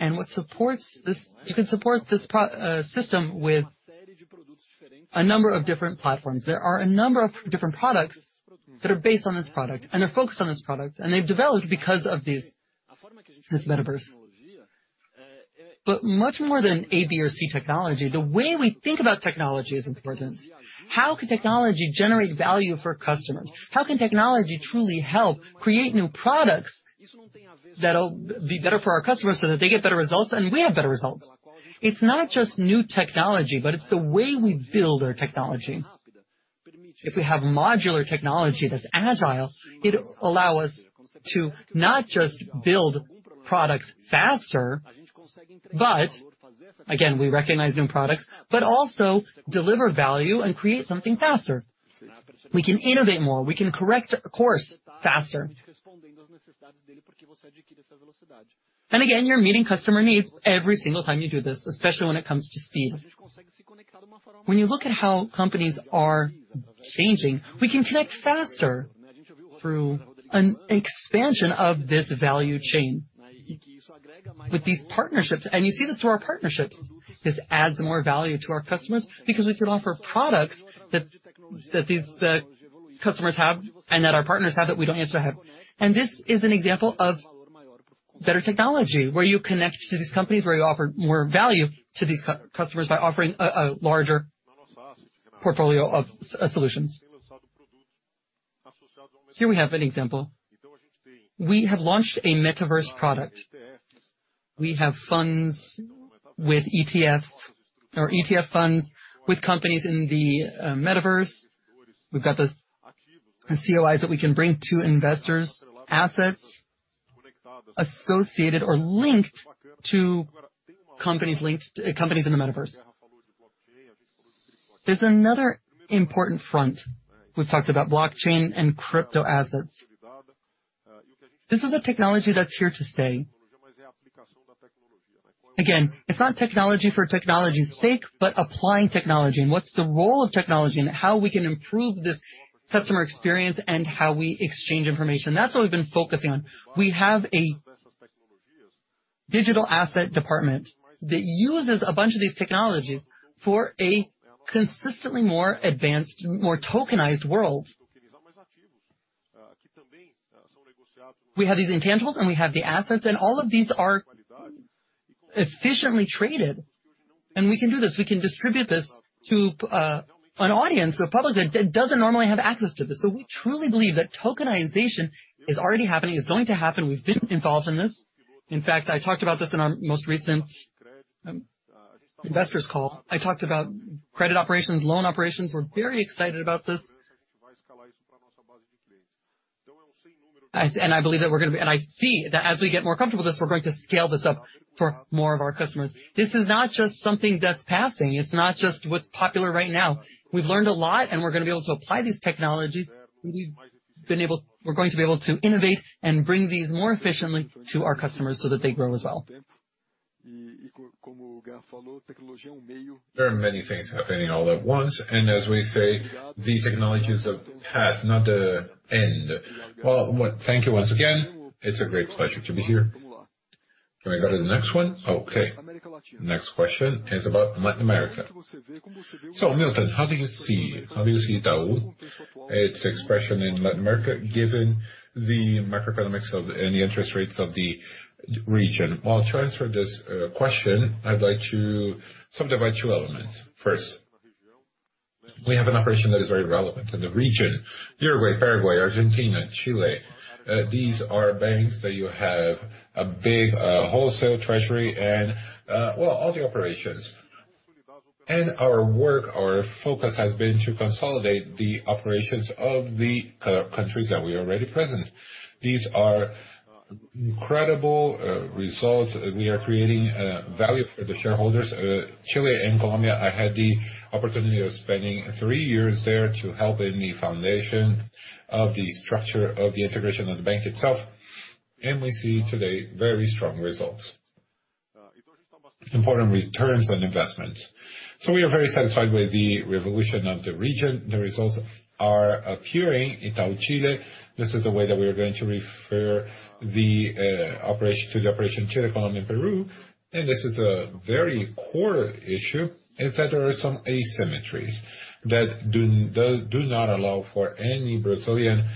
You can support this system with a number of different platforms. There are a number of different products that are based on this product, and they're focused on this product, and they've developed because of this Metaverse. Much more than A, B, or C technology, the way we think about technology is important. How can technology generate value for customers? How can technology truly help create new products that'll be better for our customers so that they get better results, and we have better results? It's not just new technology, but it's the way we build our technology. If we have modular technology that's agile, it'll allow us to not just build products faster, but again, we recognize new products, but also deliver value and create something faster. We can innovate more, we can correct course faster. Again, you're meeting customer needs every single time you do this, especially when it comes to speed. When you look at how companies are changing, we can connect faster through an expansion of this value chain. With these partnerships, you see this through our partnerships. This adds more value to our customers because we can offer products that customers have and that our partners have that we don't necessarily have. This is an example of better technology, where you connect to these companies, where you offer more value to these customers by offering a larger portfolio of solutions. Here we have an example. We have launched a Metaverse product. We have funds with ETFs or ETF funds with companies in the Metaverse. We've got the COEs that we can bring to investors, assets associated or linked to companies in the Metaverse. There's another important front. We've talked about blockchain and crypto assets. This is a technology that's here to stay. It's not technology for technology's sake, but applying technology and what's the role of technology and how we can improve this customer experience and how we exchange information. That's what we've been focusing on. We have a Digital asset department that uses a bunch of these technologies for a consistently more advanced, more tokenized world. We have these intangibles, and we have the assets, and all of these are efficiently traded. We can do this. We can distribute this to, an audience, a public that doesn't normally have access to this. We truly believe that tokenization is already happening, it's going to happen. We've been involved in this. In fact, I talked about this in our most recent, investors call. I talked about credit operations, loan operations. We're very excited about this. I see that as we get more comfortable with this, we're going to scale this up for more of our customers. This is not just something that's passing. It's not just what's popular right now. We've learned a lot, and we're gonna be able to apply these technologies. We're going to be able to innovate and bring these more efficiently to our customers so that they grow as well. There are many things happening all at once, and as we say, the technology is a path, not the end. Well, thank you once again. It's a great pleasure to be here. Can we go to the next one? Okay. Next question is about Latin America. So, Milton, how do you see Itaú, its expression in Latin America, given the macroeconomics and the interest rates of the region? Well, to answer this question, I'd like to subdivide two elements. First, we have an operation that is very relevant in the region, Uruguay, Paraguay, Argentina, Chile. These are banks that have a big wholesale treasury and, well, all the operations. Our work, our focus has been to consolidate the operations of the countries that we're already present in. These are incredible results. We are creating value for the shareholders. Chile and Colombia, I had the opportunity of spending three years there to help in the foundation of the structure of the integration of the bank itself. We see today very strong results. Important returns on investment. We are very satisfied with the evolution of the region. The results are appearing in Itaú Chile. This is the way that we are going to refer to the operation Chile, Colombia, and Peru. This is a very core issue, is that there are some asymmetries that do not allow for any Brazilian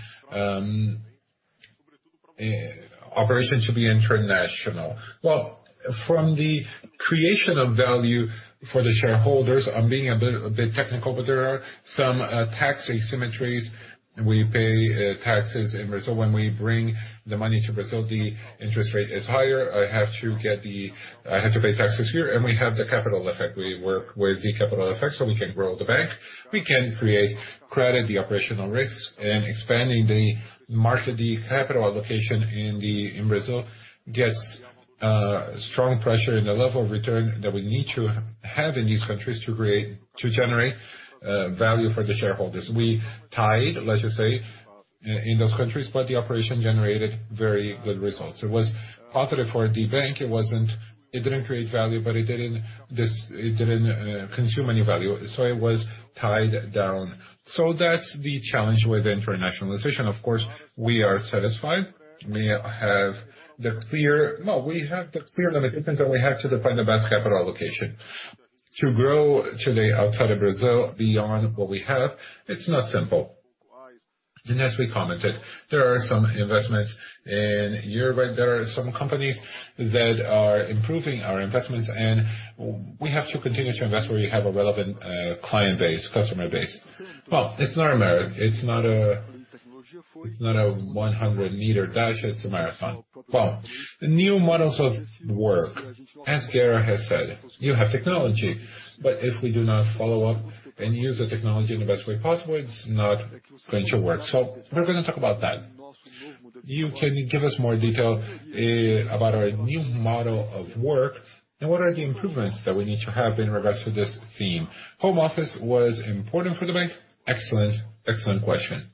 operation to be international. Well, from the creation of value for the shareholders, I'm being a bit technical, but there are some tax asymmetries, and we pay taxes in Brazil. When we bring the money to Brazil, the interest rate is higher. I have to pay taxes here, and we have the capital effect. We work with the capital effect, so we can grow the bank. We can create credit, the operational risks, and expanding the market. The capital allocation in Brazil gets strong pressure in the level of return that we need to have in these countries to generate value for the shareholders. We tied, let's just say, in those countries, but the operation generated very good results. It was positive for the bank. It didn't create value, but it didn't consume any value. It was tied down. That's the challenge with internationalization. Of course, we are satisfied. We have the clear limitations that we have to define the best capital allocation. To grow today outside of Brazil beyond what we have, it's not simple. As we commented, there are some investments in Uruguay, there are some companies that are improving our investments, and we have to continue to invest where you have a relevant client base, customer base. Well, it's not a 100-meter dash, it's a marathon. Well, new models of work, as Guerra has said, you have technology, but if we do not follow up and use the technology in the best way possible, it's not going to work. We're gonna talk about that. You can give us more detail about our new model of work, and what are the improvements that we need to have in regards to this theme. Home office was important for the bank. Excellent. Excellent question.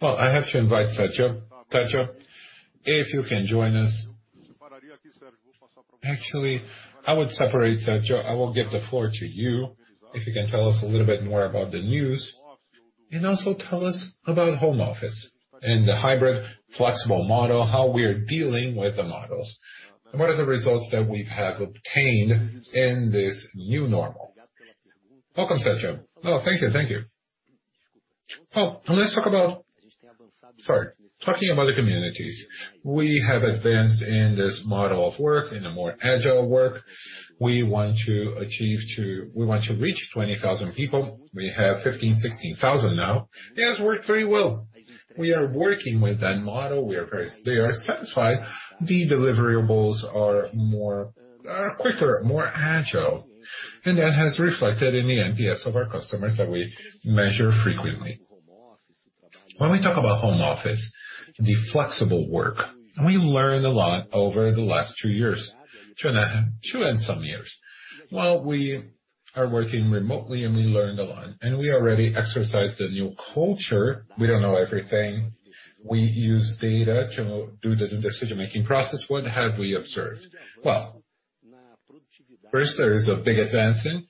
Well, I have to invite Sergio. Sergio, if you can join us. Actually, I would separate, Sergio. I will give the floor to you, if you can tell us a little bit more about the news, and also tell us about home office and the hybrid flexible model, how we're dealing with the models. What are the results that we've have obtained in this new normal. Welcome, Sergio. Oh, thank you. Thank you. Well, let's talk about. Sorry. Talking about the communities. We have advanced in this model of work, in a more agile work. We want to reach 20,000 people. We have 15,000-16,000 now. It has worked very well. We are working with that model. They are satisfied. The deliverables are more, quicker, more agile. That has reflected in the NPS of our customers that we measure frequently. When we talk about home office, the flexible work, we learned a lot over the last two years. Well, we are working remotely, and we learned a lot, and we already exercised a new culture. We don't know everything. We use data to do the decision-making process. What have we observed? First, there is a big advancement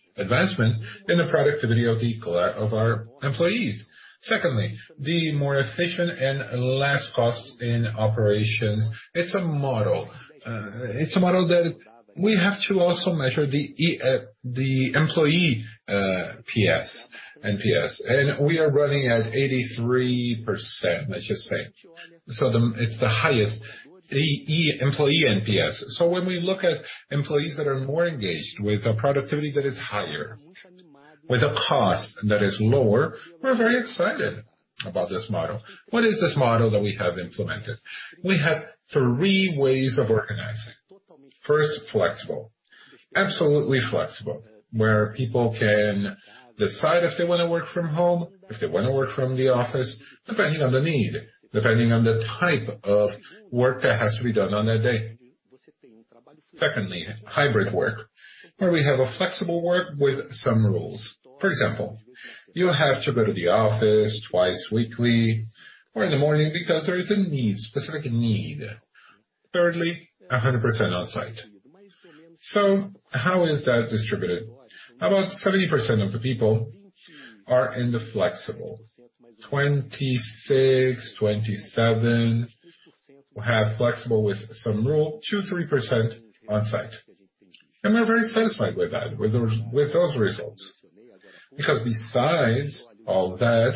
in the productivity of our employees. Secondly, the more efficient and less costs in operations. It's a model that we have to also measure the employee NPS, and we are running at 83%, let's just say. It's the highest employee NPS. When we look at employees that are more engaged with a productivity that is higher, with a cost that is lower, we're very excited about this model. What is this model that we have implemented? We have three ways of organizing. First, flexible. Absolutely flexible, where people can decide if they wanna work from home, if they wanna work from the office, depending on the need, depending on the type of work that has to be done on that day. Secondly, hybrid work, where we have a flexible work with some rules. For example, you have to go to the office twice weekly or in the morning because there is a need, specific need. Thirdly, 100% on-site. How is that distributed? About 70% of the people are in the flexible. 26, 27 have flexible with some rule, 2%-3% on-site. We're very satisfied with that, with those results. Because besides all that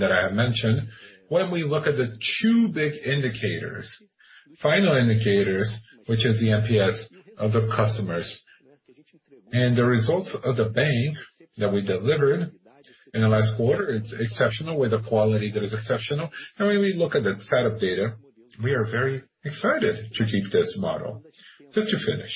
I have mentioned, when we look at the two big indicators, final indicators, which is the NPS of the customers and the results of the bank that we delivered in the last quarter, it's exceptional with the quality that is exceptional. When we look at the set of data, we are very excited to keep this model. Just to finish,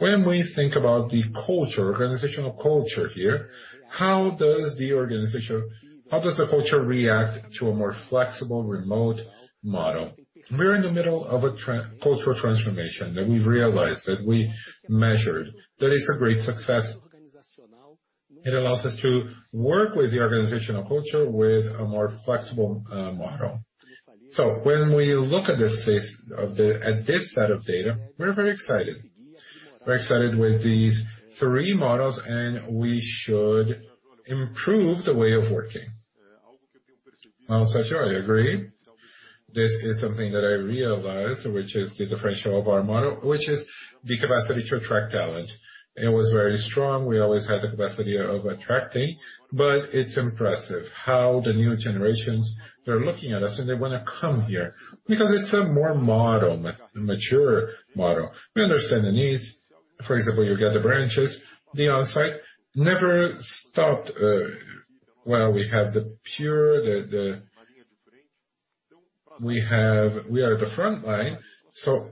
when we think about the culture, organizational culture here, how does the organization, how does the culture react to a more flexible remote model? We're in the middle of a cultural transformation that we realized, that we measured. That is a great success. It allows us to work with the organizational culture with a more flexible model. When we look at this set of data, we're very excited. We're excited with these three models, and we should improve the way of working. Also, Sérgio, I agree, this is something that I realized, which is the differential of our model, which is the capacity to attract talent. It was very strong. We always had the capacity of attracting, but it's impressive how the new generations, they're looking at us, and they wanna come here because it's a more mature model. We understand the needs. For example, you get the branches, the on-site never stopped, while we have the pure, We are the front line. So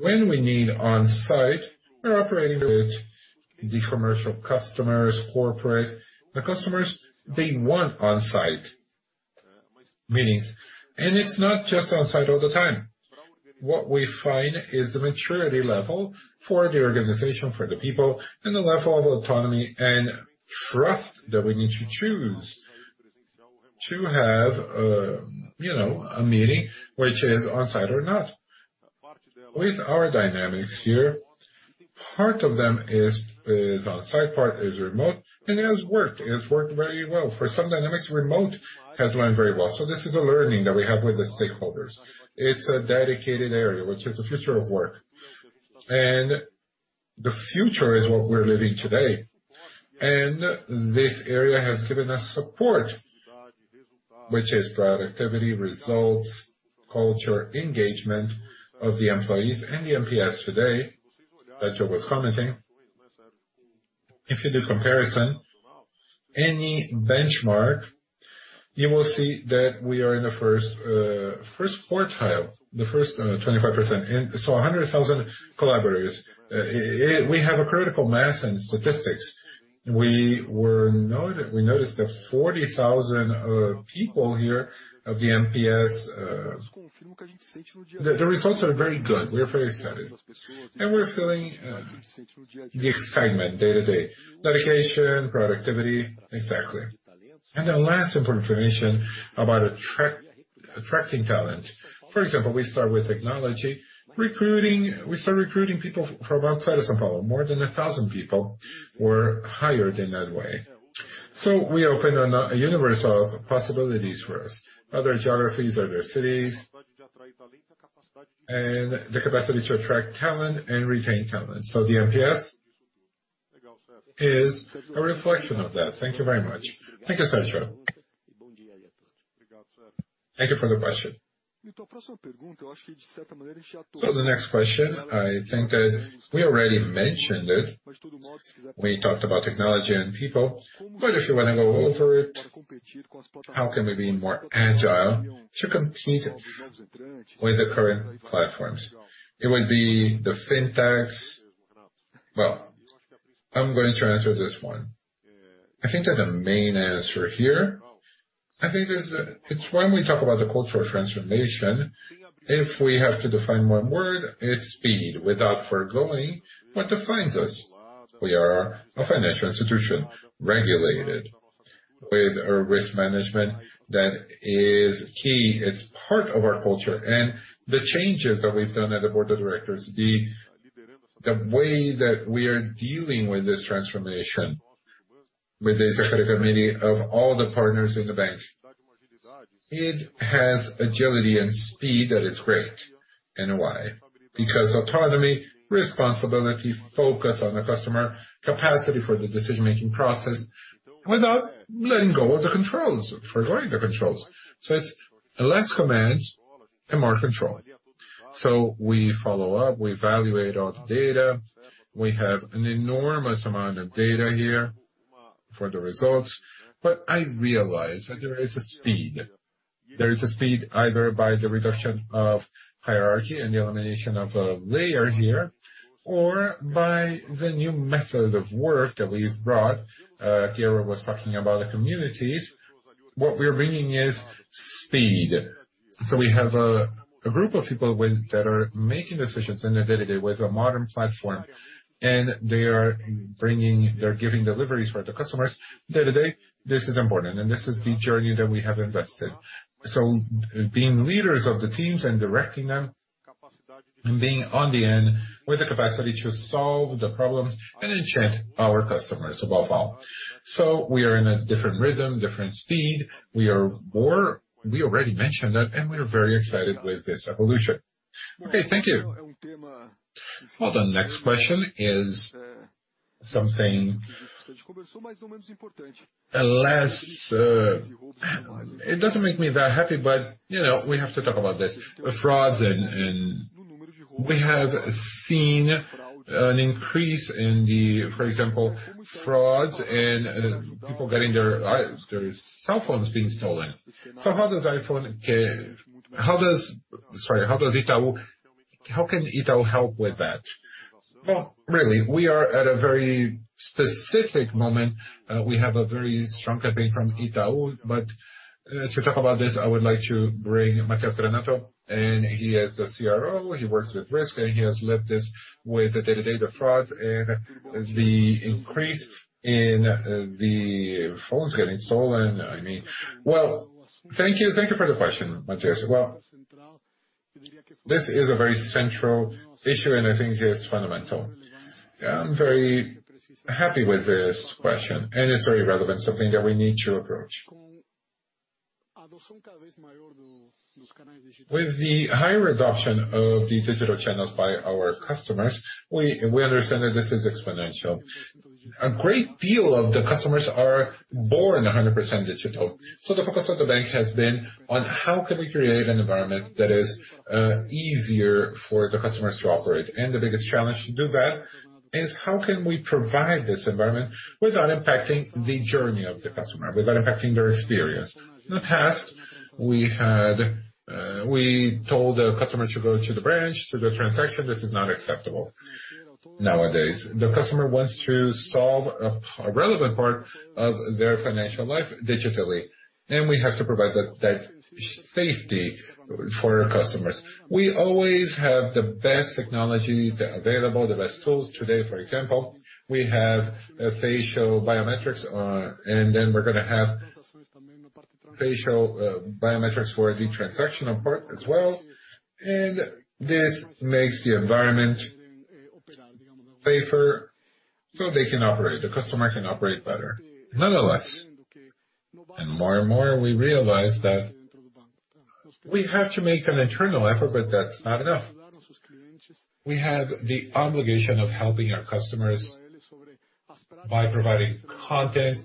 when we need on-site, we're operating with the commercial customers, corporate. The customers, they want on-site meetings, and it's not just on-site all the time. What we find is the maturity level for the organization, for the people, and the level of autonomy and trust that we need to choose to have, you know, a meeting which is on-site or not. With our dynamics here, part of them is on-site, part is remote, and it has worked. It has worked very well. For some dynamics, remote has went very well. This is a learning that we have with the stakeholders. It's a dedicated area, which is the future of work. The future is what we're living today. This area has given us support, which is productivity, results, culture, engagement of the employees and the NPS today that Joe was commenting. If you do comparison, any benchmark, you will see that we are in the first quartile, the first 25%. 100,000 collaborators. We have a critical mass in statistics. We noticed that 40,000 people here of the NPS, the results are very good. We're very excited. We're feeling the excitement day-to-day. Dedication, productivity. Exactly. The last important information about attracting talent. For example, we start with technology. We start recruiting people from outside of São Paulo. More than 1,000 people were hired in that way. We opened a universe of possibilities for us. Other geographies, other cities, and the capacity to attract talent and retain talent. The NPS is a reflection of that. Thank you very much. Thank you, Sérgio. Thank you for the question. The next question, I think that we already mentioned it when we talked about technology and people, but if you wanna go over it, how can we be more agile to compete with the current platforms? It would be the fintechs. Well, I'm going to answer this one. I think that the main answer here, I think is, it's when we talk about the cultural transformation, if we have to define one word, it's speed. Without foregoing what defines us. We are a financial institution, regulated. With our risk management that is key, it's part of our culture. The changes that we've done at the board of directors, the way that we are dealing with this transformation, with the Executive Committee of all the partners in the bank, it has agility and speed that is great. Why? Because autonomy, responsibility, focus on the customer, capacity for the decision-making process, without letting go of the controls, forgoing the controls. It's less commands and more control. We follow up, we evaluate all the data. We have an enormous amount of data here for the results, but I realize that there is a speed. There is a speed either by the reduction of hierarchy and the elimination of a layer here or by the new method of work that we've brought. Thierry was talking about the communities. What we're bringing is speed. We have a group of people with that are making decisions in their day-to-day with a modern platform, and they're giving deliveries for the customers day-to-day. This is important, and this is the journey that we have invested. Being leaders of the teams and directing them, and being on the end with the capacity to solve the problems and enchant our customers, above all. We are in a different rhythm, different speed. We already mentioned that, and we are very excited with this evolution. Okay, thank you. Well, the next question is something less. It doesn't make me that happy, but, you know, we have to talk about this. The frauds and we have seen an increase in the, for example, frauds and people getting their their cell phones being stolen. How can Itaú help with that? Well, really, we are at a very specific moment. We have a very strong campaign from Itaú. To talk about this, I would like to bring Matias Granata, and he is the CRO. He works with risk, and he has led this with the day-to-day, the fraud, and the increase in the phones getting stolen. I mean. Well, thank you. Thank you for the question, Matias. Well, this is a very central issue, and I think it's fundamental. I'm very happy with this question, and it's very relevant, something that we need to approach. With the higher adoption of the digital channels by our customers, we understand that this is exponential. A great deal of the customers are born 100% digital. The focus of the bank has been on how can we create an environment that is easier for the customers to operate. The biggest challenge to do that is how can we provide this environment without impacting the journey of the customer, without impacting their experience. In the past, we told the customer to go to the branch to do a transaction. This is not acceptable nowadays. The customer wants to solve a relevant part of their financial life digitally, and we have to provide that safety for our customers. We always have the best technology available, the best tools. Today, for example, we have facial biometrics, and then we're gonna have facial biometrics for the transactional part as well. This makes the environment safer, so they can operate. The customer can operate better. Nonetheless, and more and more, we realize that we have to make an internal effort, but that's not enough. We have the obligation of helping our customers by providing content,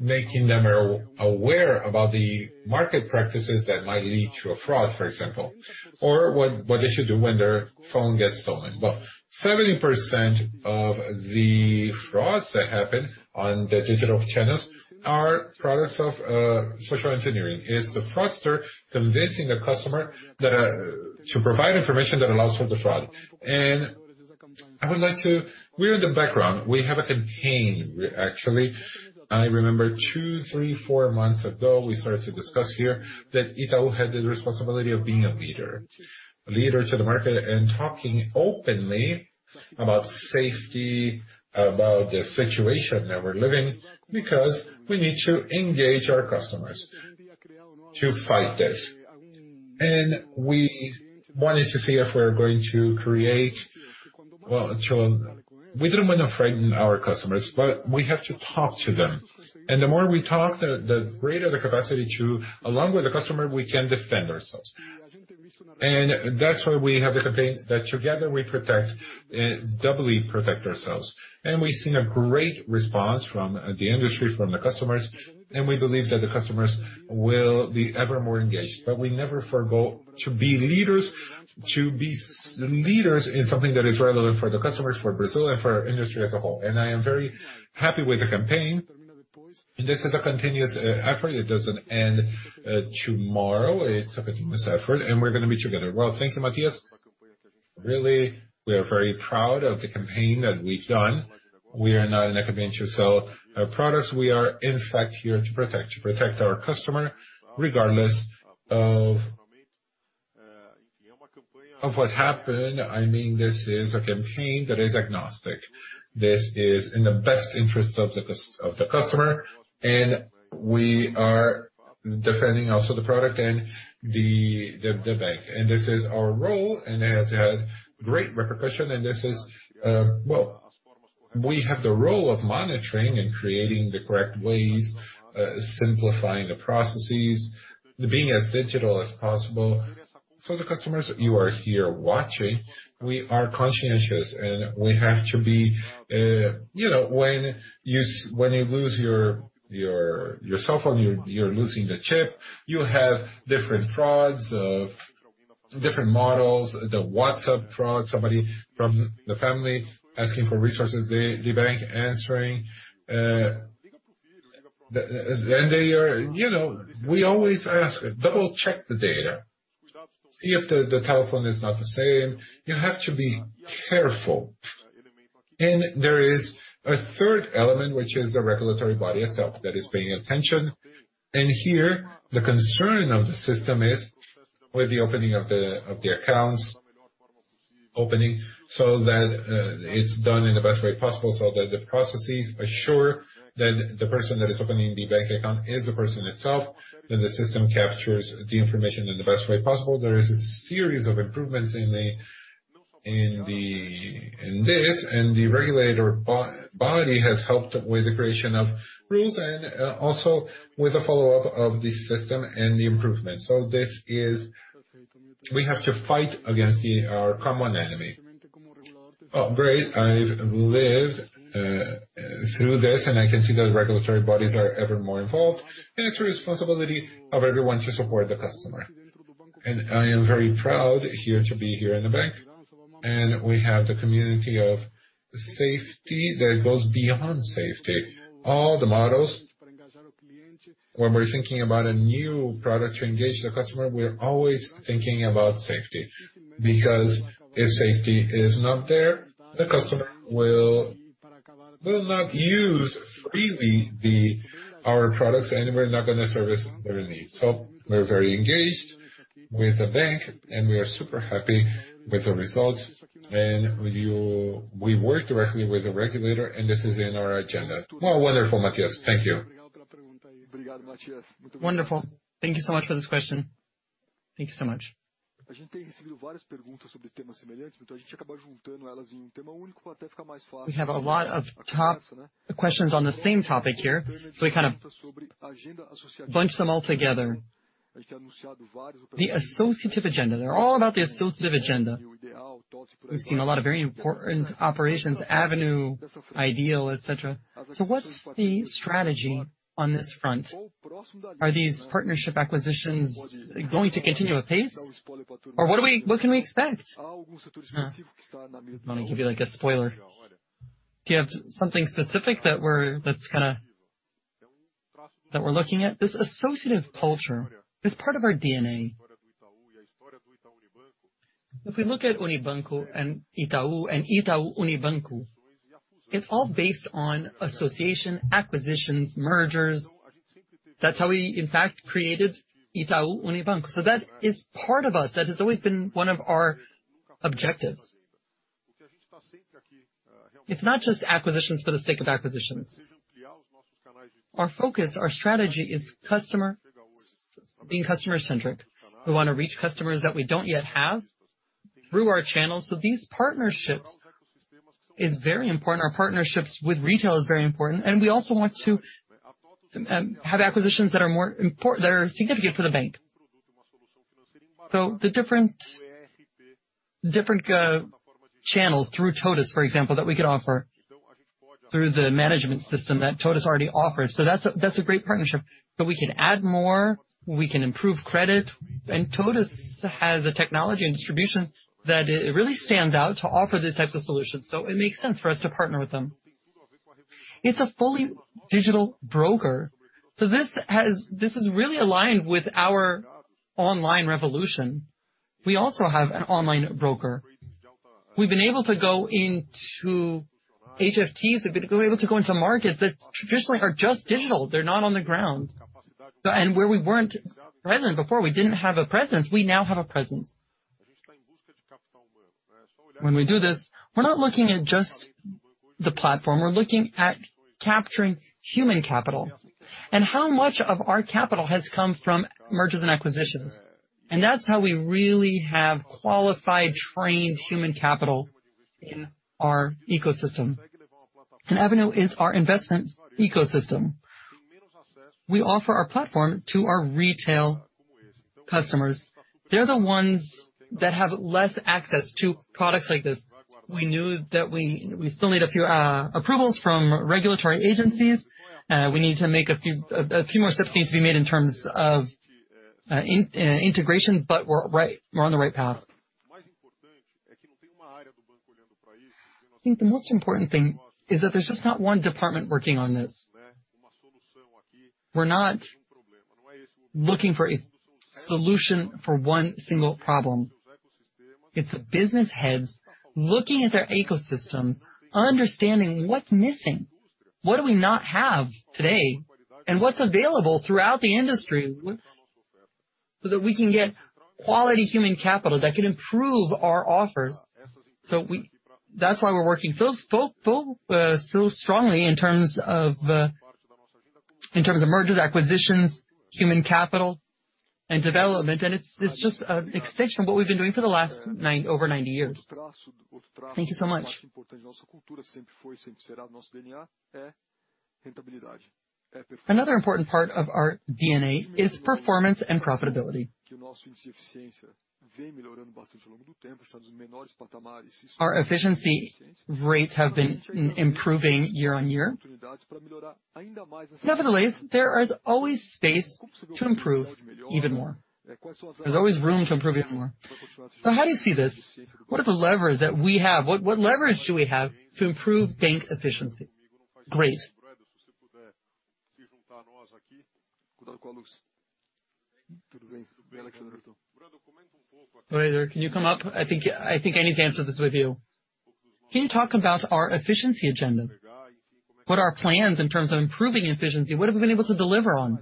making them aware about the market practices that might lead to a fraud, for example, or what they should do when their phone gets stolen. Well, 70% of the frauds that happen on the digital channels are products of social engineering. It's the fraudster convincing the customer that to provide information that allows for the fraud. We're in the background. We have a campaign, actually. I remember two, three, four months ago, we started to discuss here that Itaú had the responsibility of being a leader to the market and talking openly about safety, about the situation that we're living, because we need to engage our customers to fight this. We wanted to see if we're going to create, well, to. We didn't wanna frighten our customers, but we have to talk to them. The more we talk, the greater the capacity to, along with the customer, we can defend ourselves. That's why we have the campaign that together we protect, doubly protect ourselves. We've seen a great response from the industry, from the customers, and we believe that the customers will be ever more engaged. We never forgo to be leaders, to be leaders in something that is relevant for the customers, for Brazil, and for our industry as a whole. I am very happy with the campaign. This is a continuous effort. It doesn't end tomorrow. It's a continuous effort, and we're gonna be together. Well, thank you, Matias. Really, we are very proud of the campaign that we've done. We are not in a campaign to sell our products. We are, in fact, here to protect our customer, regardless of what happened, I mean, this is a campaign that is agnostic. This is in the best interest of the customer, and we are defending also the product and the bank. This is our role, and it has had great repercussion. Well, we have the role of monitoring and creating the correct ways, simplifying the processes, being as digital as possible. For the customers, you are here watching, we are conscious, and we have to be, you know, when you lose your cell phone, you're losing the chip, you have different frauds, different models. The WhatsApp fraud, somebody from the family asking for resources, the bank answering. You know, we always ask, double-check the data. See if the telephone is not the same. You have to be careful. There is a third element, which is the regulatory body itself that is paying attention. Here, the concern of the system is with the opening of the accounts, so that it's done in the best way possible so that the processes assure that the person that is opening the bank account is the person itself, that the system captures the information in the best way possible. There is a series of improvements in this, and the regulator body has helped with the creation of rules and also with the follow-up of the system and the improvements. We have to fight against our common enemy. Oh, great. I've lived through this, and I can see that regulatory bodies are ever more involved, and it's the responsibility of everyone to support the customer. I am very proud here to be here in the bank. We have the community of safety that goes beyond safety. All the models, when we're thinking about a new product to engage the customer, we're always thinking about safety. Because if safety is not there, the customer will not use freely our products, and we're not gonna service their needs. We're very engaged with the bank, and we are super happy with the results. With you, we work directly with the regulator, and this is in our agenda. Well, wonderful, Matias. Thank you. Wonderful. Thank you so much for this question. Thank you so much. We have a lot of top questions on the same topic here, so we kind of bunched them all together. The acquisition agenda. They're all about the acquisition agenda. We've seen a lot of very important operations, Avenue, Ideal, et cetera. What's the strategy on this front? Are these partnership acquisitions going to continue apace? What can we expect? Let me give you, like, a spoiler. Do you have something specific that we're looking at? This acquisitive culture is part of our DNA. If we look at Unibanco and Itaú and Itaú Unibanco, it's all based on associations, acquisitions, mergers. That's how we, in fact, created Itaú Unibanco. That is part of us. That has always been one of our objectives. It's not just acquisitions for the sake of acquisitions. Our focus, our strategy is being customer-centric. We wanna reach customers that we don't yet have through our channels, so these partnerships is very important. Our partnerships with retail is very important, and we also want to have acquisitions that are significant for the bank. The different channels through TOTVS, for example, that we could offer through the management system that TOTVS already offers. That's a great partnership. We can add more, we can improve credit, and TOTVS has a technology and distribution that it really stands out to offer these types of solutions, it makes sense for us to partner with them. It's a fully digital broker, this is really aligned with our online revolution. We also have an online broker. We've been able to go into HFTs. We've been able to go into markets that traditionally are just digital. They're not on the ground. Where we weren't present before, we didn't have a presence, we now have a presence. When we do this, we're not looking at just the platform. We're looking at capturing human capital and how much of our capital has come from mergers and acquisitions. That's how we really have qualified, trained human capital in our ecosystem. Avenue is our investment ecosystem. We offer our platform to our retail customers. They're the ones that have less access to products like this. We knew that we still need a few approvals from regulatory agencies. We need a few more steps to be made in terms of integration, but we're on the right path. I think the most important thing is that there's just not one department working on this. We're not looking for a solution for one single problem. It's the business heads looking at their ecosystems, understanding what's missing. What do we not have today and what's available throughout the industry so that we can get quality human capital that can improve our offers? That's why we're working so strongly in terms of mergers, acquisitions, human capital and development. It's just an extension of what we've been doing for the last over 90 years. Thank you so much. Another important part of our DNA is performance and profitability. Our efficiency rates have been improving year-on-year. Nevertheless, there is always space to improve even more. There's always room to improve even more. How do you see this? What are the levers that we have? What leverage do we have to improve bank efficiency? Great. Broedel, can you come up? I think I need to answer this with you. Can you talk about our efficiency agenda? What are our plans in terms of improving efficiency? What have we been able to deliver on?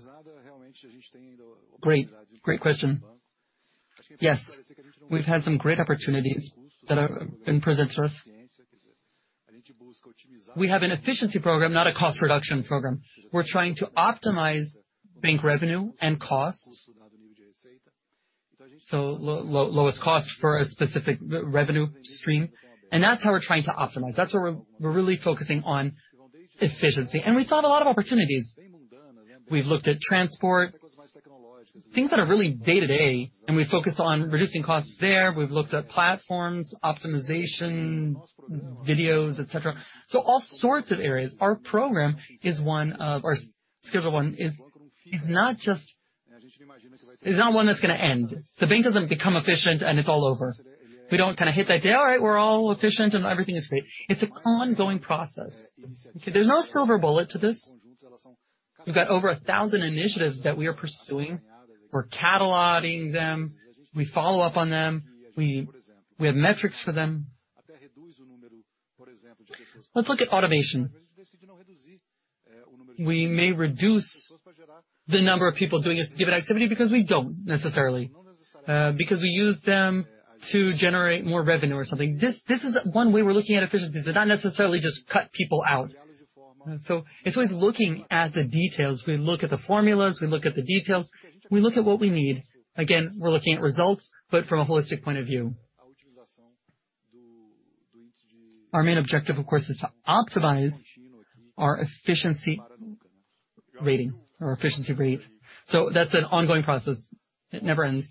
Great. Great question. Yes, we've had some great opportunities that have been presented to us. We have an efficiency program, not a cost reduction program. We're trying to optimize bank revenue and costs, so lowest cost for a specific revenue stream. That's how we're trying to optimize. That's where we're really focusing on efficiency. We saw a lot of opportunities. We've looked at transport, things that are really day to day, and we focused on reducing costs there. We've looked at platforms, optimization, videos, et cetera. So all sorts of areas. Our program is one that is not just one that's gonna end. The bank doesn't become efficient and it's all over. We don't kinda hit that day, "All right, we're all efficient and everything is great." It's an ongoing process. There's no silver bullet to this. We've got over 1,000 initiatives that we are pursuing. We're cataloging them. We follow up on them. We have metrics for them. Let's look at automation. We may reduce the number of people doing this given activity because we use them to generate more revenue or something. This is one way we're looking at efficiencies. It's not necessarily just cut people out. It's worth looking at the details. We look at the formulas, we look at the details, we look at what we need. Again, we're looking at results, but from a holistic point of view. Our main objective, of course, is to optimize our efficiency rating or efficiency rate. That's an ongoing process. It never ends.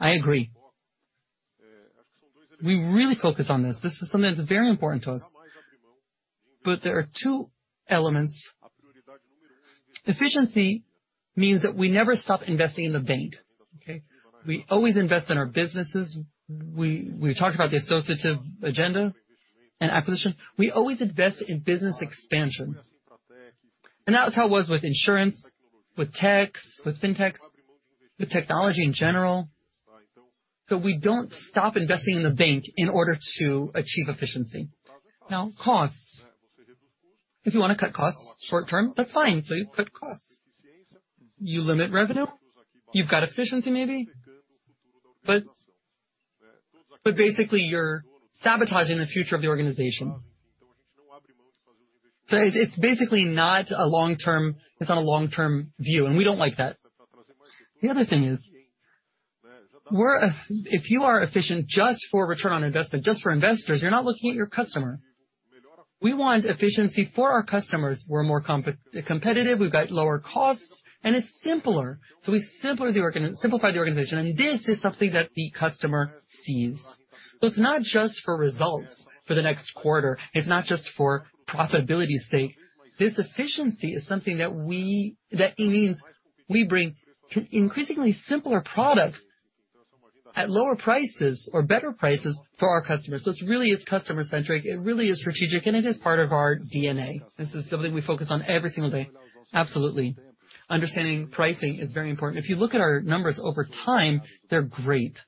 I agree. We really focus on this. This is something that's very important to us. There are two elements. Efficiency means that we never stop investing in the bank. Okay? We always invest in our businesses. We talked about the associative agenda and acquisition. We always invest in business expansion. That's how it was with insurance, with tech, with fintechs, with technology in general. We don't stop investing in the bank in order to achieve efficiency. Now, costs. If you wanna cut costs short-term, that's fine. You cut costs. You limit revenue. You've got efficiency maybe. But basically you're sabotaging the future of the organization. It's basically not a long-term view, and we don't like that. The other thing is, if you are efficient just for return on investment, just for investors, you're not looking at your customer. We want efficiency for our customers. We're more competitive, we've got lower costs, and it's simpler. We simplify the organization, and this is something that the customer sees. It's not just for results for the next quarter. It's not just for profitability's sake. This efficiency is something that it means we bring increasingly simpler products at lower prices or better prices for our customers. It really is customer-centric, it really is strategic, and it is part of our DNA. This is something we focus on every single day. Absolutely. Understanding pricing is very important. If you look at our numbers over time, they're great.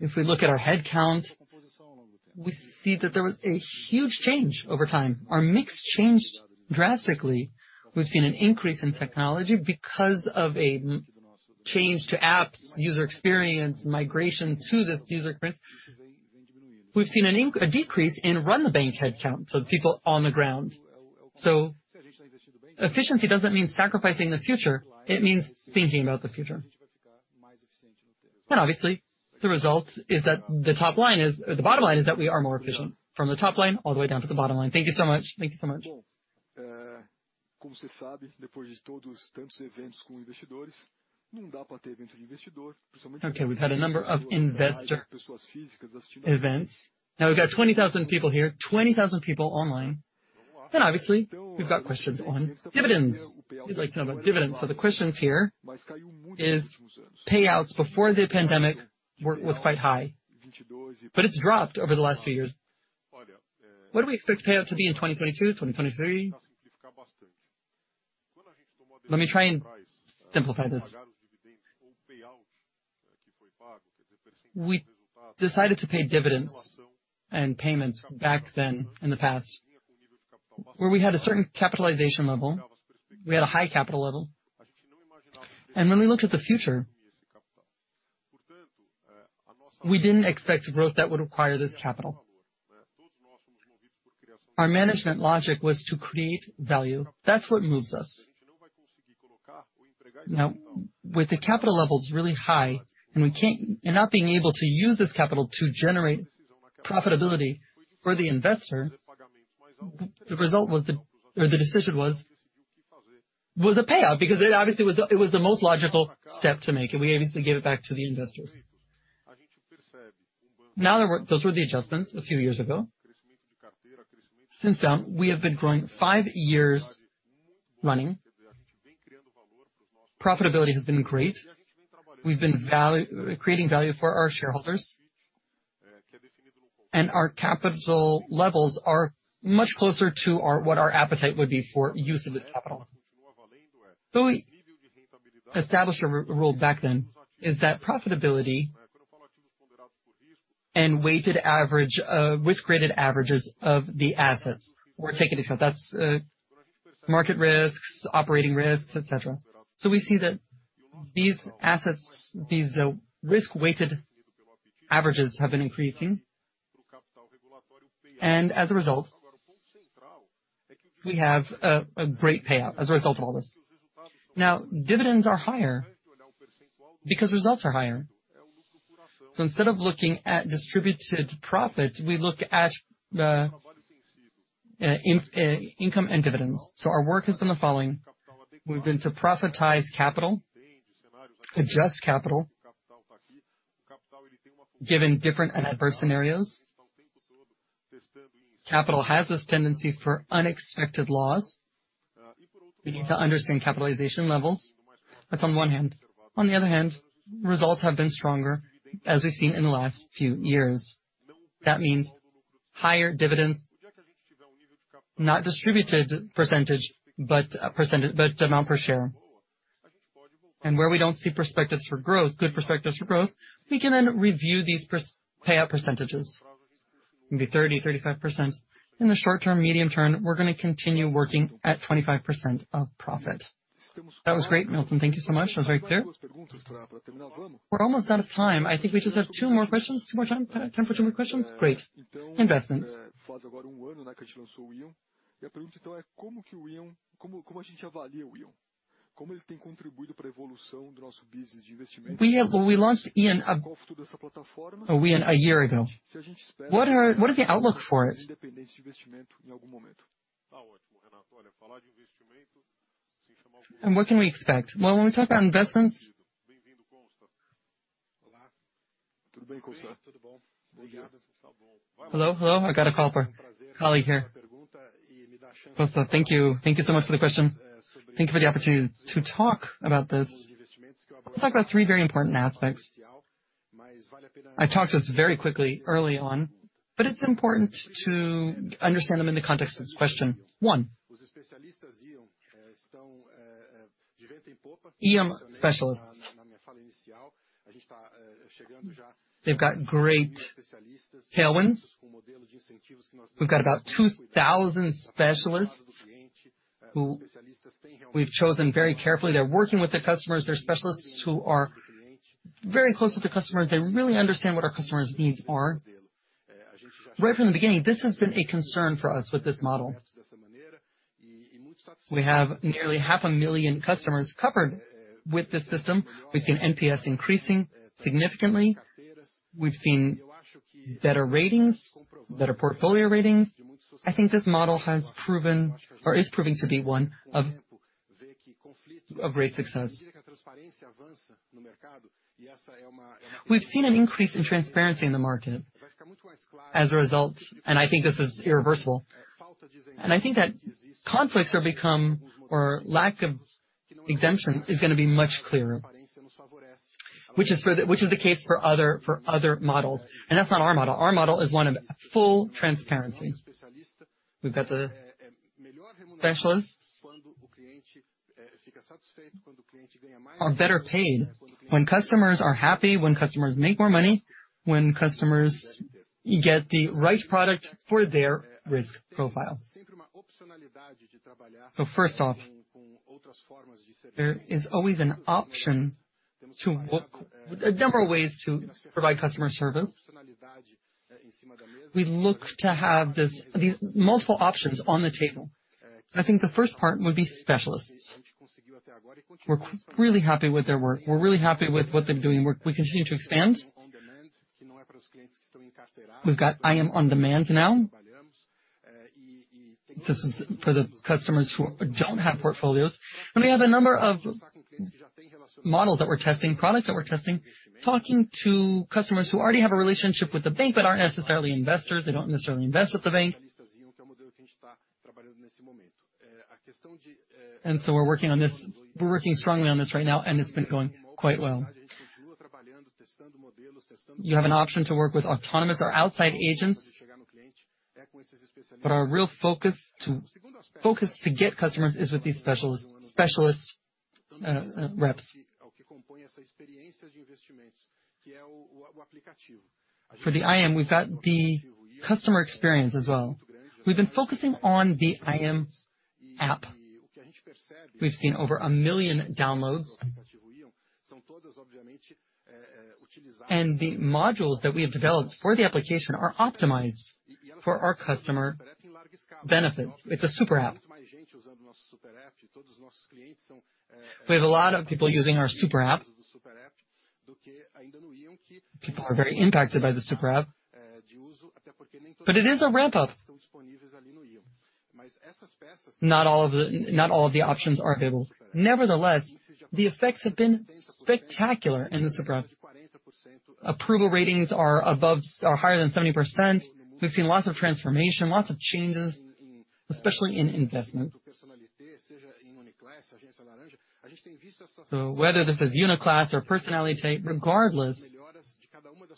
If we look at our headcount, we see that there was a huge change over time. Our mix changed drastically. We've seen an increase in technology because of a change to apps, user experience, migration to this user experience. We've seen a decrease in run the bank headcount, so the people on the ground. Efficiency doesn't mean sacrificing the future, it means thinking about the future. Obviously, the result is that the top line the bottom line is that we are more efficient from the top line all the way down to the bottom line. Thank you so much. Thank you so much. Okay. We've had a number of investor events. Now we've got 20,000 people here, 20,000 people online. Obviously, we've got questions on dividends. We'd like to know about dividends. The question here is payouts before the pandemic was quite high, but it's dropped over the last few years. What do we expect payout to be in 2022, 2023? Let me try and simplify this. We decided to pay dividends and payments back then in the past, where we had a certain capitalization level, we had a high capital level. When we looked at the future, we didn't expect growth that would require this capital. Our management logic was to create value. That's what moves us. Now, with the capital levels really high and not being able to use this capital to generate profitability for the investor, the result was the or the decision was a payout, because it obviously was, it was the most logical step to make, and we obviously gave it back to the investors. Now, those were the adjustments a few years ago. Since then, we have been growing five years running. Profitability has been great. We've been creating value for our shareholders. Our capital levels are much closer to what our appetite would be for use of this capital. We established a rule back then that profitability and weighted average of risk-weighted averages of the assets were taken into account. That's market risks, operating risks, et cetera. We see that these assets, these risk-weighted averages have been increasing. As a result, we have a great payout as a result of all this. Now, dividends are higher because results are higher. Instead of looking at distributed profits, we look at the income and dividends. Our work has been the following. We've been to prioritize capital, adjust capital, given different and adverse scenarios. Capital has this tendency for unexpected loss. We need to understand capitalization levels. That's on one hand. On the other hand, results have been stronger as we've seen in the last few years. That means higher dividends, not distributed percentage, but amount per share. Where we don't see perspectives for growth, good perspectives for growth, we can then review these payout percentages. It can be 30, 35%. In the short term, medium term, we're gonna continue working at 25% of profit. That was great, Milton. Thank you so much. That was very clear. We're almost out of time. I think we just have two more questions. Time for two more questions. Great. Investments. We launched íon a year ago. What are... What is the outlook for it? And what can we expect? Well, when we talk about investments. Hello, hello, I got a call from a colleague here. First off, thank you, thank you so much for the question. Thank you for the opportunity to talk about this. Let's talk about three very important aspects. I touched on this very quickly early on, but it's important to understand them in the context of this question. One, íon specialists. They've got great tailwinds. We've got about 2,000 specialists who we've chosen very carefully. They're working with the customers. They're specialists who are very close with the customers. They really understand what our customers' needs are. Right from the beginning, this has been a concern for us with this model. We have nearly 500,000 customers covered with this system. We've seen NPS increasing significantly. We've seen better ratings, better portfolio ratings. I think this model has proven or is proving to be one of great success. We've seen an increase in transparency in the market as a result, and I think this is irreversible. I think that conflicts are become or lack of exemption is gonna be much clearer, which is the case for other models. That's not our model. Our model is one of full transparency. We've got the specialists are better paid when customers are happy, when customers make more money, when customers get the right product for their risk profile. First off, there is always an option to work a number of ways to provide customer service. We look to have these multiple options on the table. I think the first part would be specialists. We're really happy with their work. We're really happy with what they're doing. We continue to expand. We've got íon on demand now. This is for the customers who don't have portfolios. We have a number of models that we're testing, products that we're testing, talking to customers who already have a relationship with the bank but aren't necessarily investors. They don't necessarily invest with the bank. We're working strongly on this right now, and it's been going quite well. You have an option to work with autonomous or outside agents. But our real focus to get customers is with these specialists reps. For the íon, we've got the customer experience as well. We've been focusing on the íon app. We've seen over 1 million downloads. The modules that we have developed for the application are optimized for our customer benefit. It's a super app. We have a lot of people using our super app. People are very impacted by the super app, but it is a ramp up. Not all of the options are available. Nevertheless, the effects have been spectacular in the super app. Approval ratings are higher than 70%. We've seen lots of transformation, lots of changes, especially in investment. Whether this is Uniclass or Personnalité, regardless,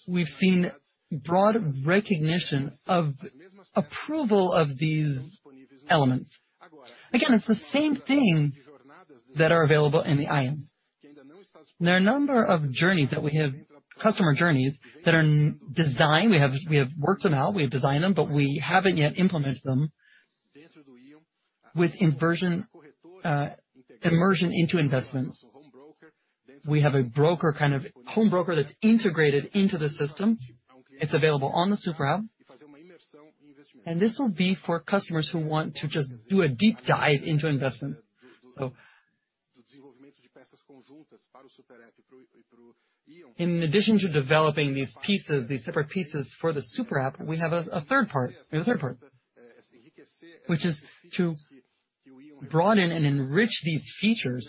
we've seen broad recognition of approval of these elements. Again, it's the same thing that are available in the IM. There are a number of journeys that we have, customer journeys that are designed. We have worked them out, we have designed them, but we haven't yet implemented them with immersion into investments. We have a broker, kind of home broker that's integrated into the system. It's available on the super app. This will be for customers who want to just do a deep dive into investments. In addition to developing these pieces, these separate pieces for the super app, we have a third part. We have a third part, which is to broaden and enrich these features.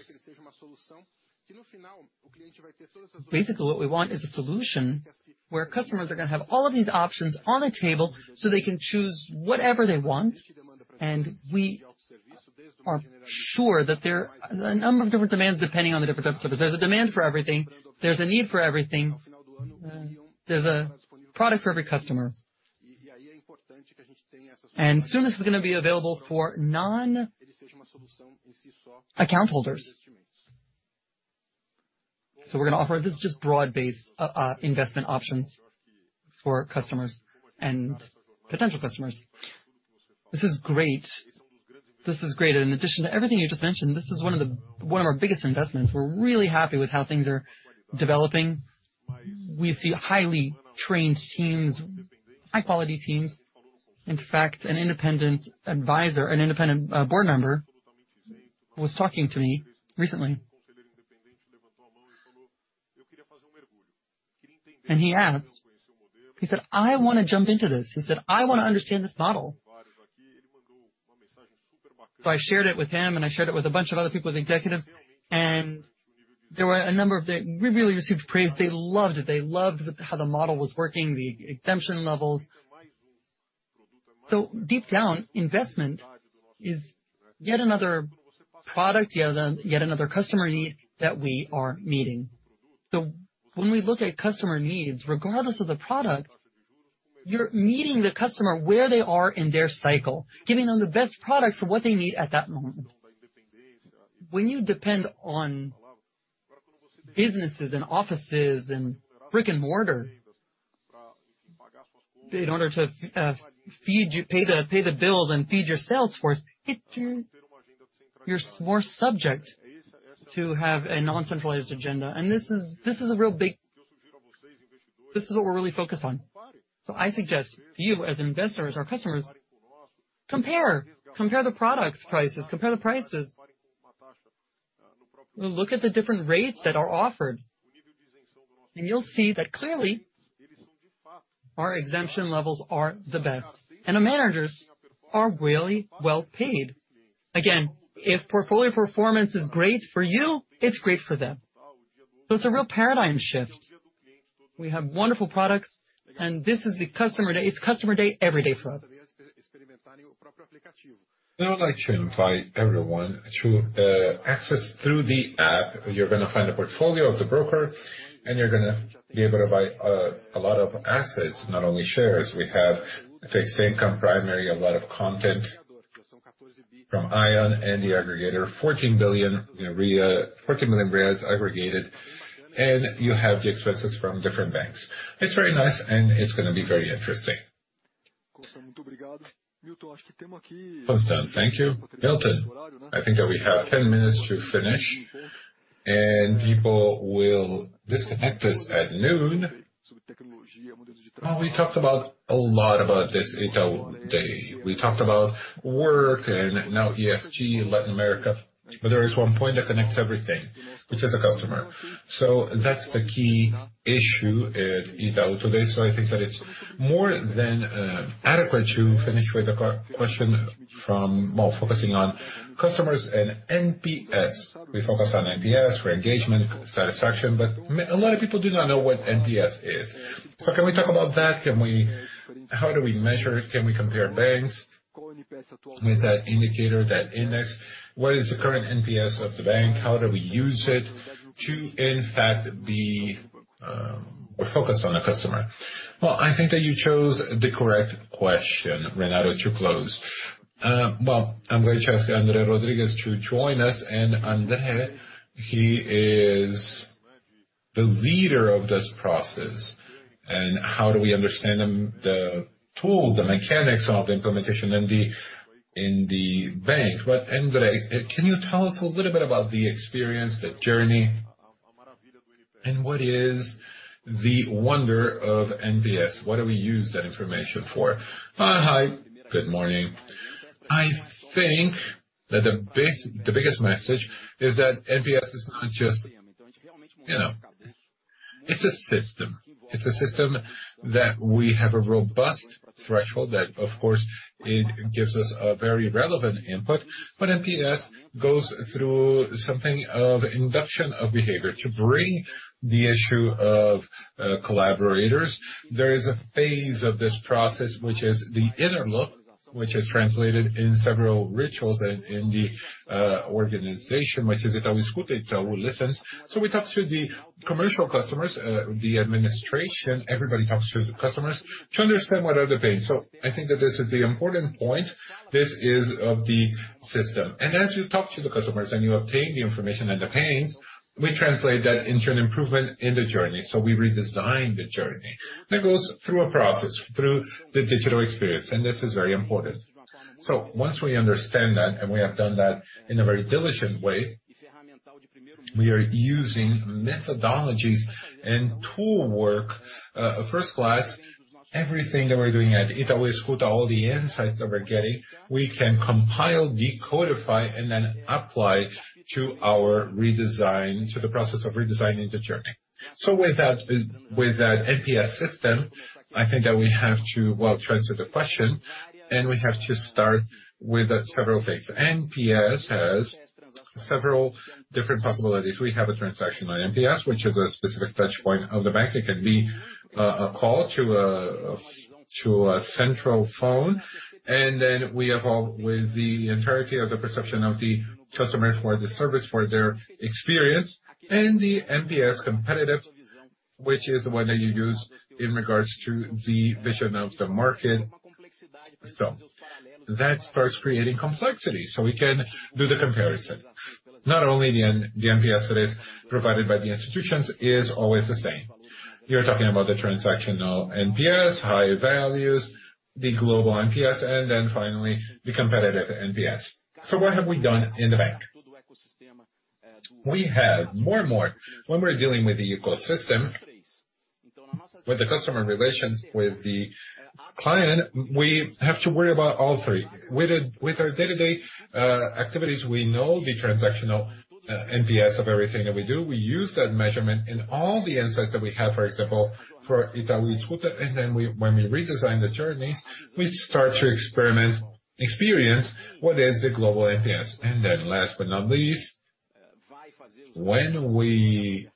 Basically, what we want is a solution where customers are gonna have all of these options on the table, so they can choose whatever they want. We are sure that there are a number of different demands depending on the different types of services. There's a demand for everything. There's a need for everything. There's a product for every customer. Soon this is gonna be available for non-account holders. We're gonna offer this just broad-based investment options for customers and potential customers. This is great. In addition to everything you just mentioned, this is one of our biggest investments. We're really happy with how things are developing. We see highly trained teams, high-quality teams. In fact, an independent advisor, board member was talking to me recently. He asked, he said, "I wanna jump into this." He said, "I wanna understand this model." I shared it with him, and I shared it with a bunch of other people, with executives. We really received praise. They loved it. They loved how the model was working, the exemption levels. Deep down, investment is yet another product, yet another customer need that we are meeting. When we look at customer needs, regardless of the product, you're meeting the customer where they are in their cycle, giving them the best product for what they need at that moment. When you depend on businesses and offices and brick-and-mortar in order to pay the bills and feed your sales force, you're more subject to have a non-centralized agenda. This is what we're really focused on. I suggest you as investors, our customers, compare the products' prices, compare the prices. Look at the different rates that are offered, and you'll see that clearly our execution levels are the best, and our managers are really well-paid. Again, if portfolio performance is great for you, it's great for them. It's a real paradigm shift. We have wonderful products, and this is the customer day. It's customer day every day for us. Now I'd like to invite everyone to access through the app. You're gonna find a portfolio of the broker, and you're gonna be able to buy a lot of assets, not only shares. We have fixed income, primary, a lot of content from íon and the aggregator, 14 billion in reais, 14 million reais aggregated, and you have the expenses from different banks. It's very nice, and it's gonna be very interesting. Constantini, thank you. Milton, I think that we have 10 minutes to finish, and people will disconnect us at noon. Well, we talked about a lot about this Itaú Day. We talked about work and now ESG in Latin America. There is one point that connects everything, which is the customer. That's the key issue at Itaú today. I think that it's more than adequate to finish with a question from... Well, focusing on customers and NPS. We focus on NPS for engagement, satisfaction, but a lot of people do not know what NPS is. Can we talk about that? Can we How do we measure it? Can we compare banks with that indicator, that index? What is the current NPS of the bank? How do we use it to, in fact, we're focused on the customer. Well, I think that you chose the correct question, Renato, to close. I'm going to ask André Rodrigues to join us, and André, he is the leader of this process and how do we understand the tool, the mechanics of implementation in the bank. But André, can you tell us a little bit about the experience, the journey, and what is the wonder of NPS? What do we use that information for? Hi, good morning. I think that the biggest message is that NPS is not just, you know, it's a system. It's a system that we have a robust threshold that, of course, it gives us a very relevant input. NPS goes through something of induction of behavior to bring the issue of collaborators. There is a phase of this process, which is the inner loop, which is translated in several rituals in the organization, which is Itaú Escuta, Itaú Listens. We talk to the commercial customers, the administration, everybody talks to the customers to understand what are the pains. I think that this is the important point. This is of the system. As you talk to the customers and you obtain the information and the pains, we translate that into an improvement in the journey. We redesign the journey. That goes through a process, through the digital experience, and this is very important. Once we understand that, and we have done that in a very diligent way, we are using methodologies and toolkit, first class, everything that we're doing at Itaú Escuta, all the insights that we're getting, we can compile, decode, and then apply to our redesign, to the process of redesigning the journey. With that, with that NPS system, I think that we have to, well, answer the question, and we have to start with several things. NPS has several different possibilities. We have a transactional NPS, which is a specific touch point of the bank. It can be a call to a central phone. Then we evolve with the entirety of the perception of the customers for the service, for their experience. The NPS competitive, which is the one that you use in regards to the vision of the market. That starts creating complexity. We can do the comparison. Not only the NPS that is provided by the institutions is always the same. You're talking about the transactional NPS, high values, the global NPS, and then finally the competitive NPS. What have we done in the bank? We have more and more. When we're dealing with the ecosystem, with the customer relations, with the client, we have to worry about all three. With our day-to-day activities, we know the transactional NPS of everything that we do. We use that measurement in all the insights that we have, for example, for Itaú Escuta, and then when we redesign the journeys, we start to experience what is the global NPS. Last but not least, when we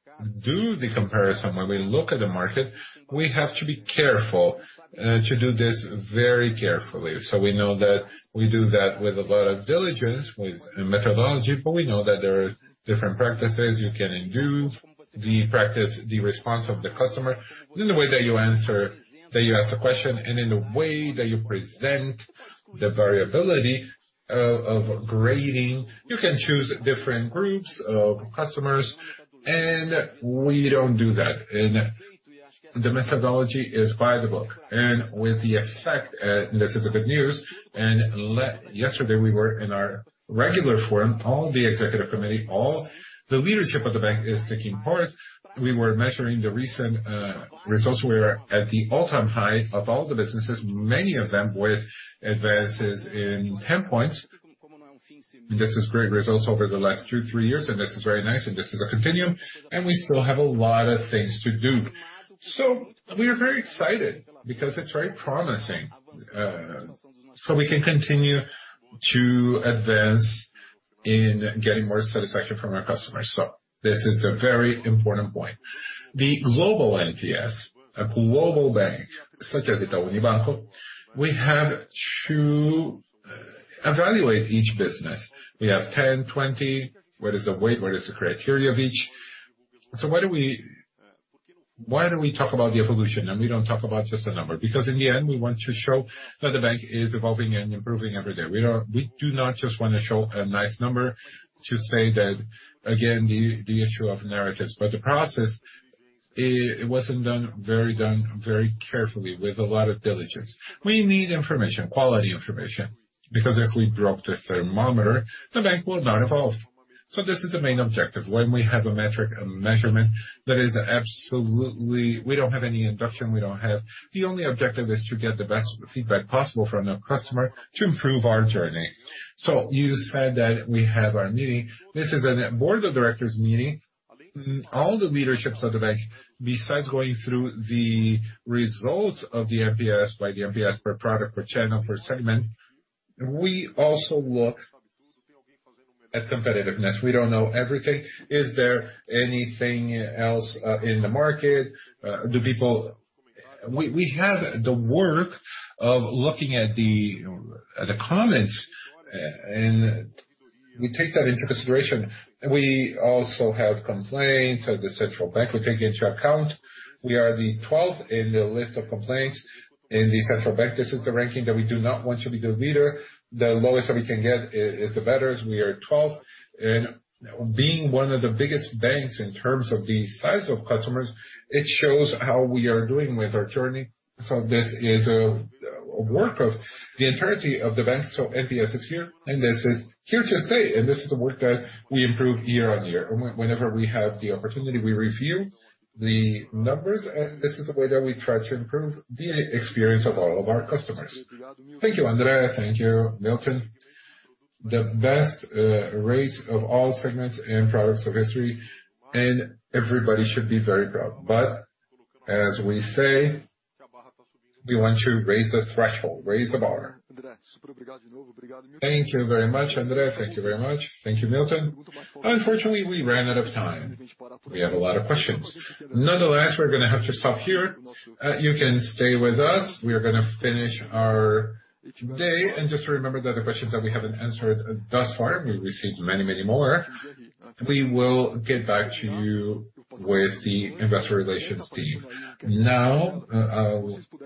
do the comparison, when we look at the market, we have to be careful to do this very carefully. We know that we do that with a lot of diligence, with methodology, but we know that there are different practices. You can induce the practice, the response of the customer in the way that you ask the question and in the way that you present the variability of grading. You can choose different groups of customers, and we don't do that. The methodology is by the book. With the effect, this is good news, and yesterday, we were in our regular forum, all the executive committee, all the leadership of the bank is taking part. We were measuring the recent results. We were at the all-time high of all the businesses, many of them with advances in 10 points. This is great results over the last 2, 3 years, and this is very nice, and this is a continuum, and we still have a lot of things to do. We are very excited because it's very promising. We can continue to advance in getting more satisfaction from our customers. This is a very important point. The global NPS, a global bank such as Itaú Unibanco, we have to evaluate each business. We have 10, 20. What is the weight? What is the criteria of each? Why do we talk about the evolution and we don't talk about just a number? Because in the end, we want to show that the bank is evolving and improving every day. We do not just wanna show a nice number to say that, again, the issue of narratives, but the process, it wasn't done very carefully with a lot of diligence. We need information, quality information, because if we drop the thermometer, the bank will not evolve. This is the main objective. When we have a metric, a measurement that is absolutely reliable. We don't have any induction, we don't have any inducement. The only objective is to get the best feedback possible from the customer to improve our journey. You said that we have our meeting. This is a board of directors meeting. All the leadership of the bank, besides going through the results of the NPS, by the NPS, per product, per channel, per segment, we also look at competitiveness. We don't know everything. Is there anything else in the market? We have the work of looking at the comments, and we take that into consideration. We also have complaints of the Central Bank we take into account. We are the 12th in the list of complaints in the Central Bank. This is the ranking that we do not want to be the leader. The lowest that we can get is the better. As we are 12th and being one of the biggest banks in terms of the size of customers, it shows how we are doing with our journey. This is a work of the entirety of the bank. NPS is here, and this is here to stay. This is the work that we improve year on year. Whenever we have the opportunity, we review the numbers, and this is the way that we try to improve the experience of all of our customers. Thank you, André. Thank you, Milton. The best rates of all segments and products of history, and everybody should be very proud. But as we say, we want to raise the threshold, raise the bar. Thank you very much, André. Thank you very much. Thank you, Milton. Unfortunately, we ran out of time. We have a lot of questions. Nonetheless, we're gonna have to stop here. You can stay with us. We are gonna finish our day. Just remember that the questions that we haven't answered thus far, we received many, many more, we will get back to you with the investor relations team. Now,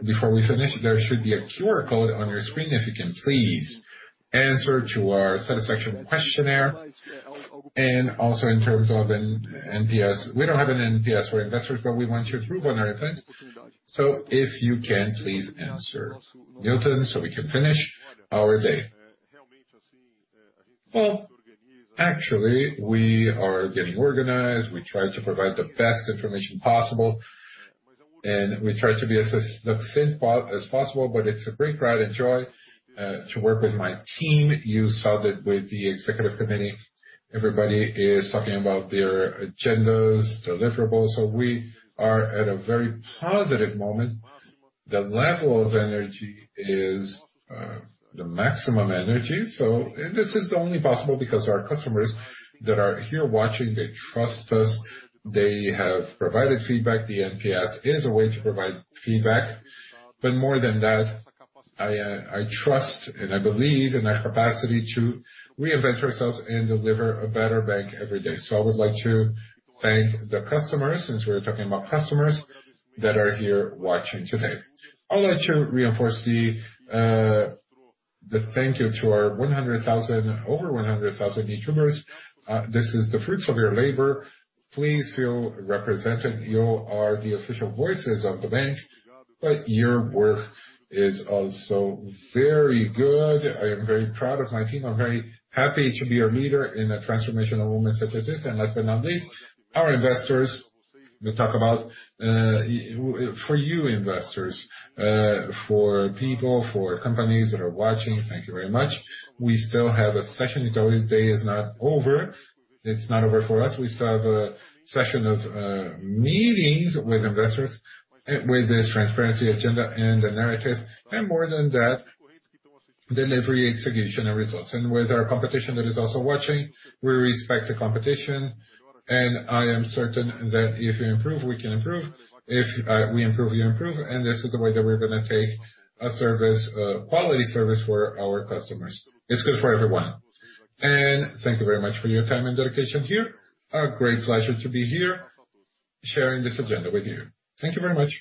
before we finish, there should be a QR code on your screen. If you can please answer to our satisfaction questionnaire, and also in terms of an NPS. We don't have an NPS for investors, but we want your feedback on our event. If you can please answer, Milton, so we can finish our day. Well, actually, we are getting organized. We try to provide the best information possible, and we try to be as succinct as possible. It's a great pride and joy to work with my team. You saw that with the Executive Committee. Everybody is talking about their agendas, deliverables. We are at a very positive moment. The level of energy is the maximum energy. This is only possible because our customers that are here watching, they trust us. They have provided feedback. The NPS is a way to provide feedback. More than that, I trust and I believe in our capacity to reinvent ourselves and deliver a better bank every day. I would like to thank the customers, since we're talking about customers, that are here watching today. I'd like to reinforce the thank you to our over 100,000 Itubers. This is the fruits of your labor. Please feel represented. You are the official voices of the bank, but your work is also very good. I am very proud of my team. I'm very happy to be your leader in a transformational moment such as this. Last but not least, our investors. We'll talk about for you investors, for people, for companies that are watching, thank you very much. We still have a session. The day is not over. It's not over for us. We still have a session of meetings with investors with this transparency agenda and the narrative, and more than that, delivery, execution, and results. With our competition that is also watching, we respect the competition, and I am certain that if you improve, we can improve. If we improve, you improve. This is the way that we're gonna take a service quality service for our customers. It's good for everyone. Thank you very much for your time and dedication here. A great pleasure to be here sharing this agenda with you. Thank you very much.